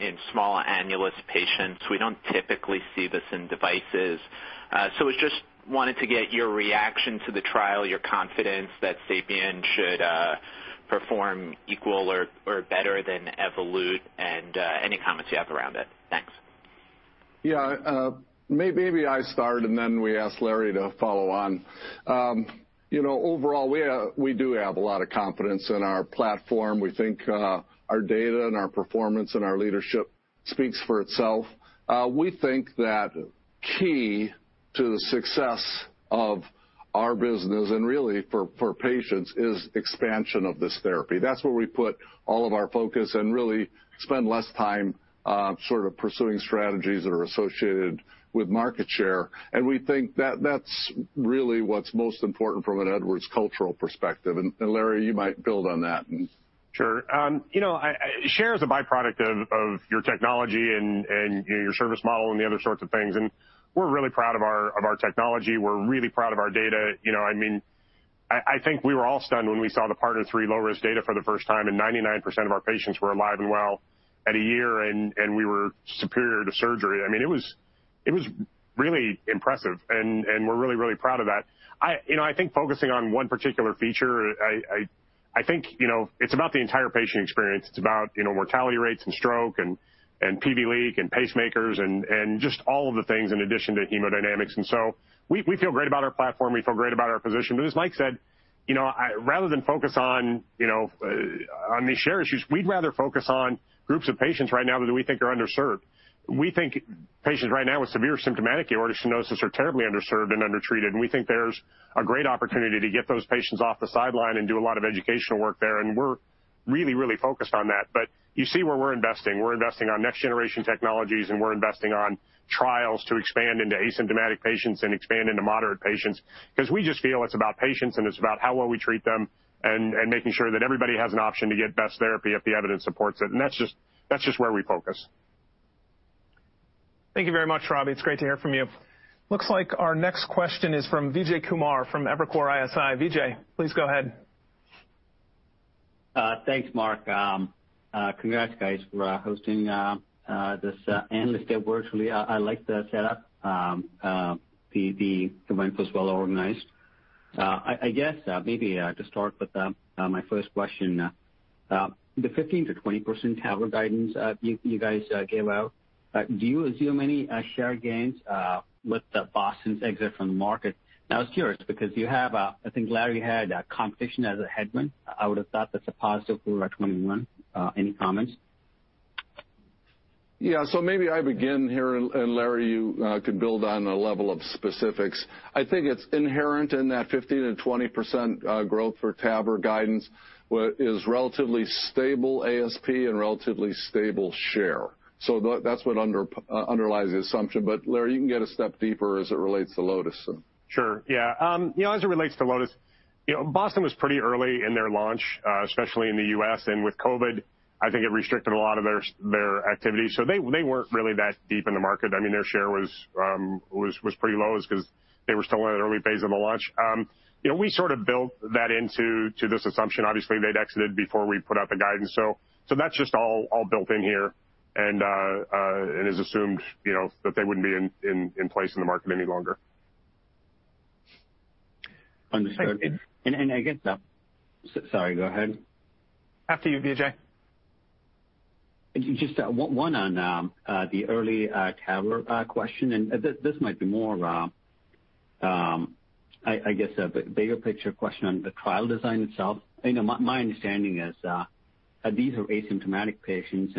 in small annulus patients. We don't typically see this in devices. Just wanted to get your reaction to the trial, your confidence that SAPIEN should perform equal or better than Evolut, and any comments you have around it. Thanks. Yeah. Maybe I start, and then we ask Larry to follow on. Overall, we do have a lot of confidence in our platform. We think our data and our performance and our leadership speaks for itself. We think that key to the success of our business, and really for patients, is expansion of this therapy. That's where we put all of our focus and really spend less time sort of pursuing strategies that are associated with market share. We think that's really what's most important from an Edwards cultural perspective. Larry, you might build on that. Sure. Share is a byproduct of your technology and your service model and the other sorts of things, and we're really proud of our technology. We're really proud of our data. I think we were all stunned when we saw the PARTNER 3 low-risk data for the first time, and 99% of our patients were alive and well at a year, and we were superior to surgery. It was really impressive, and we're really, really proud of that. I think focusing on one particular feature, I think it's about the entire patient experience. It's about mortality rates and stroke and paravalvular leak and pacemakers and just all of the things in addition to hemodynamics. We feel great about our platform. We feel great about our position. As Mike said, rather than focus on these share issues, we'd rather focus on groups of patients right now that we think are underserved. We think patients right now with severe symptomatic aortic stenosis are terribly underserved and undertreated, and we think there's a great opportunity to get those patients off the sideline and do a lot of educational work there, and we're really, really focused on that. You see where we're investing. We're investing on next-generation technologies, and we're investing on trials to expand into asymptomatic patients and expand into moderate patients because we just feel it's about patients, and it's about how well we treat them and making sure that everybody has an option to get the best therapy if the evidence supports it. That's just where we focus. Thank you very much, Robbie. It's great to hear from you. Looks like our next question is from Vijay Kumar from Evercore ISI. Vijay, please go ahead. Thanks, Mark. Congrats, guys, for hosting this analyst day virtually. I like the setup. The event was well organized. I guess maybe to start with my first question, the 15%-20% TAVR guidance you guys gave out, do you assume any share gains with Boston's exit from the market? I was curious because I think Larry had competition as a headwind. I would have thought that's a positive for 2021. Any comments? Yeah. Maybe I begin here, and Larry, you could build on a level of specifics. I think it's inherent in that 15%-20% growth for TAVR guidance is relatively stable ASP and relatively stable share. That's what underlies the assumption, but Larry, you can get a step deeper as it relates to LOTUS. Sure. Yeah. As it relates to LOTUS, Boston was pretty early in their launch, especially in the U.S., and with COVID, I think it restricted a lot of their activities. They weren't really that deep in the market. Their share was pretty low because they were still in an early phase of the launch. We sort of built that into this assumption. Obviously, they'd exited before we put out the guidance. That's just all built in here and is assumed that they wouldn't be in place in the market any longer. Understood. I guess Sorry, go ahead. After you, Vijay. Just one on the early TAVR question. This might be more of, I guess, a bigger picture question on the trial design itself. My understanding is these are asymptomatic patients.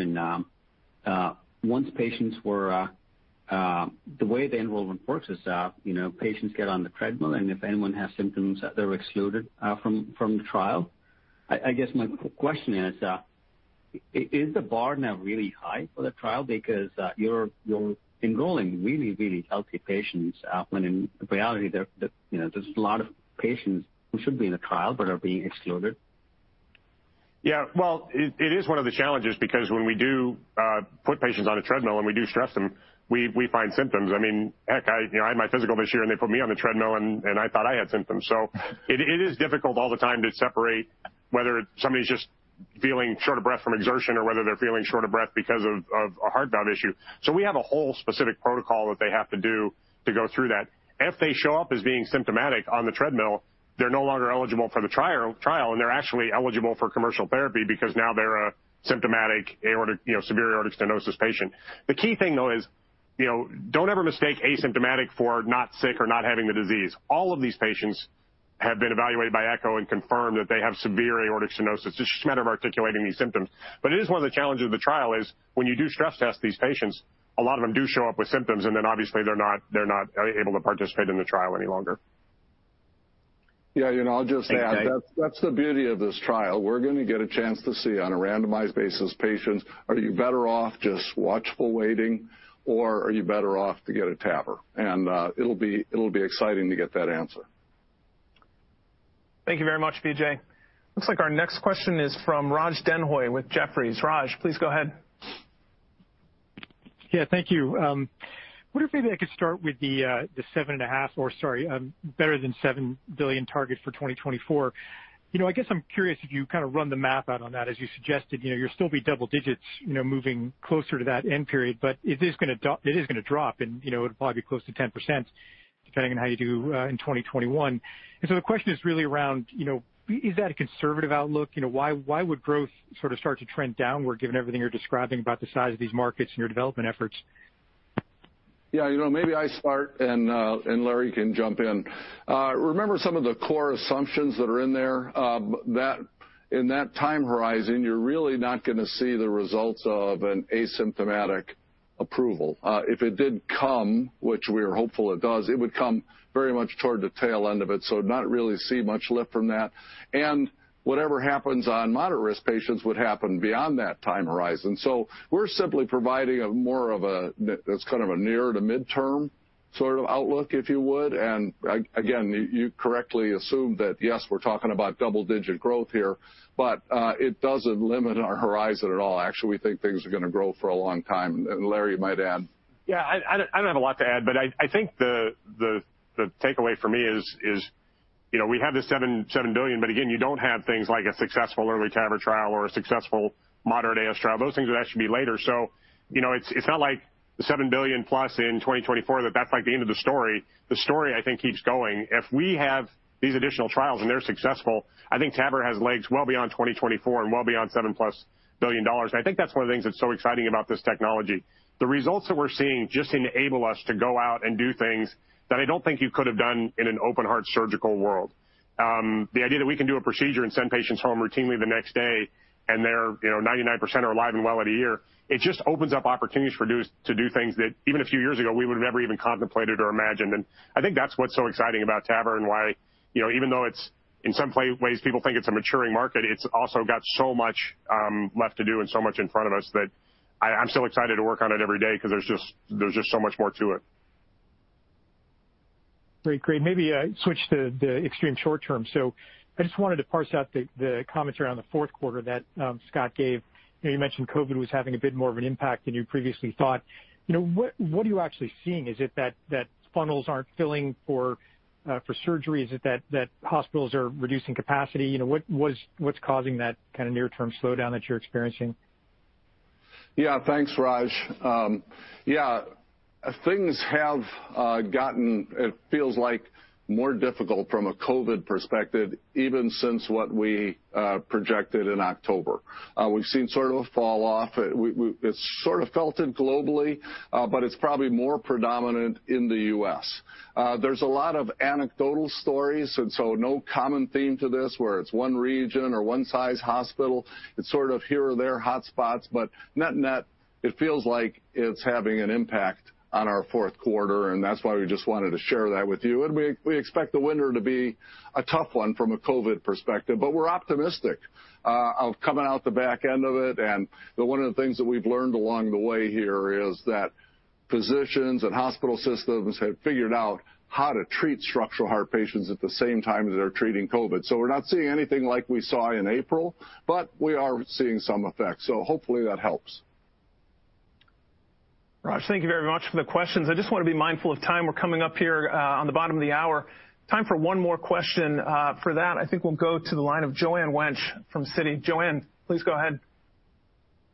The way the enrollment works is patients get on the treadmill, and if anyone has symptoms, they're excluded from the trial. I guess my question is the bar now really high for the trial because you're enrolling really, really healthy patients when in reality there's a lot of patients who should be in the trial but are being excluded? Yeah. Well, it is one of the challenges because when we do put patients on a treadmill and we do stress them, we find symptoms. Heck, I had my physical this year, and they put me on the treadmill, and I thought I had symptoms. It is difficult all the time to separate whether somebody's just feeling short of breath from exertion or whether they're feeling short of breath because of a heart valve issue. We have a whole specific protocol that they have to do to go through that. If they show up as being symptomatic on the treadmill, they're no longer eligible for the trial, and they're actually eligible for commercial therapy because now they're a symptomatic severe aortic stenosis patient. The key thing, though, is don't ever mistake asymptomatic for not sick or not having the disease. All of these patients have been evaluated by Echo and confirmed that they have severe aortic stenosis. It's just a matter of articulating these symptoms. It is one of the challenges of the trial is when you do stress test these patients, a lot of them do show up with symptoms, and then obviously they're not able to participate in the trial any longer. Yeah. I'll just add, that's the beauty of this trial. We're going to get a chance to see on a randomized basis patients, are you better off just watchful waiting, or are you better off to get a TAVR? It'll be exciting to get that answer. Thank you very much, Vijay. Looks like our next question is from Raj Denhoy with Jefferies. Raj, please go ahead. Yeah. Thank you. Wonder if maybe I could start with the 7.5, or sorry, better than $7 billion target for 2024. I guess I'm curious if you kind of run the math out on that, as you suggested. You'll still be double digits moving closer to that end period, but it is going to drop, and it'll probably be close to 10%, depending on how you do in 2021. The question is really around, is that a conservative outlook? Why would growth sort of start to trend downward, given everything you're describing about the size of these markets and your development efforts? Yeah. Maybe I start and Larry can jump in. Remember some of the core assumptions that are in there? In that time horizon, you're really not going to see the results of an asymptomatic approval. If it did come, which we are hopeful it does, it would come very much toward the tail end of it. Not really see much lift from that. Whatever happens on moderate-risk patients would happen beyond that time horizon. We're simply providing more of a near to midterm sort of outlook, if you would. Again, you correctly assumed that, yes, we're talking about double-digit growth here, but it doesn't limit our horizon at all. Actually, we think things are going to grow for a long time. Larry might add. Yeah. I don't have a lot to add, but I think the takeaway for me is we have the $7 billion, but again, you don't have things like a successful early TAVR trial or a successful moderate AS trial. Those things would actually be later. It's not like the $7 billion+ in 2024, that's the end of the story. The story, I think, keeps going. If we have these additional trials and they're successful, I think TAVR has legs well beyond 2024 and well beyond $7 billion+. I think that's one of the things that's so exciting about this technology. The results that we're seeing just enable us to go out and do things that I don't think you could have done in an open heart surgical world. The idea that we can do a procedure and send patients home routinely the next day, and they're 99% are alive and well at a year, it just opens up opportunities for us to do things that even a few years ago we would have never even contemplated or imagined. I think that's what's so exciting about TAVR and why, even though in some ways people think it's a maturing market, it's also got so much left to do and so much in front of us that I'm still excited to work on it every day because there's just so much more to it. Great. Maybe switch to the extreme short term. I just wanted to parse out the commentary on the fourth quarter that Scott gave. You mentioned COVID was having a bit more of an impact than you previously thought. What are you actually seeing? Is it that funnels aren't filling for surgery? Is it that hospitals are reducing capacity? What's causing that kind of near-term slowdown that you're experiencing? Thanks, Raj. Things have gotten, it feels like more difficult from a COVID perspective, even since what we projected in October. We've seen sort of a fall off. It's sort of felt it globally. It's probably more predominant in the U.S. There's a lot of anecdotal stories, no common theme to this where it's one region or one size hospital. It's sort of here or there hotspots, net-net, it feels like it's having an impact on our fourth quarter, that's why we just wanted to share that with you. We expect the winter to be a tough one from a COVID perspective. We're optimistic of coming out the back end of it. One of the things that we've learned along the way here is that physicians and hospital systems have figured out how to treat structural heart patients at the same time that they're treating COVID. We're not seeing anything like we saw in April, but we are seeing some effects. Hopefully that helps. Raj, thank you very much for the questions. I just want to be mindful of time. We're coming up here on the bottom of the hour. Time for one more question. I think we'll go to the line of Joanne Wuensch from Citi. Joanne, please go ahead.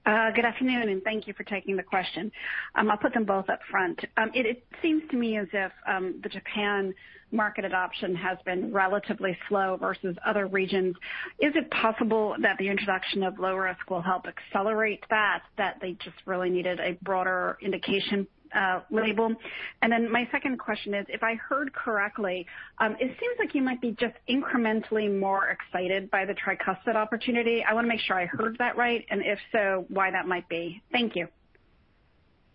Good afternoon, and thank you for taking the question. I'll put them both up front. It seems to me as if the Japan market adoption has been relatively slow versus other regions. Is it possible that the introduction of low risk will help accelerate that they just really needed a broader indication label? My second question is, if I heard correctly, it seems like you might be just incrementally more excited by the tricuspid opportunity. I want to make sure I heard that right, and if so, why that might be. Thank you.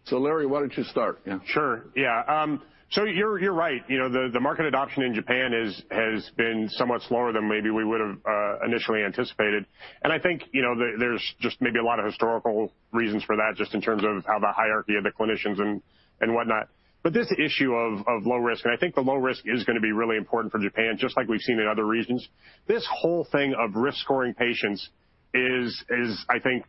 Larry, why don't you start? Yeah. Sure. Yeah. You're right. The market adoption in Japan has been somewhat slower than maybe we would've initially anticipated. I think there's just maybe a lot of historical reasons for that, just in terms of how the hierarchy of the clinicians and whatnot. This issue of low risk, and I think the low risk is going to be really important for Japan, just like we've seen in other regions. This whole thing of risk-scoring patients is, I think,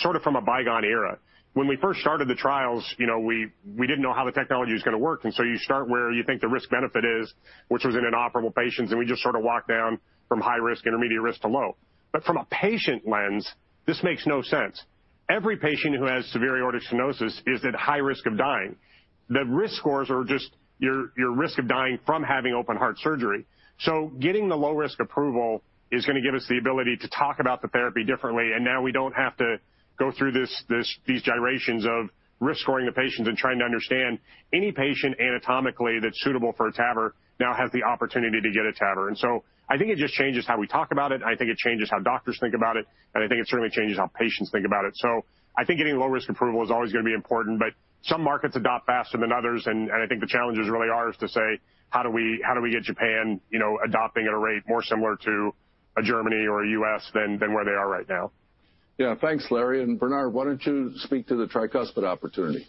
sort of from a bygone era. When we first started the trials, we didn't know how the technology was going to work. You start where you think the risk-benefit is, which was in inoperable patients. We just sort of walked down from high risk, intermediate risk to low. From a patient lens, this makes no sense. Every patient who has severe aortic stenosis is at high risk of dying. The risk scores are just your risk of dying from having open heart surgery. Getting the low-risk approval is going to give us the ability to talk about the therapy differently. Now we don't have to go through these gyrations of risk-scoring the patients and trying to understand any patient anatomically that's suitable for a TAVR now has the opportunity to get a TAVR. I think it just changes how we talk about it. I think it changes how doctors think about it, and I think it certainly changes how patients think about it. I think getting low-risk approval is always going to be important. Some markets adopt faster than others, and I think the challenges really are is to say, how do we get Japan adopting at a rate more similar to a Germany or a U.S. than where they are right now. Yeah. Thanks, Larry. Bernard, why don't you speak to the tricuspid opportunity?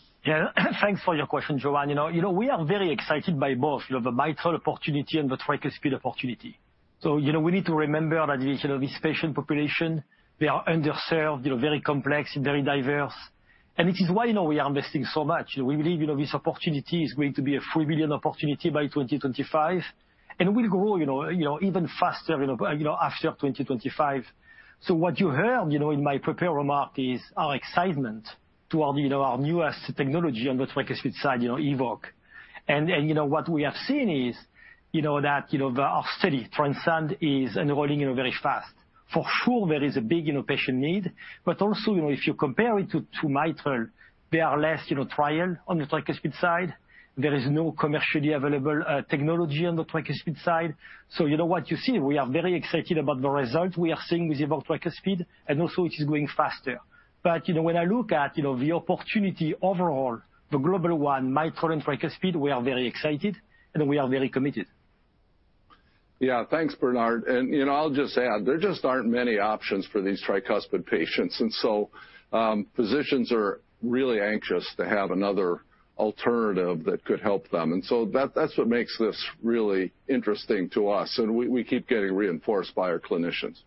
Thanks for your question, Joanne. We are very excited by both the mitral opportunity and the tricuspid opportunity. We need to remember that this patient population, they are underserved, very complex and very diverse, and it is why we are investing so much. We believe this opportunity is going to be a $3 billion opportunity by 2025, and will grow even faster after 2025. What you heard in my prepared remark is our excitement to our newest technology on the tricuspid side, EVOQUE. What we have seen is that our study, TRISCEND, is enrolling very fast. For sure there is a big patient need, but also if you compare it to mitral, there are less trial on the tricuspid side. There is no commercially available technology on the tricuspid side. You know what you see. We are very excited about the result we are seeing with EVOQUE Tricuspid, also it is going faster. When I look at the opportunity overall, the global one, mitral and tricuspid, we are very excited, and we are very committed. Yeah. Thanks, Bernard. I'll just add, there just aren't many options for these tricuspid patients, and so physicians are really anxious to have another alternative that could help them. That's what makes this really interesting to us. We keep getting reinforced by our clinicians.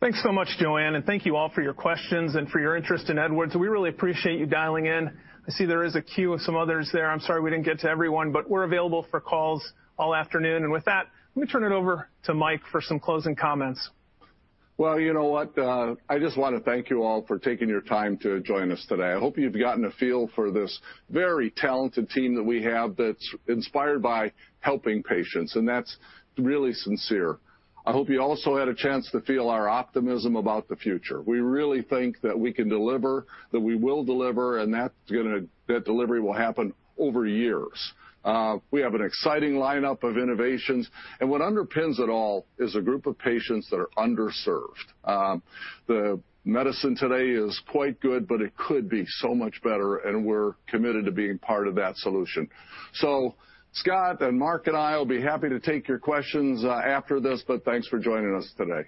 Thanks so much, Joanne. Thank you all for your questions and for your interest in Edwards. We really appreciate you dialing in. I see there is a queue of some others there. I'm sorry we didn't get to everyone, but we're available for calls all afternoon. With that, let me turn it over to Mike for some closing comments. Well, you know what? I just want to thank you all for taking your time to join us today. I hope you've gotten a feel for this very talented team that we have that's inspired by helping patients, and that's really sincere. I hope you also had a chance to feel our optimism about the future. We really think that we can deliver, that we will deliver, and that delivery will happen over years. We have an exciting lineup of innovations, and what underpins it all is a group of patients that are underserved. The medicine today is quite good, but it could be so much better, and we're committed to being part of that solution. Scott and Mark and I will be happy to take your questions after this, but thanks for joining us today.